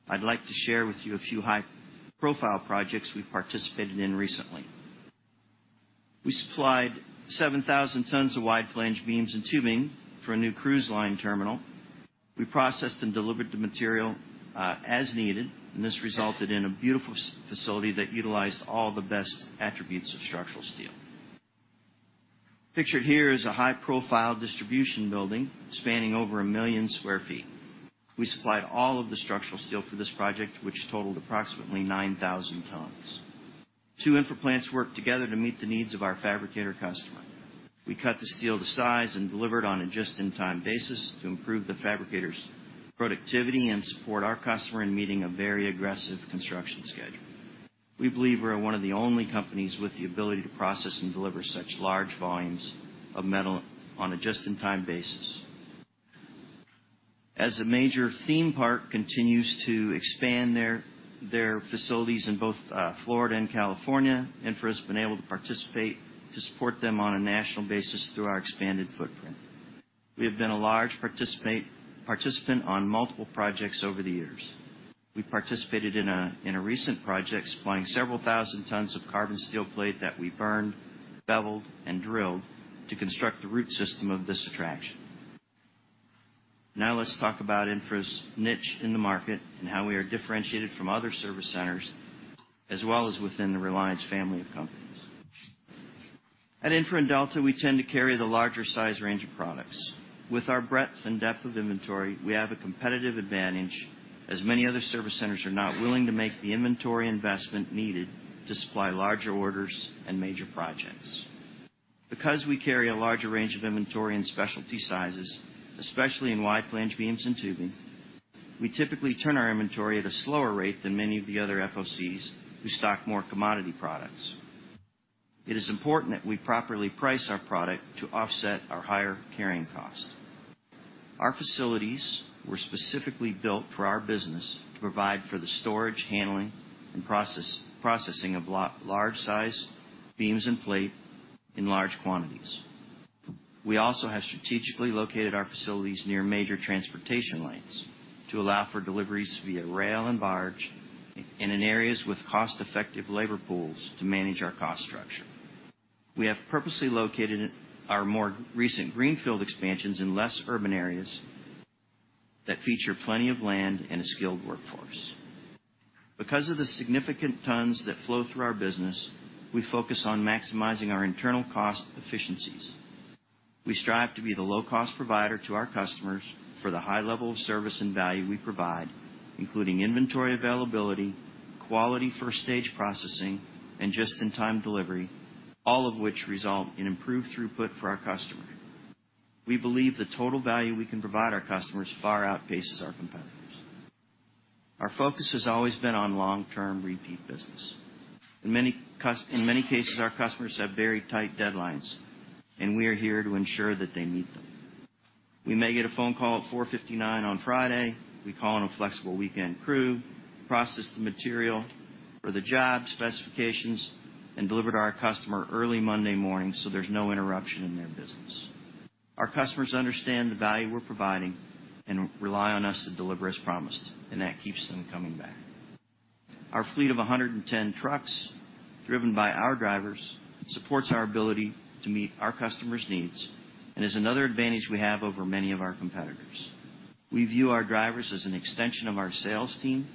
I'd like to share with you a few high-profile projects we've participated in recently. We supplied 7,000 tons of wide flange beams and tubing for a new cruise line terminal. We processed and delivered the material as needed, and this resulted in a beautiful facility that utilized all the best attributes of structural steel. Pictured here is a high-profile distribution building spanning over 1 million sq ft. We supplied all of the structural steel for this project, which totaled approximately 9,000 tons. 2 Infra plants worked together to meet the needs of our fabricator customer. We cut the steel to size and delivered on a just-in-time basis to improve the fabricator's productivity and support our customer in meeting a very aggressive construction schedule. We believe we are one of the only companies with the ability to process and deliver such large volumes of metal on a just-in-time basis. As a major theme park continues to expand their facilities in both Florida and California, Infra has been able to participate to support them on a national basis through our expanded footprint. We have been a large participant on multiple projects over the years. We participated in a recent project supplying several thousand tons of carbon steel plate that we burned, beveled, and drilled to construct the root system of this attraction. Now let's talk about Infra's niche in the market and how we are differentiated from other service centers, as well as within the Reliance family of companies. At Infra and Delta, we tend to carry the larger size range of products. With our breadth and depth of inventory, we have a competitive advantage as many other service centers are not willing to make the inventory investment needed to supply larger orders and major projects. Because we carry a larger range of inventory and specialty sizes, especially in wide flange beams and tubing, we typically turn our inventory at a slower rate than many of the other FOCs who stock more commodity products. It is important that we properly price our product to offset our higher carrying cost. Our facilities were specifically built for our business to provide for the storage, handling, and processing of large size beams and plate in large quantities. We also have strategically located our facilities near major transportation lanes to allow for deliveries via rail and barge, and in areas with cost-effective labor pools to manage our cost structure. We have purposely located our more recent greenfield expansions in less urban areas that feature plenty of land and a skilled workforce. Because of the significant tons that flow through our business, we focus on maximizing our internal cost efficiencies. We strive to be the low-cost provider to our customers for the high level of service and value we provide, including inventory availability, quality first stage processing, and just-in-time delivery, all of which result in improved throughput for our customer. We believe the total value we can provide our customers far outpaces our competitors. Our focus has always been on long-term repeat business. In many cases, our customers have very tight deadlines, and we are here to ensure that they meet them. We may get a phone call at 4:59 on Friday. We call in a flexible weekend crew, process the material for the job specifications, and deliver to our customer early Monday morning, so there's no interruption in their business. Our customers understand the value we're providing and rely on us to deliver as promised, and that keeps them coming back. Our fleet of 110 trucks, driven by our drivers, supports our ability to meet our customers' needs and is another advantage we have over many of our competitors. We view our drivers as an extension of our sales team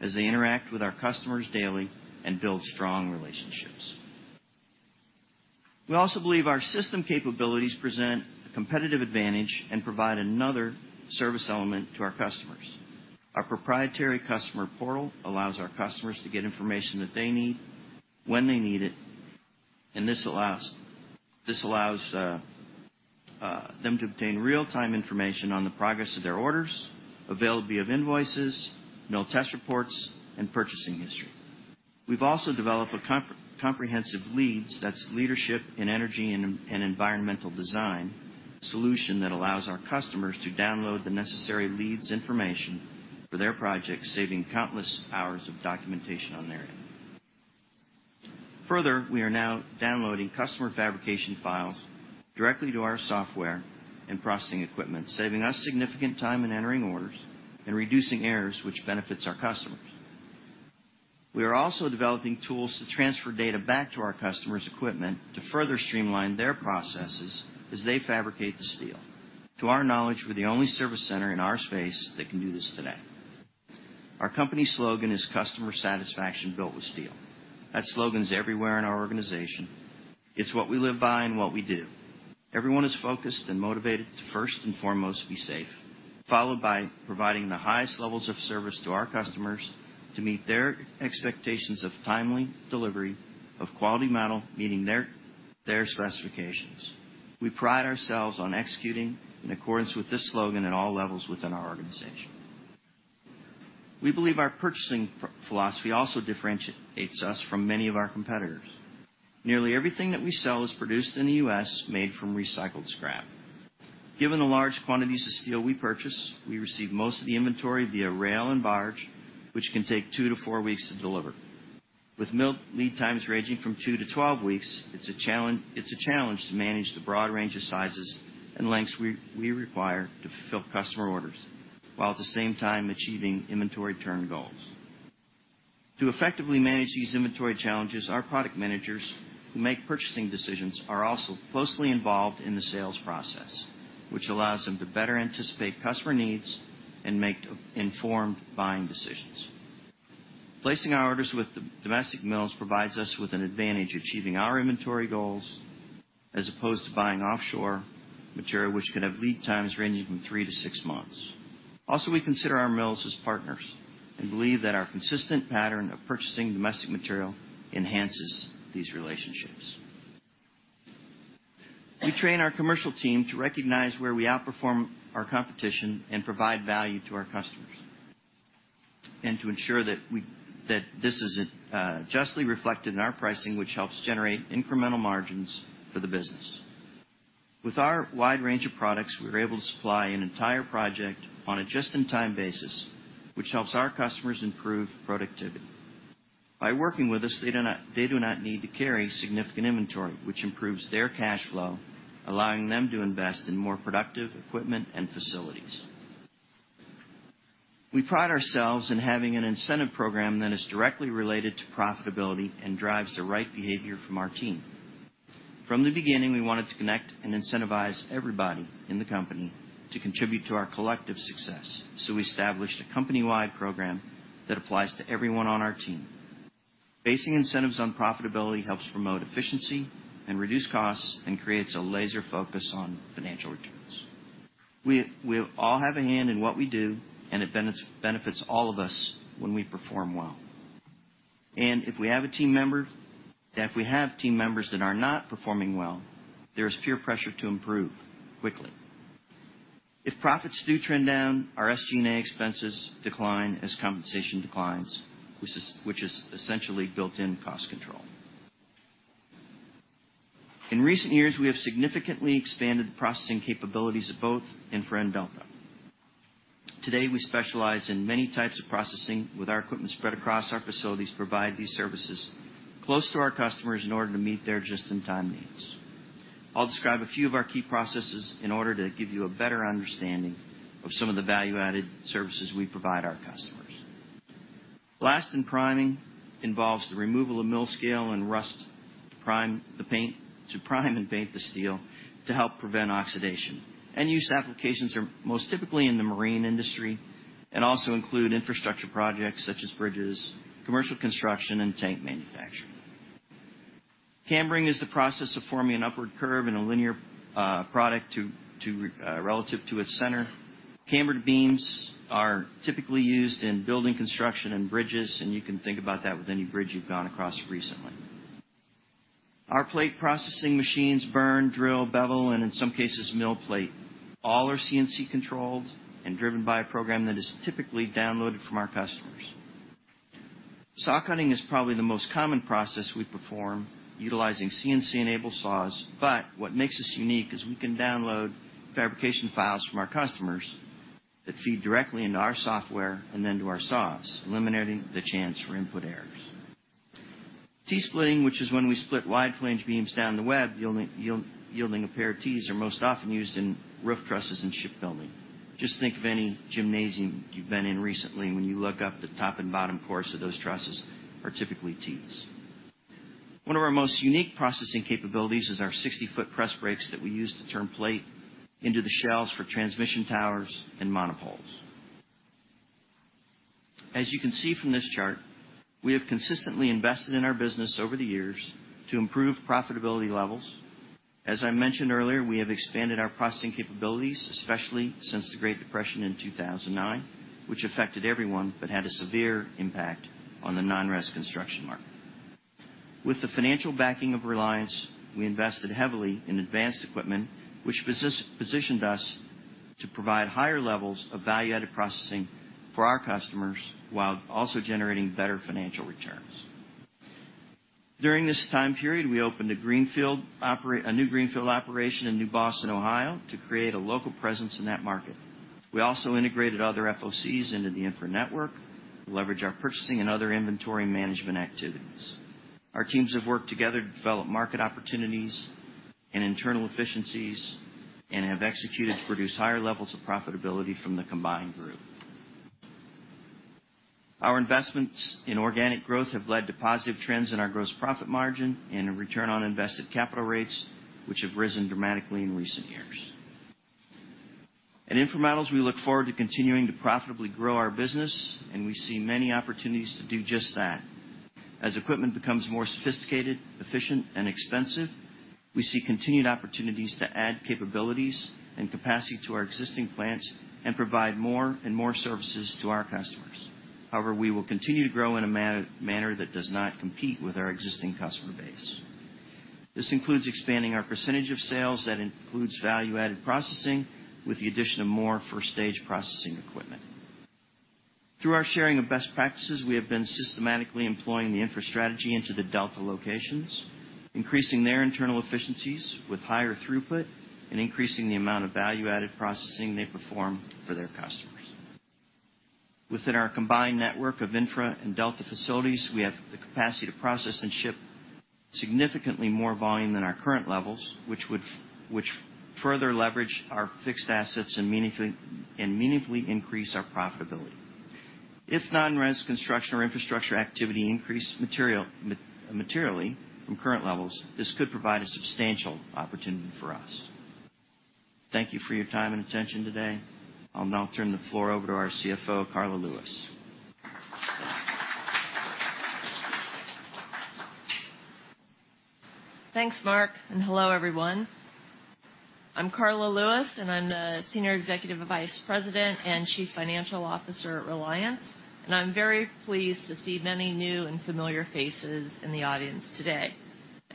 as they interact with our customers daily and build strong relationships. We also believe our system capabilities present a competitive advantage and provide another service element to our customers. Our proprietary customer portal allows our customers to get information that they need, when they need it. This allows them to obtain real-time information on the progress of their orders, availability of invoices, mill test reports, and purchasing history. We've also developed a comprehensive LEED, that's Leadership in Energy and Environmental Design, solution that allows our customers to download the necessary LEED information for their project, saving countless hours of documentation on their end. Further, we are now downloading customer fabrication files directly to our software and processing equipment, saving us significant time in entering orders and reducing errors, which benefits our customers. We are also developing tools to transfer data back to our customers' equipment to further streamline their processes as they fabricate the steel. To our knowledge, we're the only service center in our space that can do this today. Our company slogan is, "Customer satisfaction built with steel." That slogan's everywhere in our organization. It's what we live by and what we do. Everyone is focused and motivated to first and foremost be safe, followed by providing the highest levels of service to our customers to meet their expectations of timely delivery of quality metal, meeting their specifications. We pride ourselves on executing in accordance with this slogan at all levels within our organization. We believe our purchasing philosophy also differentiates us from many of our competitors. Nearly everything that we sell is produced in the U.S., made from recycled scrap. Given the large quantities of steel we purchase, we receive most of the inventory via rail and barge, which can take two to four weeks to deliver. With mill lead times ranging from 2 weeks-12 weeks, it's a challenge to manage the broad range of sizes and lengths we require to fulfill customer orders, while at the same time achieving inventory turn goals. To effectively manage these inventory challenges, our product managers who make purchasing decisions are also closely involved in the sales process, which allows them to better anticipate customer needs and make informed buying decisions. Placing our orders with domestic mills provides us with an advantage achieving our inventory goals as opposed to buying offshore material, which could have lead times ranging from 3 months-6 months. Also, we consider our mills as partners and believe that our consistent pattern of purchasing domestic material enhances these relationships. We train our commercial team to recognize where we outperform our competition and provide value to our customers, and to ensure that this is justly reflected in our pricing, which helps generate incremental margins for the business. With our wide range of products, we're able to supply an entire project on a just-in-time basis, which helps our customers improve productivity. By working with us, they do not need to carry significant inventory, which improves their cash flow, allowing them to invest in more productive equipment and facilities. We pride ourselves in having an incentive program that is directly related to profitability and drives the right behavior from our team. From the beginning, we wanted to connect and incentivize everybody in the company to contribute to our collective success, so we established a company-wide program that applies to everyone on our team. Basing incentives on profitability helps promote efficiency and reduce costs and creates a laser focus on financial returns. We all have a hand in what we do and it benefits all of us when we perform well. If we have team members that are not performing well, there is peer pressure to improve quickly. If profits do trend down, our SG&A expenses decline as compensation declines, which is essentially built-in cost control. In recent years, we have significantly expanded the processing capabilities of both Infra and Delta. Today, we specialize in many types of processing with our equipment spread across our facilities to provide these services close to our customers in order to meet their just-in-time needs. I'll describe a few of our key processes in order to give you a better understanding of some of the value-added services we provide our customers. Blast and priming involves the removal of mill scale and rust to prime and paint the steel to help prevent oxidation. End-use applications are most typically in the marine industry and also include infrastructure projects such as bridges, commercial construction, and tank manufacturing. Cambering is the process of forming an upward curve in a linear product relative to its center. Cambered beams are typically used in building construction and bridges, and you can think about that with any bridge you have gone across recently. Our plate processing machines burn, drill, bevel, and in some cases, mill plate. All are CNC controlled and driven by a program that is typically downloaded from our customers. Saw cutting is probably the most common process we perform utilizing CNC-enabled saws. What makes us unique is we can download fabrication files from our customers that feed directly into our software and then to our saws, eliminating the chance for input errors. Tee splitting, which is when we split wide flange beams down the web, yielding a pair of tees, are most often used in roof trusses and shipbuilding. Just think of any gymnasium you've been in recently. When you look up, the top and bottom course of those trusses are typically tees. One of our most unique processing capabilities is our 60-foot press brakes that we use to turn plate into the shells for transmission towers and monopoles. As you can see from this chart, we have consistently invested in our business over the years to improve profitability levels. As I mentioned earlier, we have expanded our processing capabilities, especially since the Great Recession in 2009, which affected everyone but had a severe impact on the non-res construction market. With the financial backing of Reliance, we invested heavily in advanced equipment, which positioned us to provide higher levels of value-added processing for our customers while also generating better financial returns. During this time period, we opened a new greenfield operation in New Boston, Ohio, to create a local presence in that market. We also integrated other FOCs into the Infra network to leverage our purchasing and other inventory management activities. Our teams have worked together to develop market opportunities and internal efficiencies and have executed to produce higher levels of profitability from the combined group. Our investments in organic growth have led to positive trends in our gross profit margin and a return on invested capital rates, which have risen dramatically in recent years. At InfraMetals, we look forward to continuing to profitably grow our business. We see many opportunities to do just that. As equipment becomes more sophisticated, efficient, and expensive, we see continued opportunities to add capabilities and capacity to our existing plants and provide more and more services to our customers. However, we will continue to grow in a manner that does not compete with our existing customer base. This includes expanding our percentage of sales that includes value-added processing, with the addition of more first-stage processing equipment. Through our sharing of best practices, we have been systematically employing the Infra strategy into the Delta locations, increasing their internal efficiencies with higher throughput and increasing the amount of value-added processing they perform for their customers. Within our combined network of Infra and Delta facilities, we have the capacity to process and ship significantly more volume than our current levels, which further leverage our fixed assets and meaningfully increase our profitability. If non-res construction or infrastructure activity increase materially from current levels, this could provide a substantial opportunity for us. Thank you for your time and attention today. I'll now turn the floor over to our CFO, Karla Lewis. Thanks, Mark, and hello, everyone. I'm Karla Lewis, and I'm the Senior Executive Vice President and Chief Financial Officer at Reliance, and I'm very pleased to see many new and familiar faces in the audience today.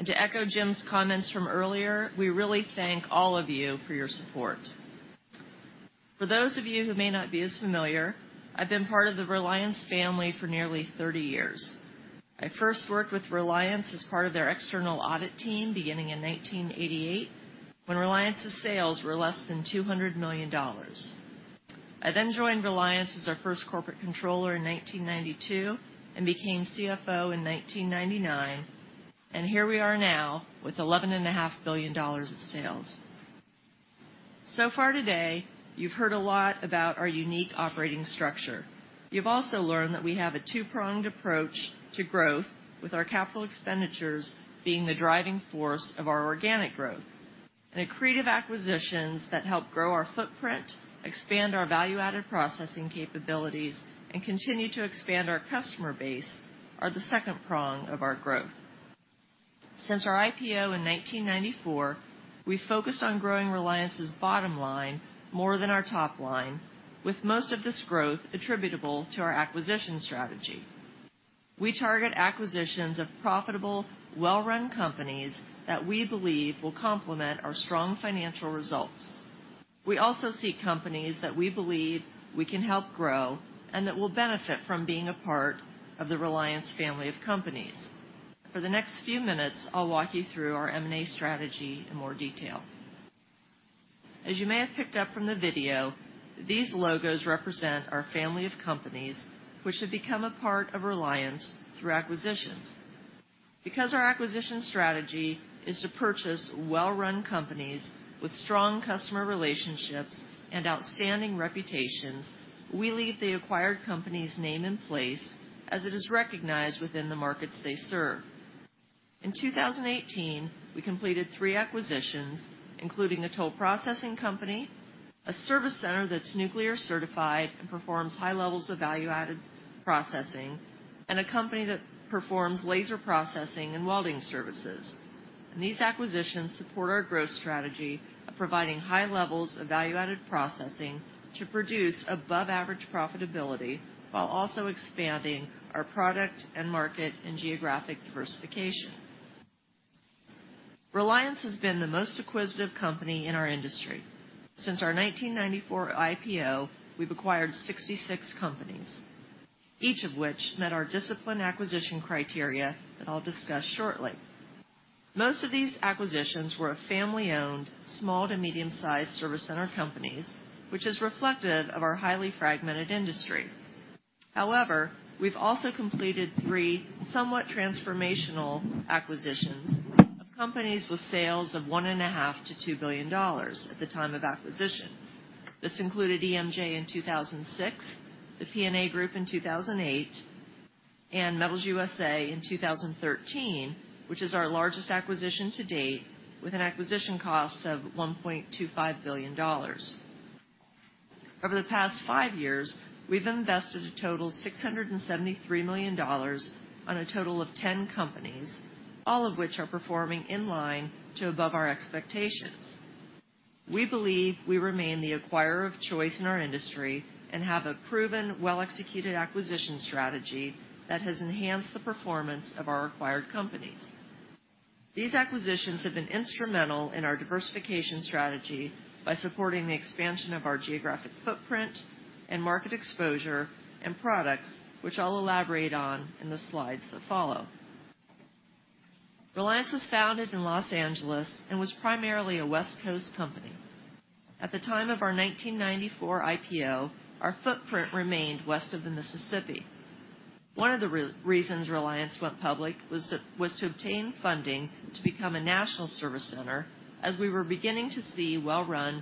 To echo Jim's comments from earlier, we really thank all of you for your support. For those of you who may not be as familiar, I've been part of the Reliance family for nearly 30 years. I first worked with Reliance as part of their external audit team beginning in 1988, when Reliance's sales were less than $200 million. I then joined Reliance as their first Corporate Controller in 1992 and became CFO in 1999. Here we are now with $11.5 billion of sales. So far today, you've heard a lot about our unique operating structure. You've also learned that we have a two-pronged approach to growth, with our capital expenditures being the driving force of our organic growth. Accretive acquisitions that help grow our footprint, expand our value-added processing capabilities, and continue to expand our customer base are the second prong of our growth. Since our IPO in 1994, we focused on growing Reliance's bottom line more than our top line, with most of this growth attributable to our acquisition strategy. We target acquisitions of profitable, well-run companies that we believe will complement our strong financial results. We also see companies that we believe we can help grow, and that will benefit from being a part of the Reliance family of companies. For the next few minutes, I'll walk you through our M&A strategy in more detail. As you may have picked up from the video, these logos represent our family of companies which have become a part of Reliance through acquisitions. Because our acquisition strategy is to purchase well-run companies with strong customer relationships and outstanding reputations, we leave the acquired company's name in place as it is recognized within the markets they serve. In 2018, we completed three acquisitions, including a toll processing company, a service center that's nuclear-certified and performs high levels of value-added processing, and a company that performs laser processing and welding services. These acquisitions support our growth strategy of providing high levels of value-added processing to produce above-average profitability while also expanding our product and market in geographic diversification. Reliance has been the most acquisitive company in our industry. Since our 1994 IPO, we've acquired 66 companies, each of which met our disciplined acquisition criteria that I'll discuss shortly. Most of these acquisitions were family-owned, small to medium-sized service center companies, which is reflective of our highly fragmented industry. However, we've also completed three somewhat transformational acquisitions of companies with sales of $1.5 billion-$2 billion at the time of acquisition. This included EMJ in 2006, the PNA Group in 2008, and Metals USA in 2013, which is our largest acquisition to date, with an acquisition cost of $1.25 billion. Over the past five years, we've invested a total $673 million on a total of 10 companies, all of which are performing in line to above our expectations. We believe we remain the acquirer of choice in our industry and have a proven, well-executed acquisition strategy that has enhanced the performance of our acquired companies. These acquisitions have been instrumental in our diversification strategy by supporting the expansion of our geographic footprint and market exposure and products, which I'll elaborate on in the slides that follow. Reliance was founded in L.A. and was primarily a West Coast company. At the time of our 1994 IPO, our footprint remained west of the Mississippi. One of the reasons Reliance went public was to obtain funding to become a national service center, as we were beginning to see well-run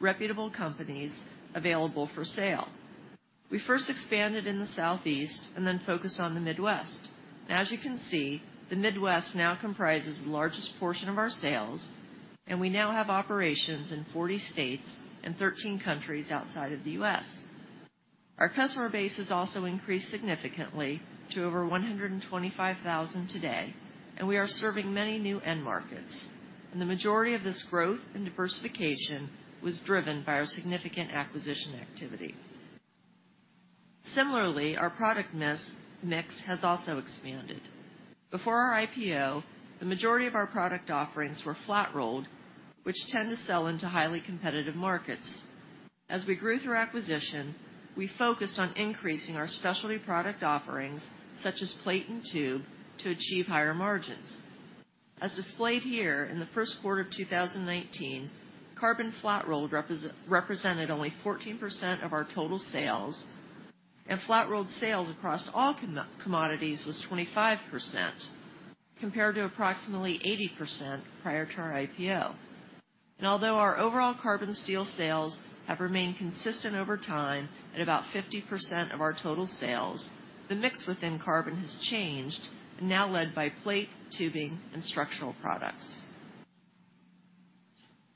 reputable companies available for sale. We first expanded in the Southeast and then focused on the Midwest. As you can see, the Midwest now comprises the largest portion of our sales, and we now have operations in 40 states and 13 countries outside of the U.S. Our customer base has also increased significantly to over 125,000 today, and we are serving many new end markets. The majority of this growth and diversification was driven by our significant acquisition activity. Similarly, our product mix has also expanded. Before our IPO, the majority of our product offerings were flat-rolled, which tend to sell into highly competitive markets. As we grew through acquisition, we focused on increasing our specialty product offerings, such as plate and tube, to achieve higher margins. As displayed here, in the first quarter of 2019, carbon flat-rolled represented only 14% of our total sales, and flat-rolled sales across all commodities was 25%, compared to approximately 80% prior to our IPO. Although our overall carbon steel sales have remained consistent over time, at about 50% of our total sales, the mix within carbon has changed. Now led by plate, tubing, and structural products.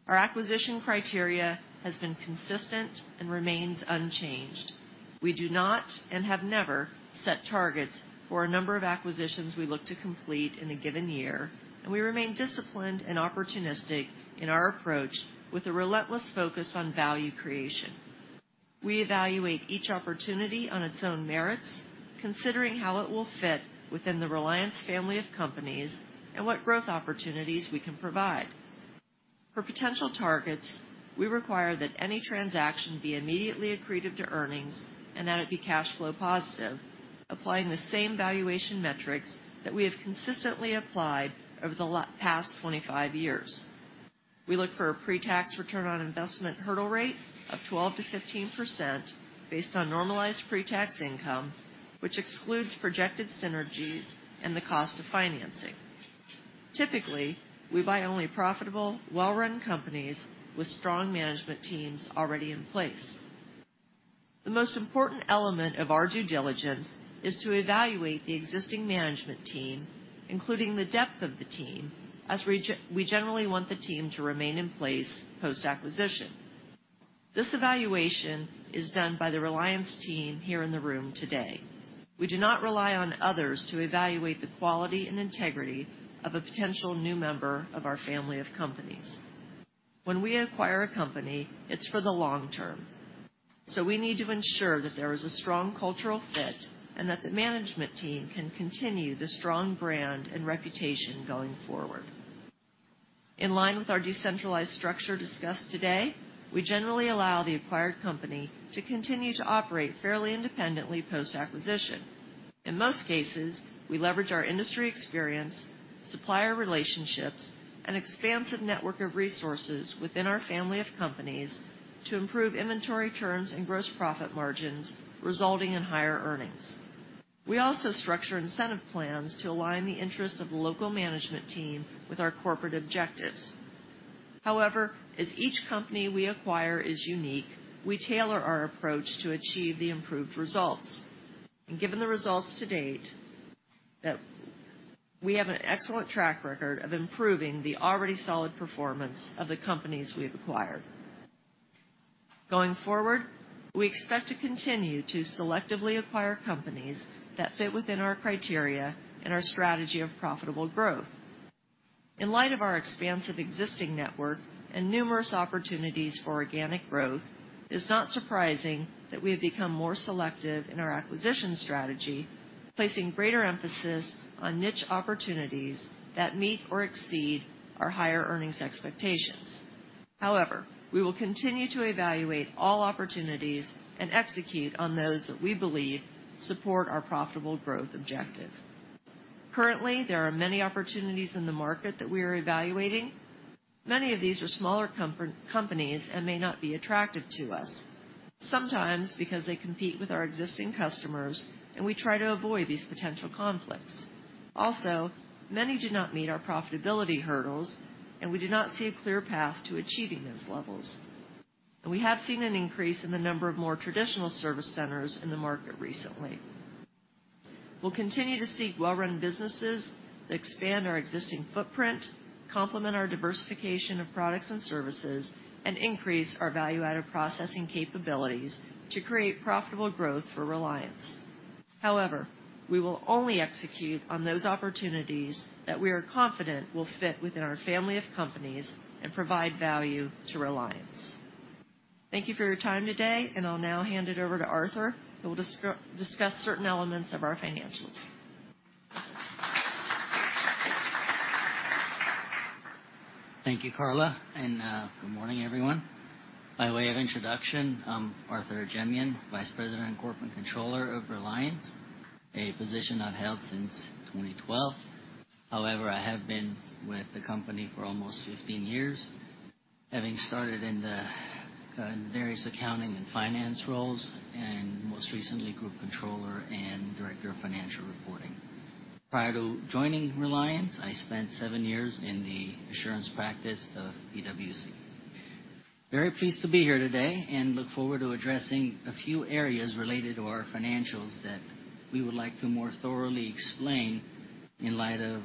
Our acquisition criteria has been consistent and remains unchanged. We do not and have never set targets for a number of acquisitions we look to complete in a given year, and we remain disciplined and opportunistic in our approach with a relentless focus on value creation. We evaluate each opportunity on its own merits, considering how it will fit within the Reliance family of companies and what growth opportunities we can provide. For potential targets, we require that any transaction be immediately accretive to earnings and that it be cash flow positive, applying the same valuation metrics that we have consistently applied over the past 25 years. We look for a pre-tax return on investment hurdle rate of 12%-15% based on normalized pre-tax income, which excludes projected synergies and the cost of financing. Typically, we buy only profitable, well-run companies with strong management teams already in place. The most important element of our due diligence is to evaluate the existing management team, including the depth of the team, as we generally want the team to remain in place post-acquisition. This evaluation is done by the Reliance Team here in the room today. We do not rely on others to evaluate the quality and integrity of a potential new member of our family of companies. When we acquire a company, it's for the long term. We need to ensure that there is a strong cultural fit and that the management team can continue the strong brand and reputation going forward. In line with our decentralized structure discussed today, we generally allow the acquired company to continue to operate fairly independently post-acquisition. In most cases, we leverage our industry experience, supplier relationships, and expansive network of resources within our family of companies to improve inventory turns and gross profit margins, resulting in higher earnings. We also structure incentive plans to align the interests of the local management team with our corporate objectives. However, as each company we acquire is unique, we tailor our approach to achieve the improved results. Given the results to date, we have an excellent track record of improving the already solid performance of the companies we've acquired. Going forward, we expect to continue to selectively acquire companies that fit within our criteria and our strategy of profitable growth. In light of our expansive existing network and numerous opportunities for organic growth, it's not surprising that we have become more selective in our acquisition strategy, placing greater emphasis on niche opportunities that meet or exceed our higher earnings expectations. We will continue to evaluate all opportunities and execute on those that we believe support our profitable growth objective. Currently, there are many opportunities in the market that we are evaluating. Many of these are smaller companies and may not be attractive to us, sometimes because they compete with our existing customers and we try to avoid these potential conflicts. Many do not meet our profitability hurdles, and we do not see a clear path to achieving those levels. We have seen an increase in the number of more traditional service centers in the market recently. We'll continue to seek well-run businesses that expand our existing footprint, complement our diversification of products and services, and increase our value-added processing capabilities to create profitable growth for Reliance. We will only execute on those opportunities that we are confident will fit within our family of companies and provide value to Reliance. Thank you for your time today, and I'll now hand it over to Arthur, who will discuss certain elements of our financials. Thank you, Karla, and good morning, everyone. By way of introduction, I'm Arthur Ajemian, Vice President and Corporate Controller of Reliance, a position I've held since 2012. However, I have been with the company for almost 15 years, having started in the various accounting and finance roles, and most recently, Group Controller and Director of Financial Reporting. Prior to joining Reliance, I spent seven years in the assurance practice of PwC. Very pleased to be here today and look forward to addressing a few areas related to our financials that we would like to more thoroughly explain in light of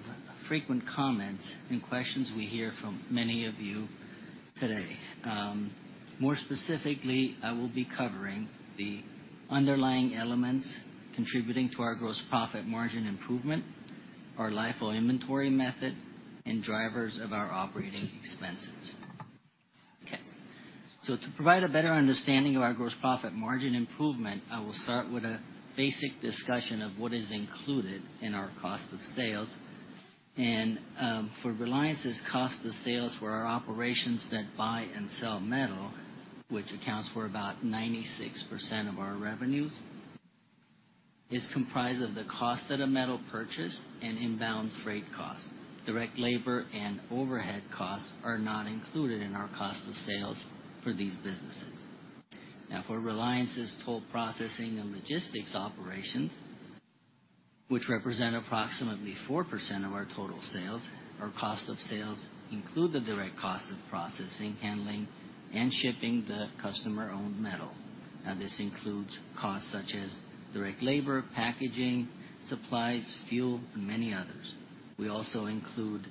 frequent comments and questions we hear from many of you today. More specifically, I will be covering the underlying elements contributing to our gross profit margin improvement, our LIFO inventory method, and drivers of our operating expenses. To provide a better understanding of our gross profit margin improvement, I will start with a basic discussion of what is included in our cost of sales. For Reliance's cost of sales, for our operations that buy and sell metal, which accounts for about 96% of our revenues, is comprised of the cost of the metal purchase and inbound freight costs. Direct labor and overhead costs are not included in our cost of sales for these businesses. For Reliance's toll processing and logistics operations, which represent approximately 4% of our total sales, our cost of sales include the direct cost of processing, handling, and shipping the customer-owned metal. This includes costs such as direct labor, packaging, supplies, fuel, and many others. We also include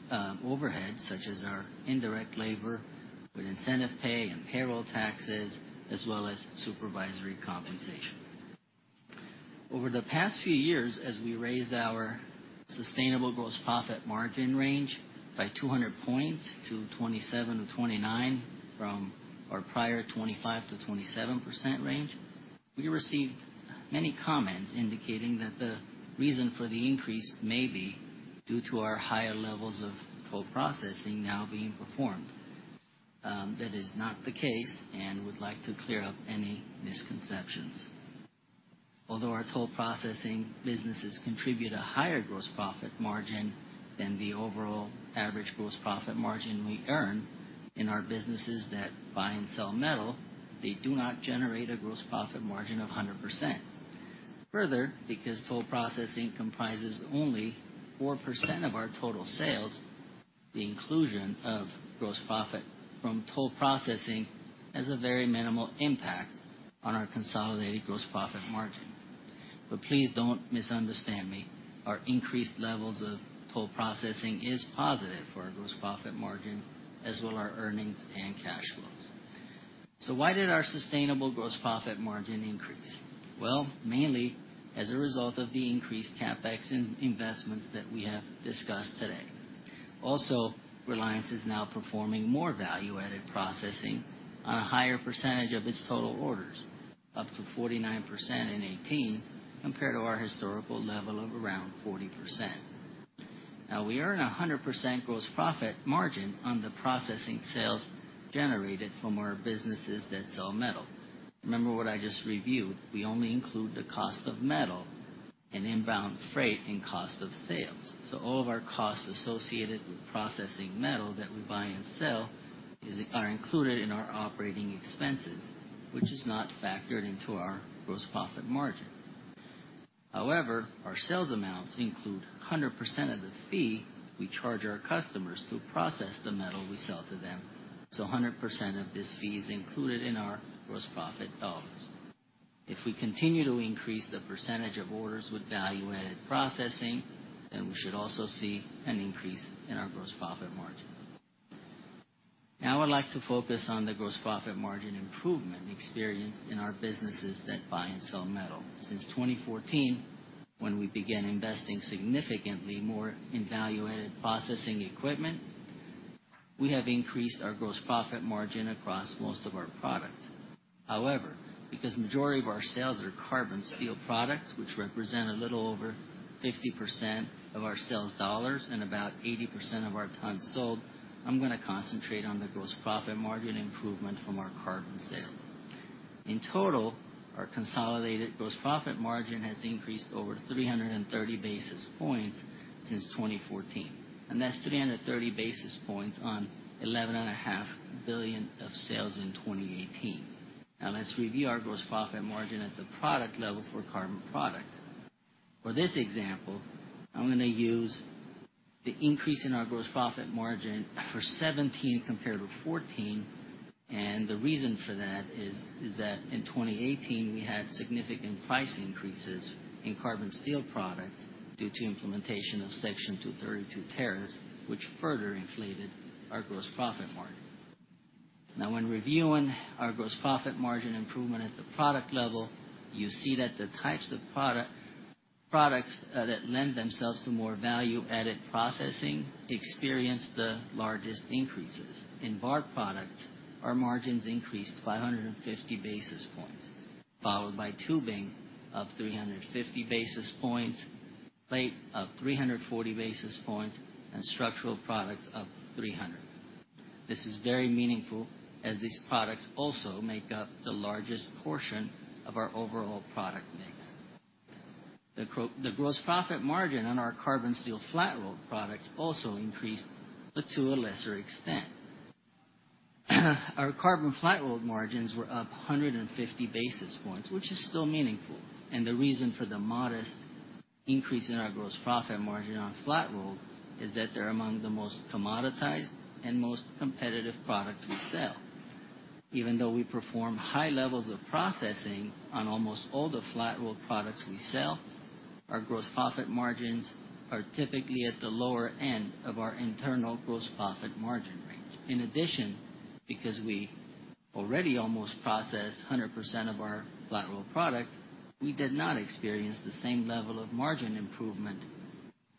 overhead, such as our indirect labor with incentive pay and payroll taxes, as well as supervisory compensation. Over the past few years, as we raised our sustainable gross profit margin range by 200 points to 27%-29% from our prior 25%-27% range, we received many comments indicating that the reason for the increase may be due to our higher levels of toll processing now being performed. That is not the case and would like to clear up any misconceptions. Although our toll processing businesses contribute a higher gross profit margin than the overall average gross profit margin we earn in our businesses that buy and sell metal, they do not generate a gross profit margin of 100%. Further, because toll processing comprises only 4% of our total sales, the inclusion of gross profit from toll processing has a very minimal impact on our consolidated gross profit margin. Please don't misunderstand me. Our increased levels of toll processing is positive for our gross profit margin, as well our earnings and cash flows. Why did our sustainable gross profit margin increase? Well, mainly as a result of the increased CapEx investments that we have discussed today. Also, Reliance is now performing more value-added processing on a higher percentage of its total orders, up to 49% in 2018, compared to our historical level of around 40%. Now, we earn 100% gross profit margin on the processing sales generated from our businesses that sell metal. Remember what I just reviewed, we only include the cost of metal and inbound freight and cost of sales. All of our costs associated with processing metal that we buy and sell are included in our operating expenses, which is not factored into our gross profit margin. Our sales amounts include 100% of the fee we charge our customers to process the metal we sell to them. 100% of this fee is included in our gross profit dollars. If we continue to increase the percentage of orders with value-added processing, we should also see an increase in our gross profit margin. I'd like to focus on the gross profit margin improvement experienced in our businesses that buy and sell metal. Since 2014, when we began investing significantly more in value-added processing equipment, we have increased our gross profit margin across most of our products. Because majority of our sales are carbon steel products, which represent a little over 50% of our sales dollars and about 80% of our tons sold, I'm going to concentrate on the gross profit margin improvement from our carbon sales. In total, our consolidated gross profit margin has increased over 330 basis points since 2014, and that's 330 basis points on $11.5 billion of sales in 2018. Let's review our gross profit margin at the product level for carbon products. For this example, I'm going to use the increase in our gross profit margin for 2017 compared with 2014, and the reason for that is that in 2018, we had significant price increases in carbon steel products due to implementation of Section 232 tariffs, which further inflated our gross profit margin. When reviewing our gross profit margin improvement at the product level, you see that the types of products that lend themselves to more value-added processing experience the largest increases. In bar products, our margins increased 550 basis points, followed by tubing of 350 basis points, plate of 340 basis points, and structural products of 300. This is very meaningful as these products also make up the largest portion of our overall product mix. The gross profit margin on our carbon steel flat-rolled products also increased, but to a lesser extent. Our carbon flat-rolled margins were up 150 basis points, which is still meaningful. The reason for the modest increase in our gross profit margin on flat-rolled is that they're among the most commoditized and most competitive products we sell. Even though we perform high levels of processing on almost all the flat-rolled products we sell, our gross profit margins are typically at the lower end of our internal gross profit margin range. In addition, because we already almost process 100% of our flat-rolled products, we did not experience the same level of margin improvement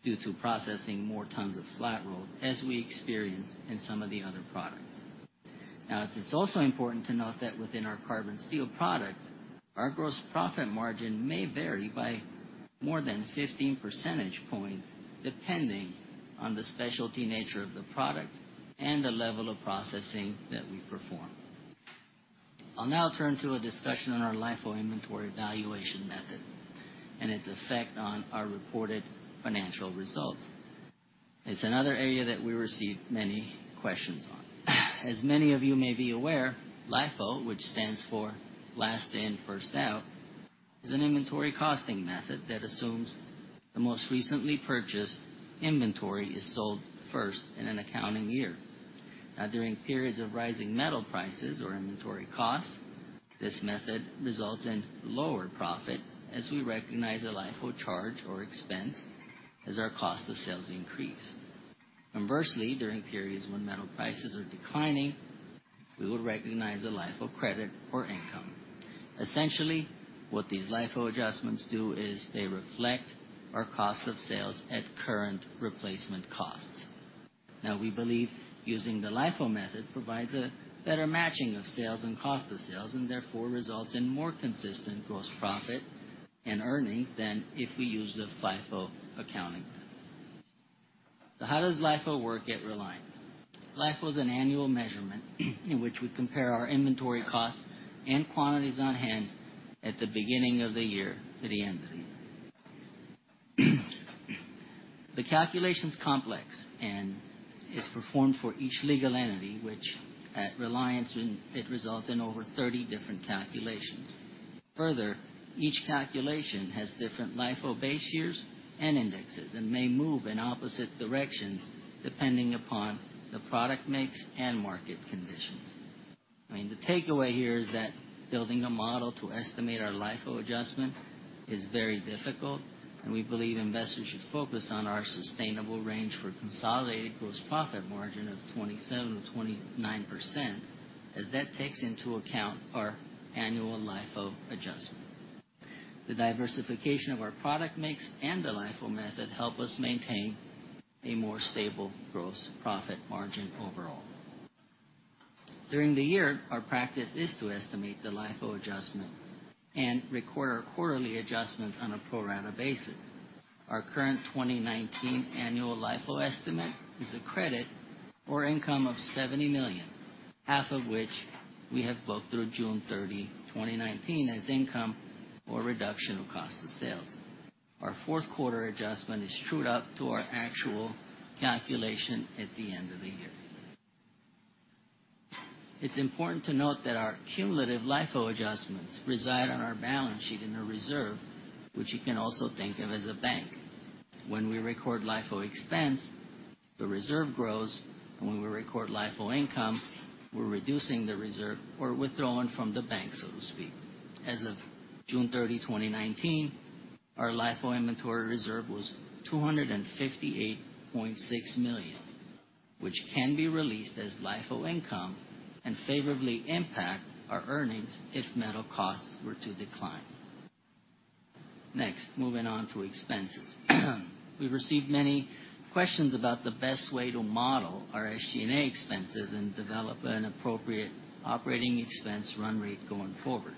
due to processing more tons of flat-rolled as we experienced in some of the other products. It's also important to note that within our carbon steel products, our gross profit margin may vary by more than 15 percentage points, depending on the specialty nature of the product and the level of processing that we perform. I'll now turn to a discussion on our LIFO inventory valuation method and its effect on our reported financial results. It's another area that we receive many questions on. As many of you may be aware, LIFO, which stands for Last In, First Out, is an inventory costing method that assumes the most recently purchased inventory is sold first in an accounting year. During periods of rising metal prices or inventory costs, this method results in lower profit as we recognize a LIFO charge or expense as our cost of sales increase. Conversely, during periods when metal prices are declining, we will recognize a LIFO credit or income. Essentially, what these LIFO adjustments do is they reflect our cost of sales at current replacement costs. Now, we believe using the LIFO method provides a better matching of sales and cost of sales, and therefore results in more consistent gross profit in earnings than if we use the FIFO accounting method. How does LIFO work at Reliance? LIFO is an annual measurement in which we compare our inventory costs and quantities on hand at the beginning of the year to the end of the year. The calculation's complex and is performed for each legal entity, which at Reliance, it results in over 30 different calculations. Further, each calculation has different LIFO base years and indexes and may move in opposite directions depending upon the product mix and market conditions. The takeaway here is that building a model to estimate our LIFO adjustment is very difficult, and we believe investors should focus on our sustainable range for consolidated gross profit margin of 27%-29%, as that takes into account our annual LIFO adjustment. The diversification of our product mix and the LIFO method help us maintain a more stable gross profit margin overall. During the year, our practice is to estimate the LIFO adjustment and record our quarterly adjustments on a pro-rata basis. Our current 2019 annual LIFO estimate is a credit or income of $70 million, half of which we have booked through June 30, 2019, as income or reduction of cost of sales. Our fourth quarter adjustment is trued up to our actual calculation at the end of the year. It's important to note that our cumulative LIFO adjustments reside on our balance sheet in a reserve, which you can also think of as a bank. When we record LIFO expense, the reserve grows, and when we record LIFO income, we're reducing the reserve or withdrawing from the bank, so to speak. As of June 30, 2019, our LIFO inventory reserve was $258.6 million, which can be released as LIFO income and favorably impact our earnings if metal costs were to decline. Next, moving on to expenses. We've received many questions about the best way to model our SG&A expenses and develop an appropriate operating expense run rate going forward.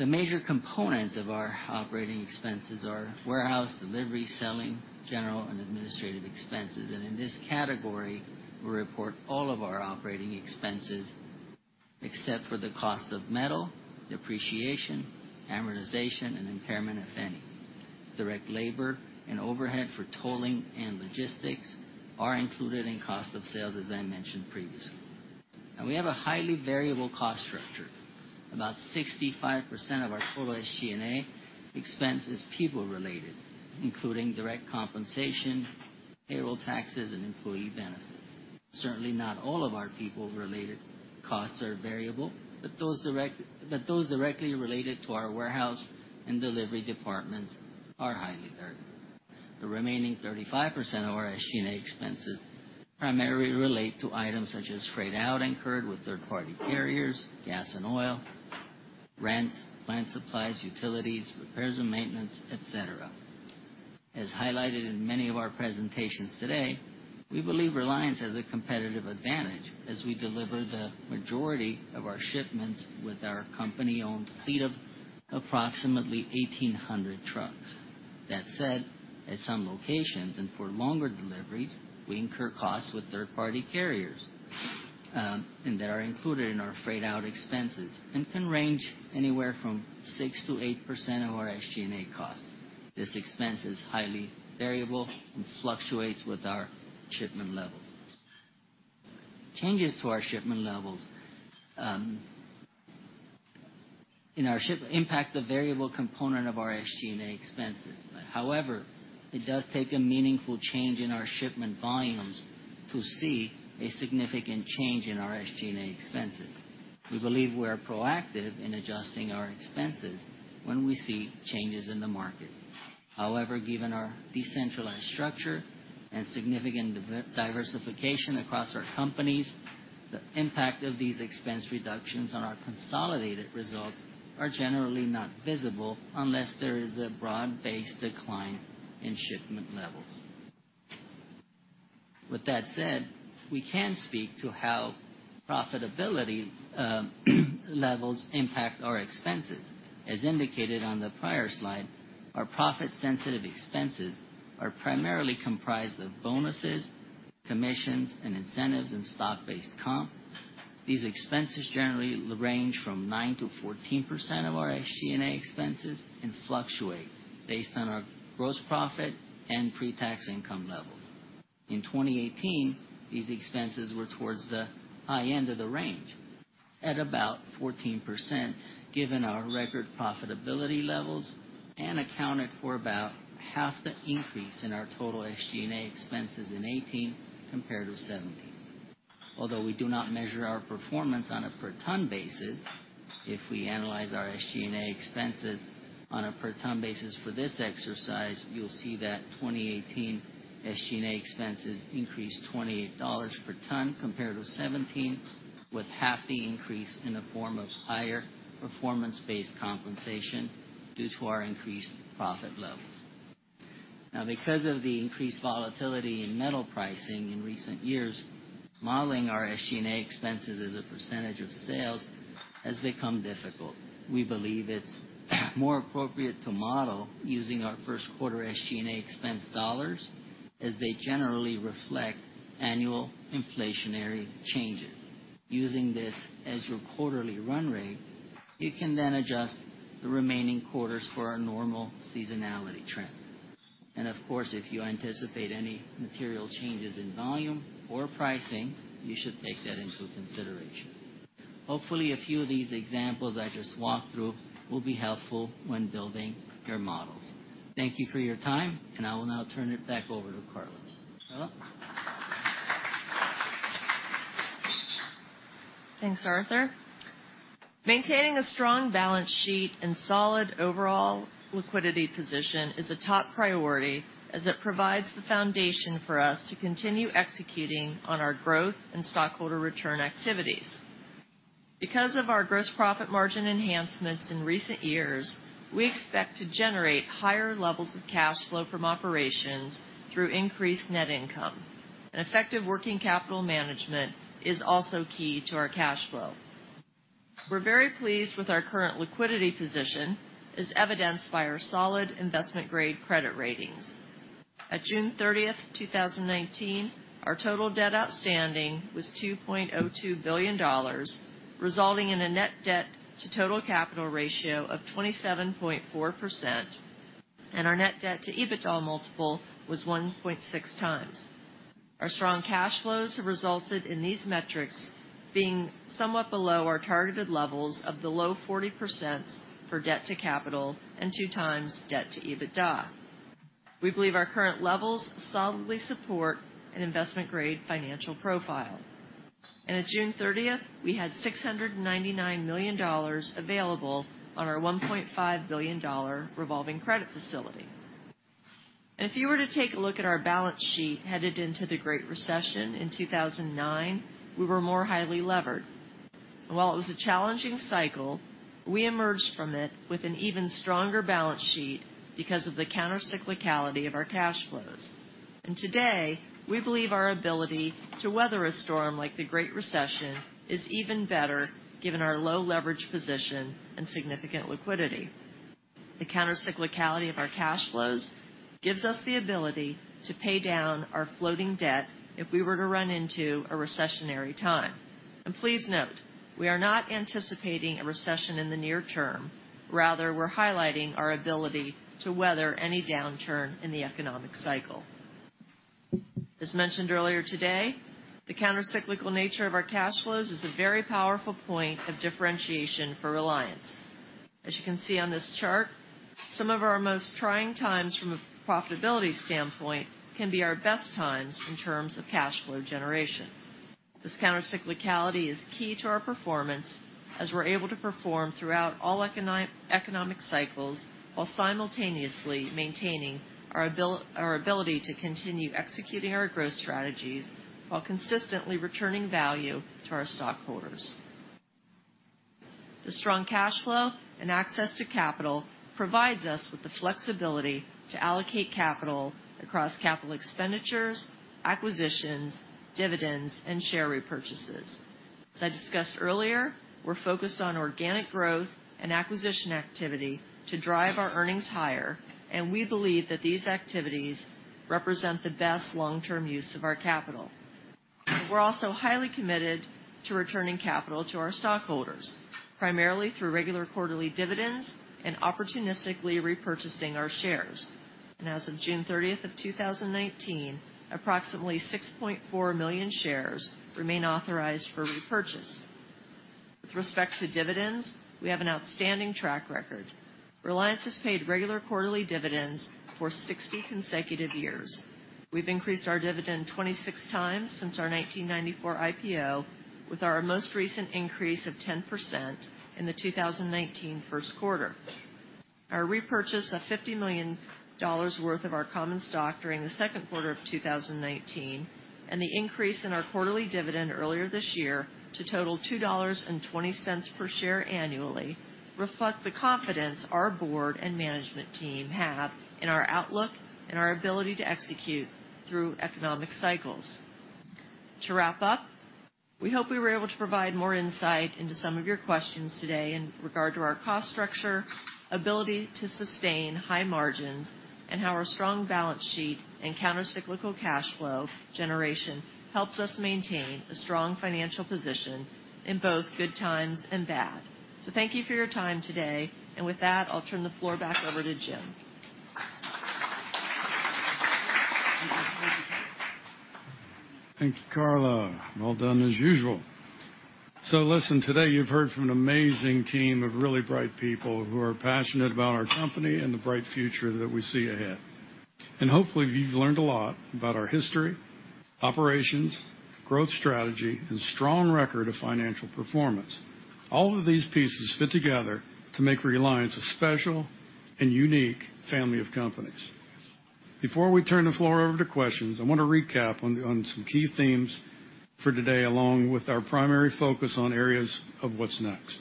The major components of our operating expenses are warehouse, delivery, selling, general, and administrative expenses, and in this category, we report all of our operating expenses except for the cost of metal, depreciation, amortization, and impairment, if any. Direct labor and overhead for tolling and logistics are included in cost of sales, as I mentioned previously. Now we have a highly variable cost structure. About 65% of our total SG&A expense is people related, including direct compensation, payroll taxes, and employee benefits. Certainly, not all of our people-related costs are variable, but those directly related to our warehouse and delivery departments are highly variable. The remaining 35% of our SG&A expenses primarily relate to items such as freight-out incurred with third-party carriers, gas and oil, rent, plant supplies, utilities, repairs and maintenance, et cetera. As highlighted in many of our presentations today, we believe Reliance has a competitive advantage as we deliver the majority of our shipments with our company-owned fleet of approximately 1,800 trucks. That said, at some locations and for longer deliveries, we incur costs with third-party carriers, and they are included in our freight-out expenses and can range anywhere from 6%-8% of our SG&A costs. This expense is highly variable and fluctuates with our shipment levels. Changes to our shipment levels impact the variable component of our SG&A expenses. However, it does take a meaningful change in our shipment volumes to see a significant change in our SG&A expenses. We believe we are proactive in adjusting our expenses when we see changes in the market. Given our decentralized structure and significant diversification across our companies, the impact of these expense reductions on our consolidated results are generally not visible unless there is a broad-based decline in shipment levels. With that said, we can speak to how profitability levels impact our expenses. As indicated on the prior slide, our profit-sensitive expenses are primarily comprised of bonuses, commissions, and incentives, and stock-based comp. These expenses generally range from 9%-14% of our SG&A expenses and fluctuate based on our gross profit and pre-tax income levels. In 2018, these expenses were towards the high end of the range at about 14%, given our record profitability levels, and accounted for about half the increase in our total SG&A expenses in 2018 compared with 2017. Although we do not measure our performance on a per ton basis, if we analyze our SG&A expenses on a per ton basis for this exercise, you'll see that 2018 SG&A expenses increased $28 per ton compared with 2017, with half the increase in the form of higher performance-based compensation due to our increased profit levels. Now, because of the increased volatility in metal pricing in recent years, modeling our SG&A expenses as a percentage of sales has become difficult. We believe it's more appropriate to model using our first quarter SG&A expense dollars, as they generally reflect annual inflationary changes. Using this as your quarterly run rate, you can then adjust the remaining quarters for our normal seasonality trends. Of course, if you anticipate any material changes in volume or pricing, you should take that into consideration. Hopefully, a few of these examples I just walked through will be helpful when building your models. Thank you for your time, and I will now turn it back over to Karla. Thanks, Arthur. Maintaining a strong balance sheet and solid overall liquidity position is a top priority, as it provides the foundation for us to continue executing on our growth and stockholder return activities. Because of our gross profit margin enhancements in recent years, we expect to generate higher levels of cash flow from operations through increased net income. An effective working capital management is also key to our cash flow. We're very pleased with our current liquidity position, as evidenced by our solid investment-grade credit ratings. At June 30, 2019, our total debt outstanding was $2.02 billion, resulting in a net debt to total capital ratio of 27.4%, and our net debt to EBITDA multiple was 1.6 times. Our strong cash flows have resulted in these metrics being somewhat below our targeted levels of the low 40% for debt to capital, and 2 times debt to EBITDA. We believe our current levels solidly support an investment-grade financial profile. At June 30th, we had $699 million available on our $1.5 billion revolving credit facility. If you were to take a look at our balance sheet headed into the Great Recession in 2009, we were more highly levered. While it was a challenging cycle, we emerged from it with an even stronger balance sheet because of the countercyclicality of our cash flows. Today, we believe our ability to weather a storm like the Great Recession is even better, given our low leverage position and significant liquidity. The countercyclicality of our cash flows gives us the ability to pay down our floating debt if we were to run into a recessionary time. Please note, we are not anticipating a recession in the near term. Rather, we're highlighting our ability to weather any downturn in the economic cycle. As mentioned earlier today, the countercyclical nature of our cash flows is a very powerful point of differentiation for Reliance. As you can see on this chart, some of our most trying times from a profitability standpoint can be our best times in terms of cash flow generation. This countercyclicality is key to our performance as we're able to perform throughout all economic cycles while simultaneously maintaining our ability to continue executing our growth strategies while consistently returning value to our stockholders. The strong cash flow and access to capital provides us with the flexibility to allocate capital across capital expenditures, acquisitions, dividends, and share repurchases. As I discussed earlier, we're focused on organic growth and acquisition activity to drive our earnings higher, and we believe that these activities represent the best long-term use of our capital. We're also highly committed to returning capital to our stockholders, primarily through regular quarterly dividends and opportunistically repurchasing our shares. As of June 30th of 2019, approximately 6.4 million shares remain authorized for repurchase. With respect to dividends, we have an outstanding track record. Reliance has paid regular quarterly dividends for 60 consecutive years. We've increased our dividend 26 times since our 1994 IPO, with our most recent increase of 10% in the 2019 first quarter. Our repurchase of $50 million worth of our common stock during the second quarter of 2019 and the increase in our quarterly dividend earlier this year to total $2.20 per share annually reflect the confidence our board and management team have in our outlook and our ability to execute through economic cycles. To wrap up, we hope we were able to provide more insight into some of your questions today in regard to our cost structure, ability to sustain high margins, and how our strong balance sheet and countercyclical cash flow generation helps us maintain a strong financial position in both good times and bad. Thank you for your time today. With that, I'll turn the floor back over to Jim. Thank you, Karla. Well done, as usual. Listen, today you've heard from an amazing team of really bright people who are passionate about our company and the bright future that we see ahead. Hopefully, you've learned a lot about our history, operations, growth strategy, and strong record of financial performance. All of these pieces fit together to make Reliance a special and unique family of companies. Before we turn the floor over to questions, I want to recap on some key themes for today, along with our primary focus on areas of what's next.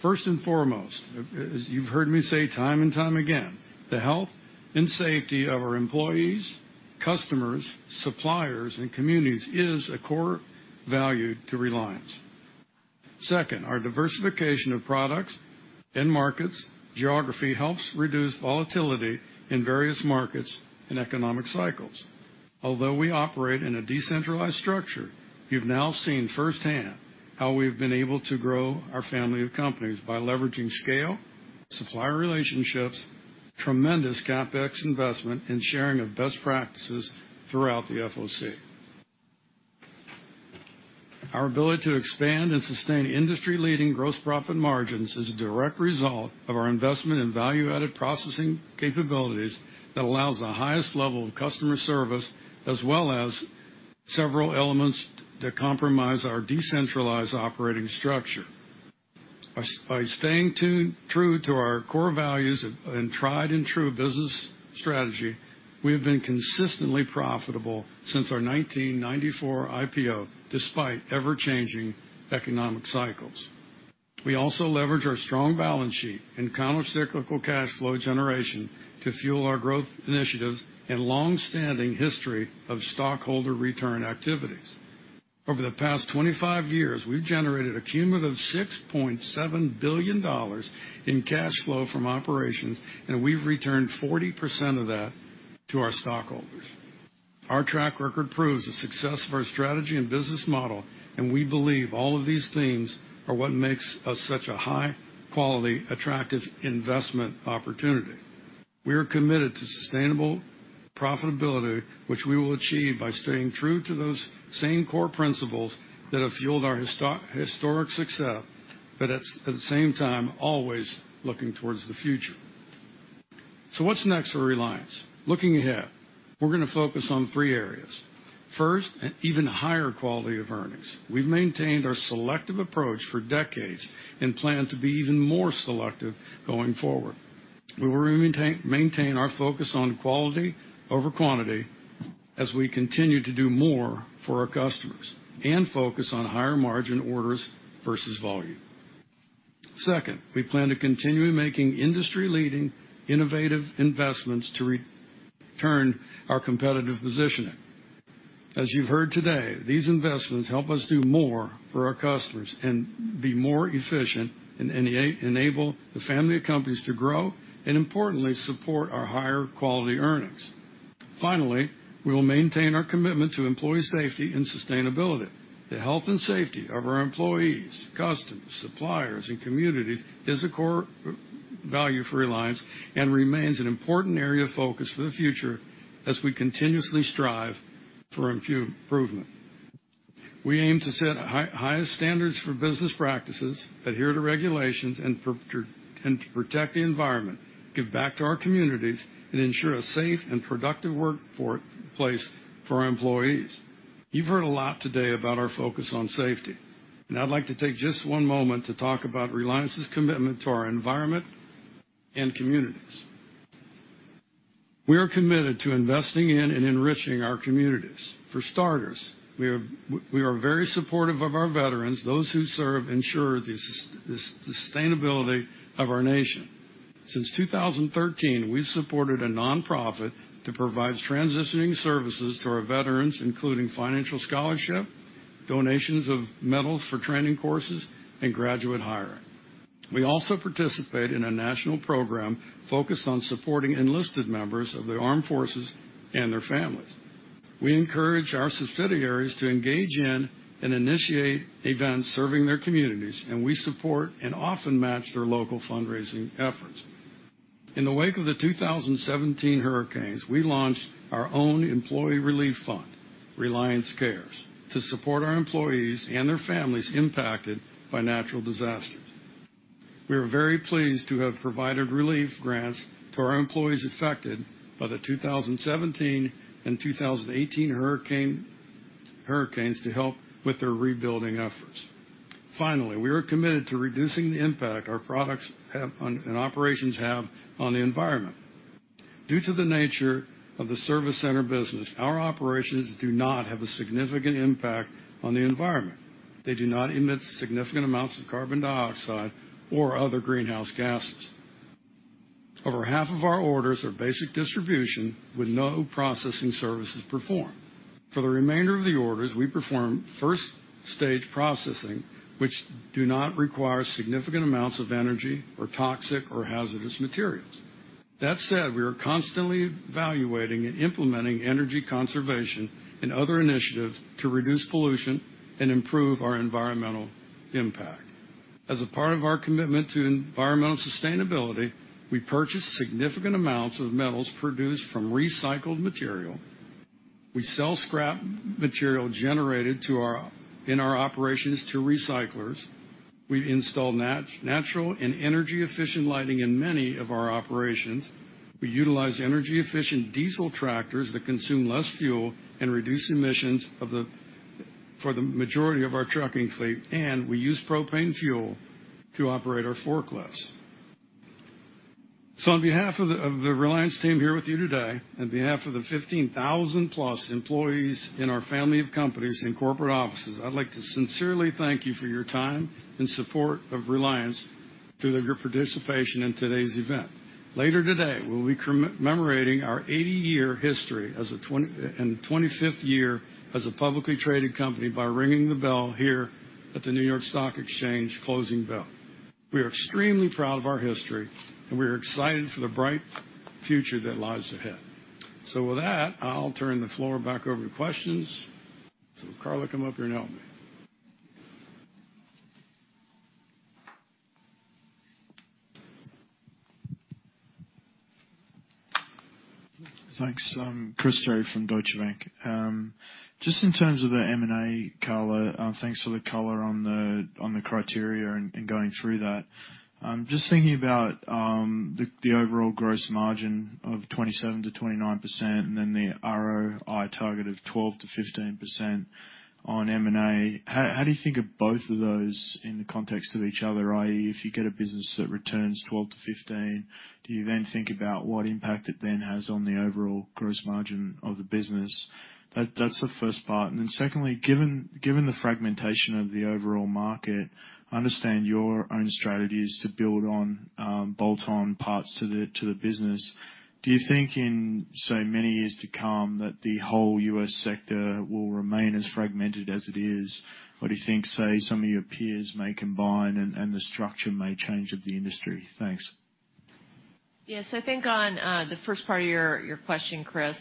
First and foremost, as you've heard me say time and time again, the health and safety of our employees, customers, suppliers, and communities is a core value to Reliance. Second, our diversification of products and markets, geography helps reduce volatility in various markets and economic cycles. Although we operate in a decentralized structure, you've now seen firsthand how we've been able to grow our family of companies by leveraging scale, supplier relationships, tremendous CapEx investment in sharing of best practices throughout the FOC. Our ability to expand and sustain industry-leading gross profit margins is a direct result of our investment in value-added processing capabilities that allows the highest level of customer service, as well as several elements that comprise our decentralized operating structure. By staying true to our core values and tried-and-true business strategy, we have been consistently profitable since our 1994 IPO, despite ever-changing economic cycles. We also leverage our strong balance sheet and counter-cyclical cash flow generation to fuel our growth initiatives and long-standing history of stockholder return activities. Over the past 25 years, we've generated a cumulative $6.7 billion in cash flow from operations, and we've returned 40% of that to our stockholders. Our track record proves the success of our strategy and business model, and we believe all of these things are what makes us such a high-quality, attractive investment opportunity. We are committed to sustainable profitability, which we will achieve by staying true to those same core principles that have fueled our historic success, but at the same time, always looking towards the future. What's next for Reliance? Looking ahead, we're going to focus on three areas. First, an even higher quality of earnings. We've maintained our selective approach for decades and plan to be even more selective going forward. We will maintain our focus on quality over quantity as we continue to do more for our customers and focus on higher-margin orders versus volume. Second, we plan to continue making industry-leading innovative investments to return our competitive positioning. As you've heard today, these investments help us do more for our customers and be more efficient and enable the family of companies to grow and, importantly, support our higher-quality earnings. Finally, we will maintain our commitment to employee safety and sustainability. The health and safety of our employees, customers, suppliers, and communities is a core value for Reliance and remains an important area of focus for the future as we continuously strive for improvement. We aim to set highest standards for business practices, adhere to regulations, and protect the environment, give back to our communities, and ensure a safe and productive workplace for our employees. You've heard a lot today about our focus on safety, and I'd like to take just one moment to talk about Reliance's commitment to our environment and communities. We are committed to investing in and enriching our communities. For starters, we are very supportive of our veterans, those who serve ensure the sustainability of our nation. Since 2013, we've supported a nonprofit that provides transitioning services to our veterans, including financial scholarship, donations of metals for training courses, and graduate hiring. We also participate in a national program focused on supporting enlisted members of the armed forces and their families. We encourage our subsidiaries to engage in and initiate events serving their communities, and we support and often match their local fundraising efforts. In the wake of the 2017 hurricanes, we launched our own employee relief fund, Reliance Cares, to support our employees and their families impacted by natural disasters. We are very pleased to have provided relief grants to our employees affected by the 2017 and 2018 hurricanes to help with their rebuilding efforts. Finally, we are committed to reducing the impact our products have on, and operations have on the environment. Due to the nature of the service center business, our operations do not have a significant impact on the environment. They do not emit significant amounts of carbon dioxide or other greenhouse gases. Over half of our orders are basic distribution with no processing services performed. For the remainder of the orders, we perform first-stage processing, which do not require significant amounts of energy or toxic or hazardous materials. That said, we are constantly evaluating and implementing energy conservation and other initiatives to reduce pollution and improve our environmental impact. As a part of our commitment to environmental sustainability, we purchase significant amounts of metals produced from recycled material. We sell scrap material generated in our operations to recyclers. We install natural and energy-efficient lighting in many of our operations. We utilize energy-efficient diesel tractors that consume less fuel and reduce emissions for the majority of our trucking fleet, and we use propane fuel to operate our forklifts. On behalf of the Reliance team here with you today, on behalf of the 15,000-plus employees in our family of companies and corporate offices, I'd like to sincerely thank you for your time and support of Reliance through your participation in today's event. Later today, we'll be commemorating our 80-year history and 25th year as a publicly traded company by ringing the bell here at the New York Stock Exchange closing bell. We are extremely proud of our history, and we are excited for the bright future that lies ahead. With that, I'll turn the floor back over to questions. Karla, come up here and help me Thanks. Chris Terry from Deutsche Bank. Just in terms of the M&A, Karla, thanks for the color on the criteria and going through that. Just thinking about the overall gross margin of 27%-29% and then the ROI target of 12%-15% on M&A. How do you think of both of those in the context of each other, i.e., if you get a business that returns 12%-15%, do you then think about what impact it then has on the overall gross margin of the business? That's the first part. Secondly, given the fragmentation of the overall market, I understand your own strategy is to build on bolt-on parts to the business. Do you think in so many years to come that the whole U.S. sector will remain as fragmented as it is? Do you think, say, some of your peers may combine and the structure may change of the industry? Thanks. Yes. I think on the first part of your question, Chris,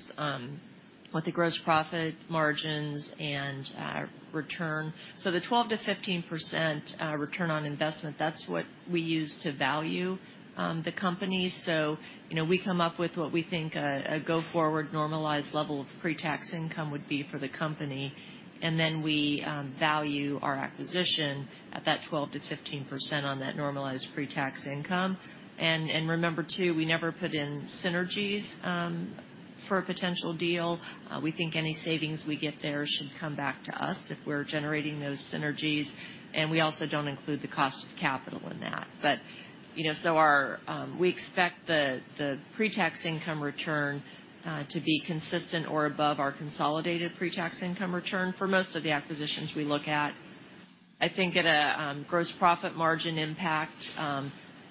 with the gross profit margins and return. The 12%-15% return on investment, that's what we use to value the company. We come up with what we think a go-forward normalized level of pre-tax income would be for the company, and then we value our acquisition at that 12%-15% on that normalized pre-tax income. Remember too, we never put in synergies for a potential deal. We think any savings we get there should come back to us if we're generating those synergies. We also don't include the cost of capital in that. We expect the pre-tax income return to be consistent or above our consolidated pre-tax income return for most of the acquisitions we look at. I think at a gross profit margin impact,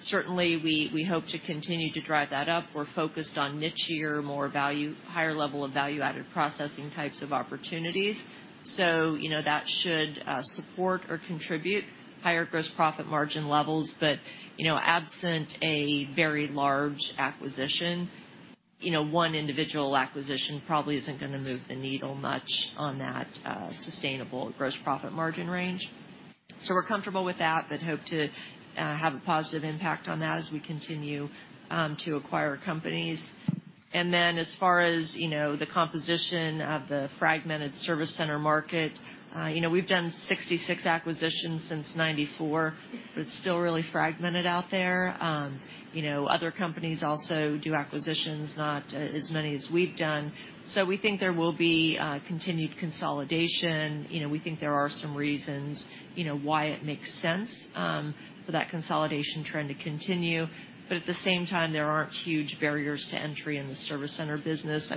certainly we hope to continue to drive that up. We're focused on niche-ier, more value, higher level of value-added processing types of opportunities. That should support or contribute higher gross profit margin levels. Absent a very large acquisition, one individual acquisition probably isn't going to move the needle much on that sustainable gross profit margin range. We're comfortable with that, but hope to have a positive impact on that as we continue to acquire companies. As far as the composition of the fragmented service center market, we've done 66 acquisitions since 1994, but it's still really fragmented out there. Other companies also do acquisitions, not as many as we've done. We think there will be continued consolidation. We think there are some reasons why it makes sense for that consolidation trend to continue. At the same time, there aren't huge barriers to entry in the service center business.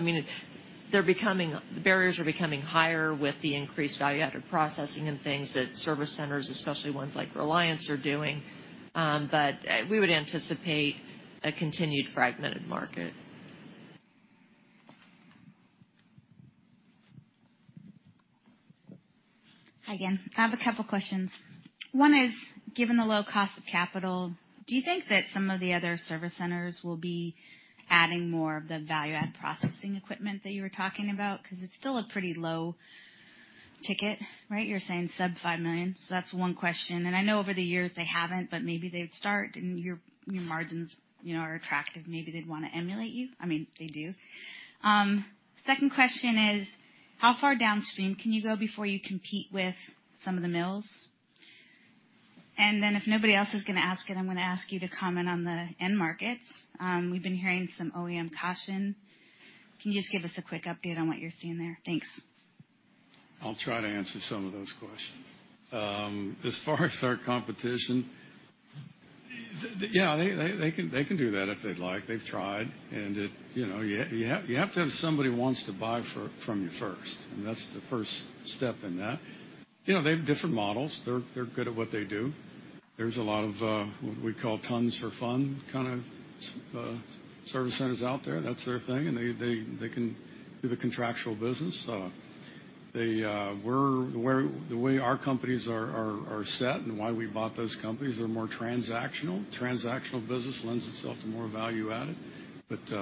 The barriers are becoming higher with the increased value-added processing and things that service centers, especially ones like Reliance, are doing. We would anticipate a continued fragmented market. Hi again. I have a couple questions. One is, given the low cost of capital, do you think that some of the other service centers will be adding more of the value-add processing equipment that you were talking about? Because it's still a pretty low ticket. You're saying sub $5 million. That's one question. I know over the years they haven't, but maybe they'd start, and your margins are attractive. Maybe they'd want to emulate you. I mean, they do. Second question is, how far downstream can you go before you compete with some of the mills? If nobody else is going to ask it, I'm going to ask you to comment on the end markets. We've been hearing some OEM caution. Can you just give us a quick update on what you're seeing there? Thanks. I'll try to answer some of those questions. As far as our competition, yeah, they can do that if they'd like. They've tried. You have to have somebody who wants to buy from you first, and that's the first step in that. They have different models. They're good at what they do. There's a lot of what we call tons for fun kind of service centers out there. That's their thing, and they can do the contractual business. The way our companies are set and why we bought those companies, they're more transactional. Transactional business lends itself to more value-added. It's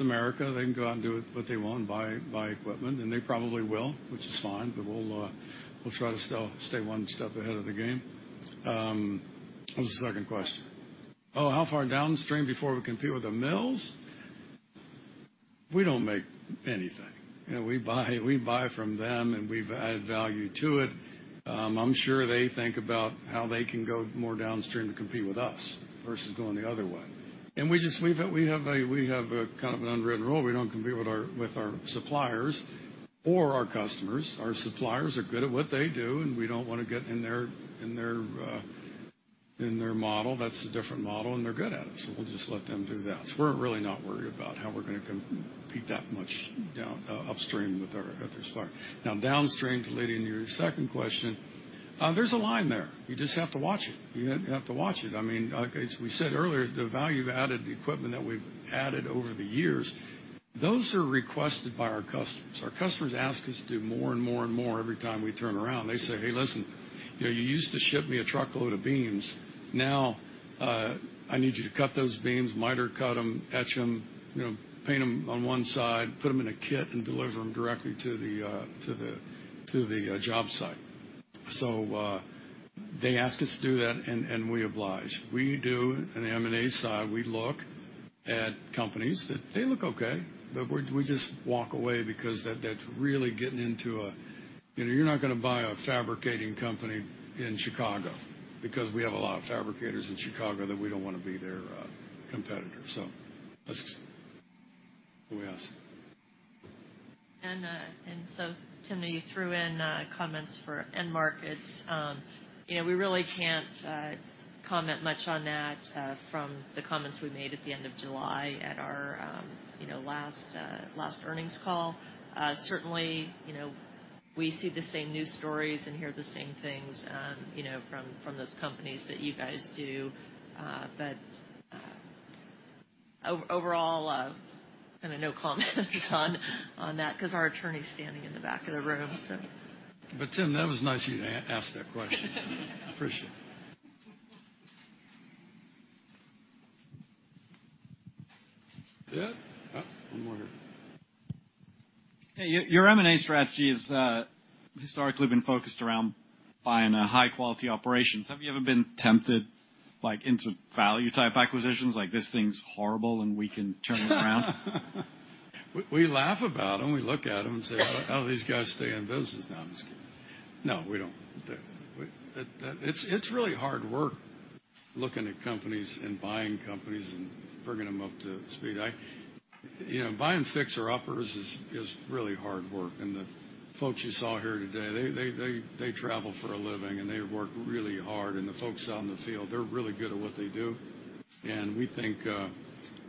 America. They can go out and do what they want and buy equipment, and they probably will, which is fine, but we'll try to stay one step ahead of the game. What was the second question? Oh, how far downstream before we compete with the mills? We don't make anything. We buy from them, and we've added value to it. I'm sure they think about how they can go more downstream to compete with us versus going the other way. We have a kind of an unwritten rule. We don't compete with our suppliers or our customers. Our suppliers are good at what they do, and we don't want to get in their model. That's a different model, and they're good at it, so we'll just let them do that. We're really not worried about how we're going to compete that much upstream with our supplier. Now, downstream, to lead into your second question, there's a line there. You just have to watch it. You have to watch it. As we said earlier, the value-added equipment that we've added over the years, those are requested by our customers. Our customers ask us to do more and more and more every time we turn around. They say, "Hey, listen. You used to ship me a truckload of beams. Now I need you to cut those beams, miter cut them, etch them, paint them on one side, put them in a kit, and deliver them directly to the job site." They ask us to do that, and we oblige. We do an M&A side. We look at companies that they look okay, but we just walk away because you're not going to buy a fabricating company in Chicago because we have a lot of fabricators in Chicago that we don't want to be their competitor. Let's Who else? Timna, you threw in comments for end markets. We really can't comment much on that from the comments we made at the end of July at our last earnings call. Certainly, we see the same news stories and hear the same things from those companies that you guys do. Overall, kind of no comment on that because our attorney's standing in the back of the room. Tim, that was nice of you to ask that question. Appreciate it. That, one more here. Hey, your M&A strategy has historically been focused around buying high-quality operations. Have you ever been tempted into value-type acquisitions like this thing's horrible, and we can turn it around? We laugh about them. We look at them and say, "How do these guys stay in business?" No, I'm just kidding. No, we don't. It's really hard work looking at companies and buying companies and bringing them up to speed. Buying fixer-uppers is really hard work, and the folks you saw here today, they travel for a living, and they work really hard, and the folks out in the field, they're really good at what they do. We think,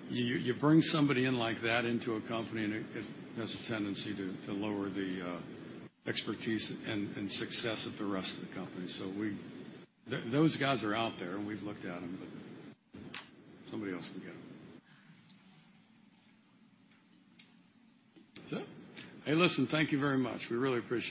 you bring somebody in like that into a company, and it has a tendency to lower the expertise and success of the rest of the company. Those guys are out there, and we've looked at them, but somebody else can get them.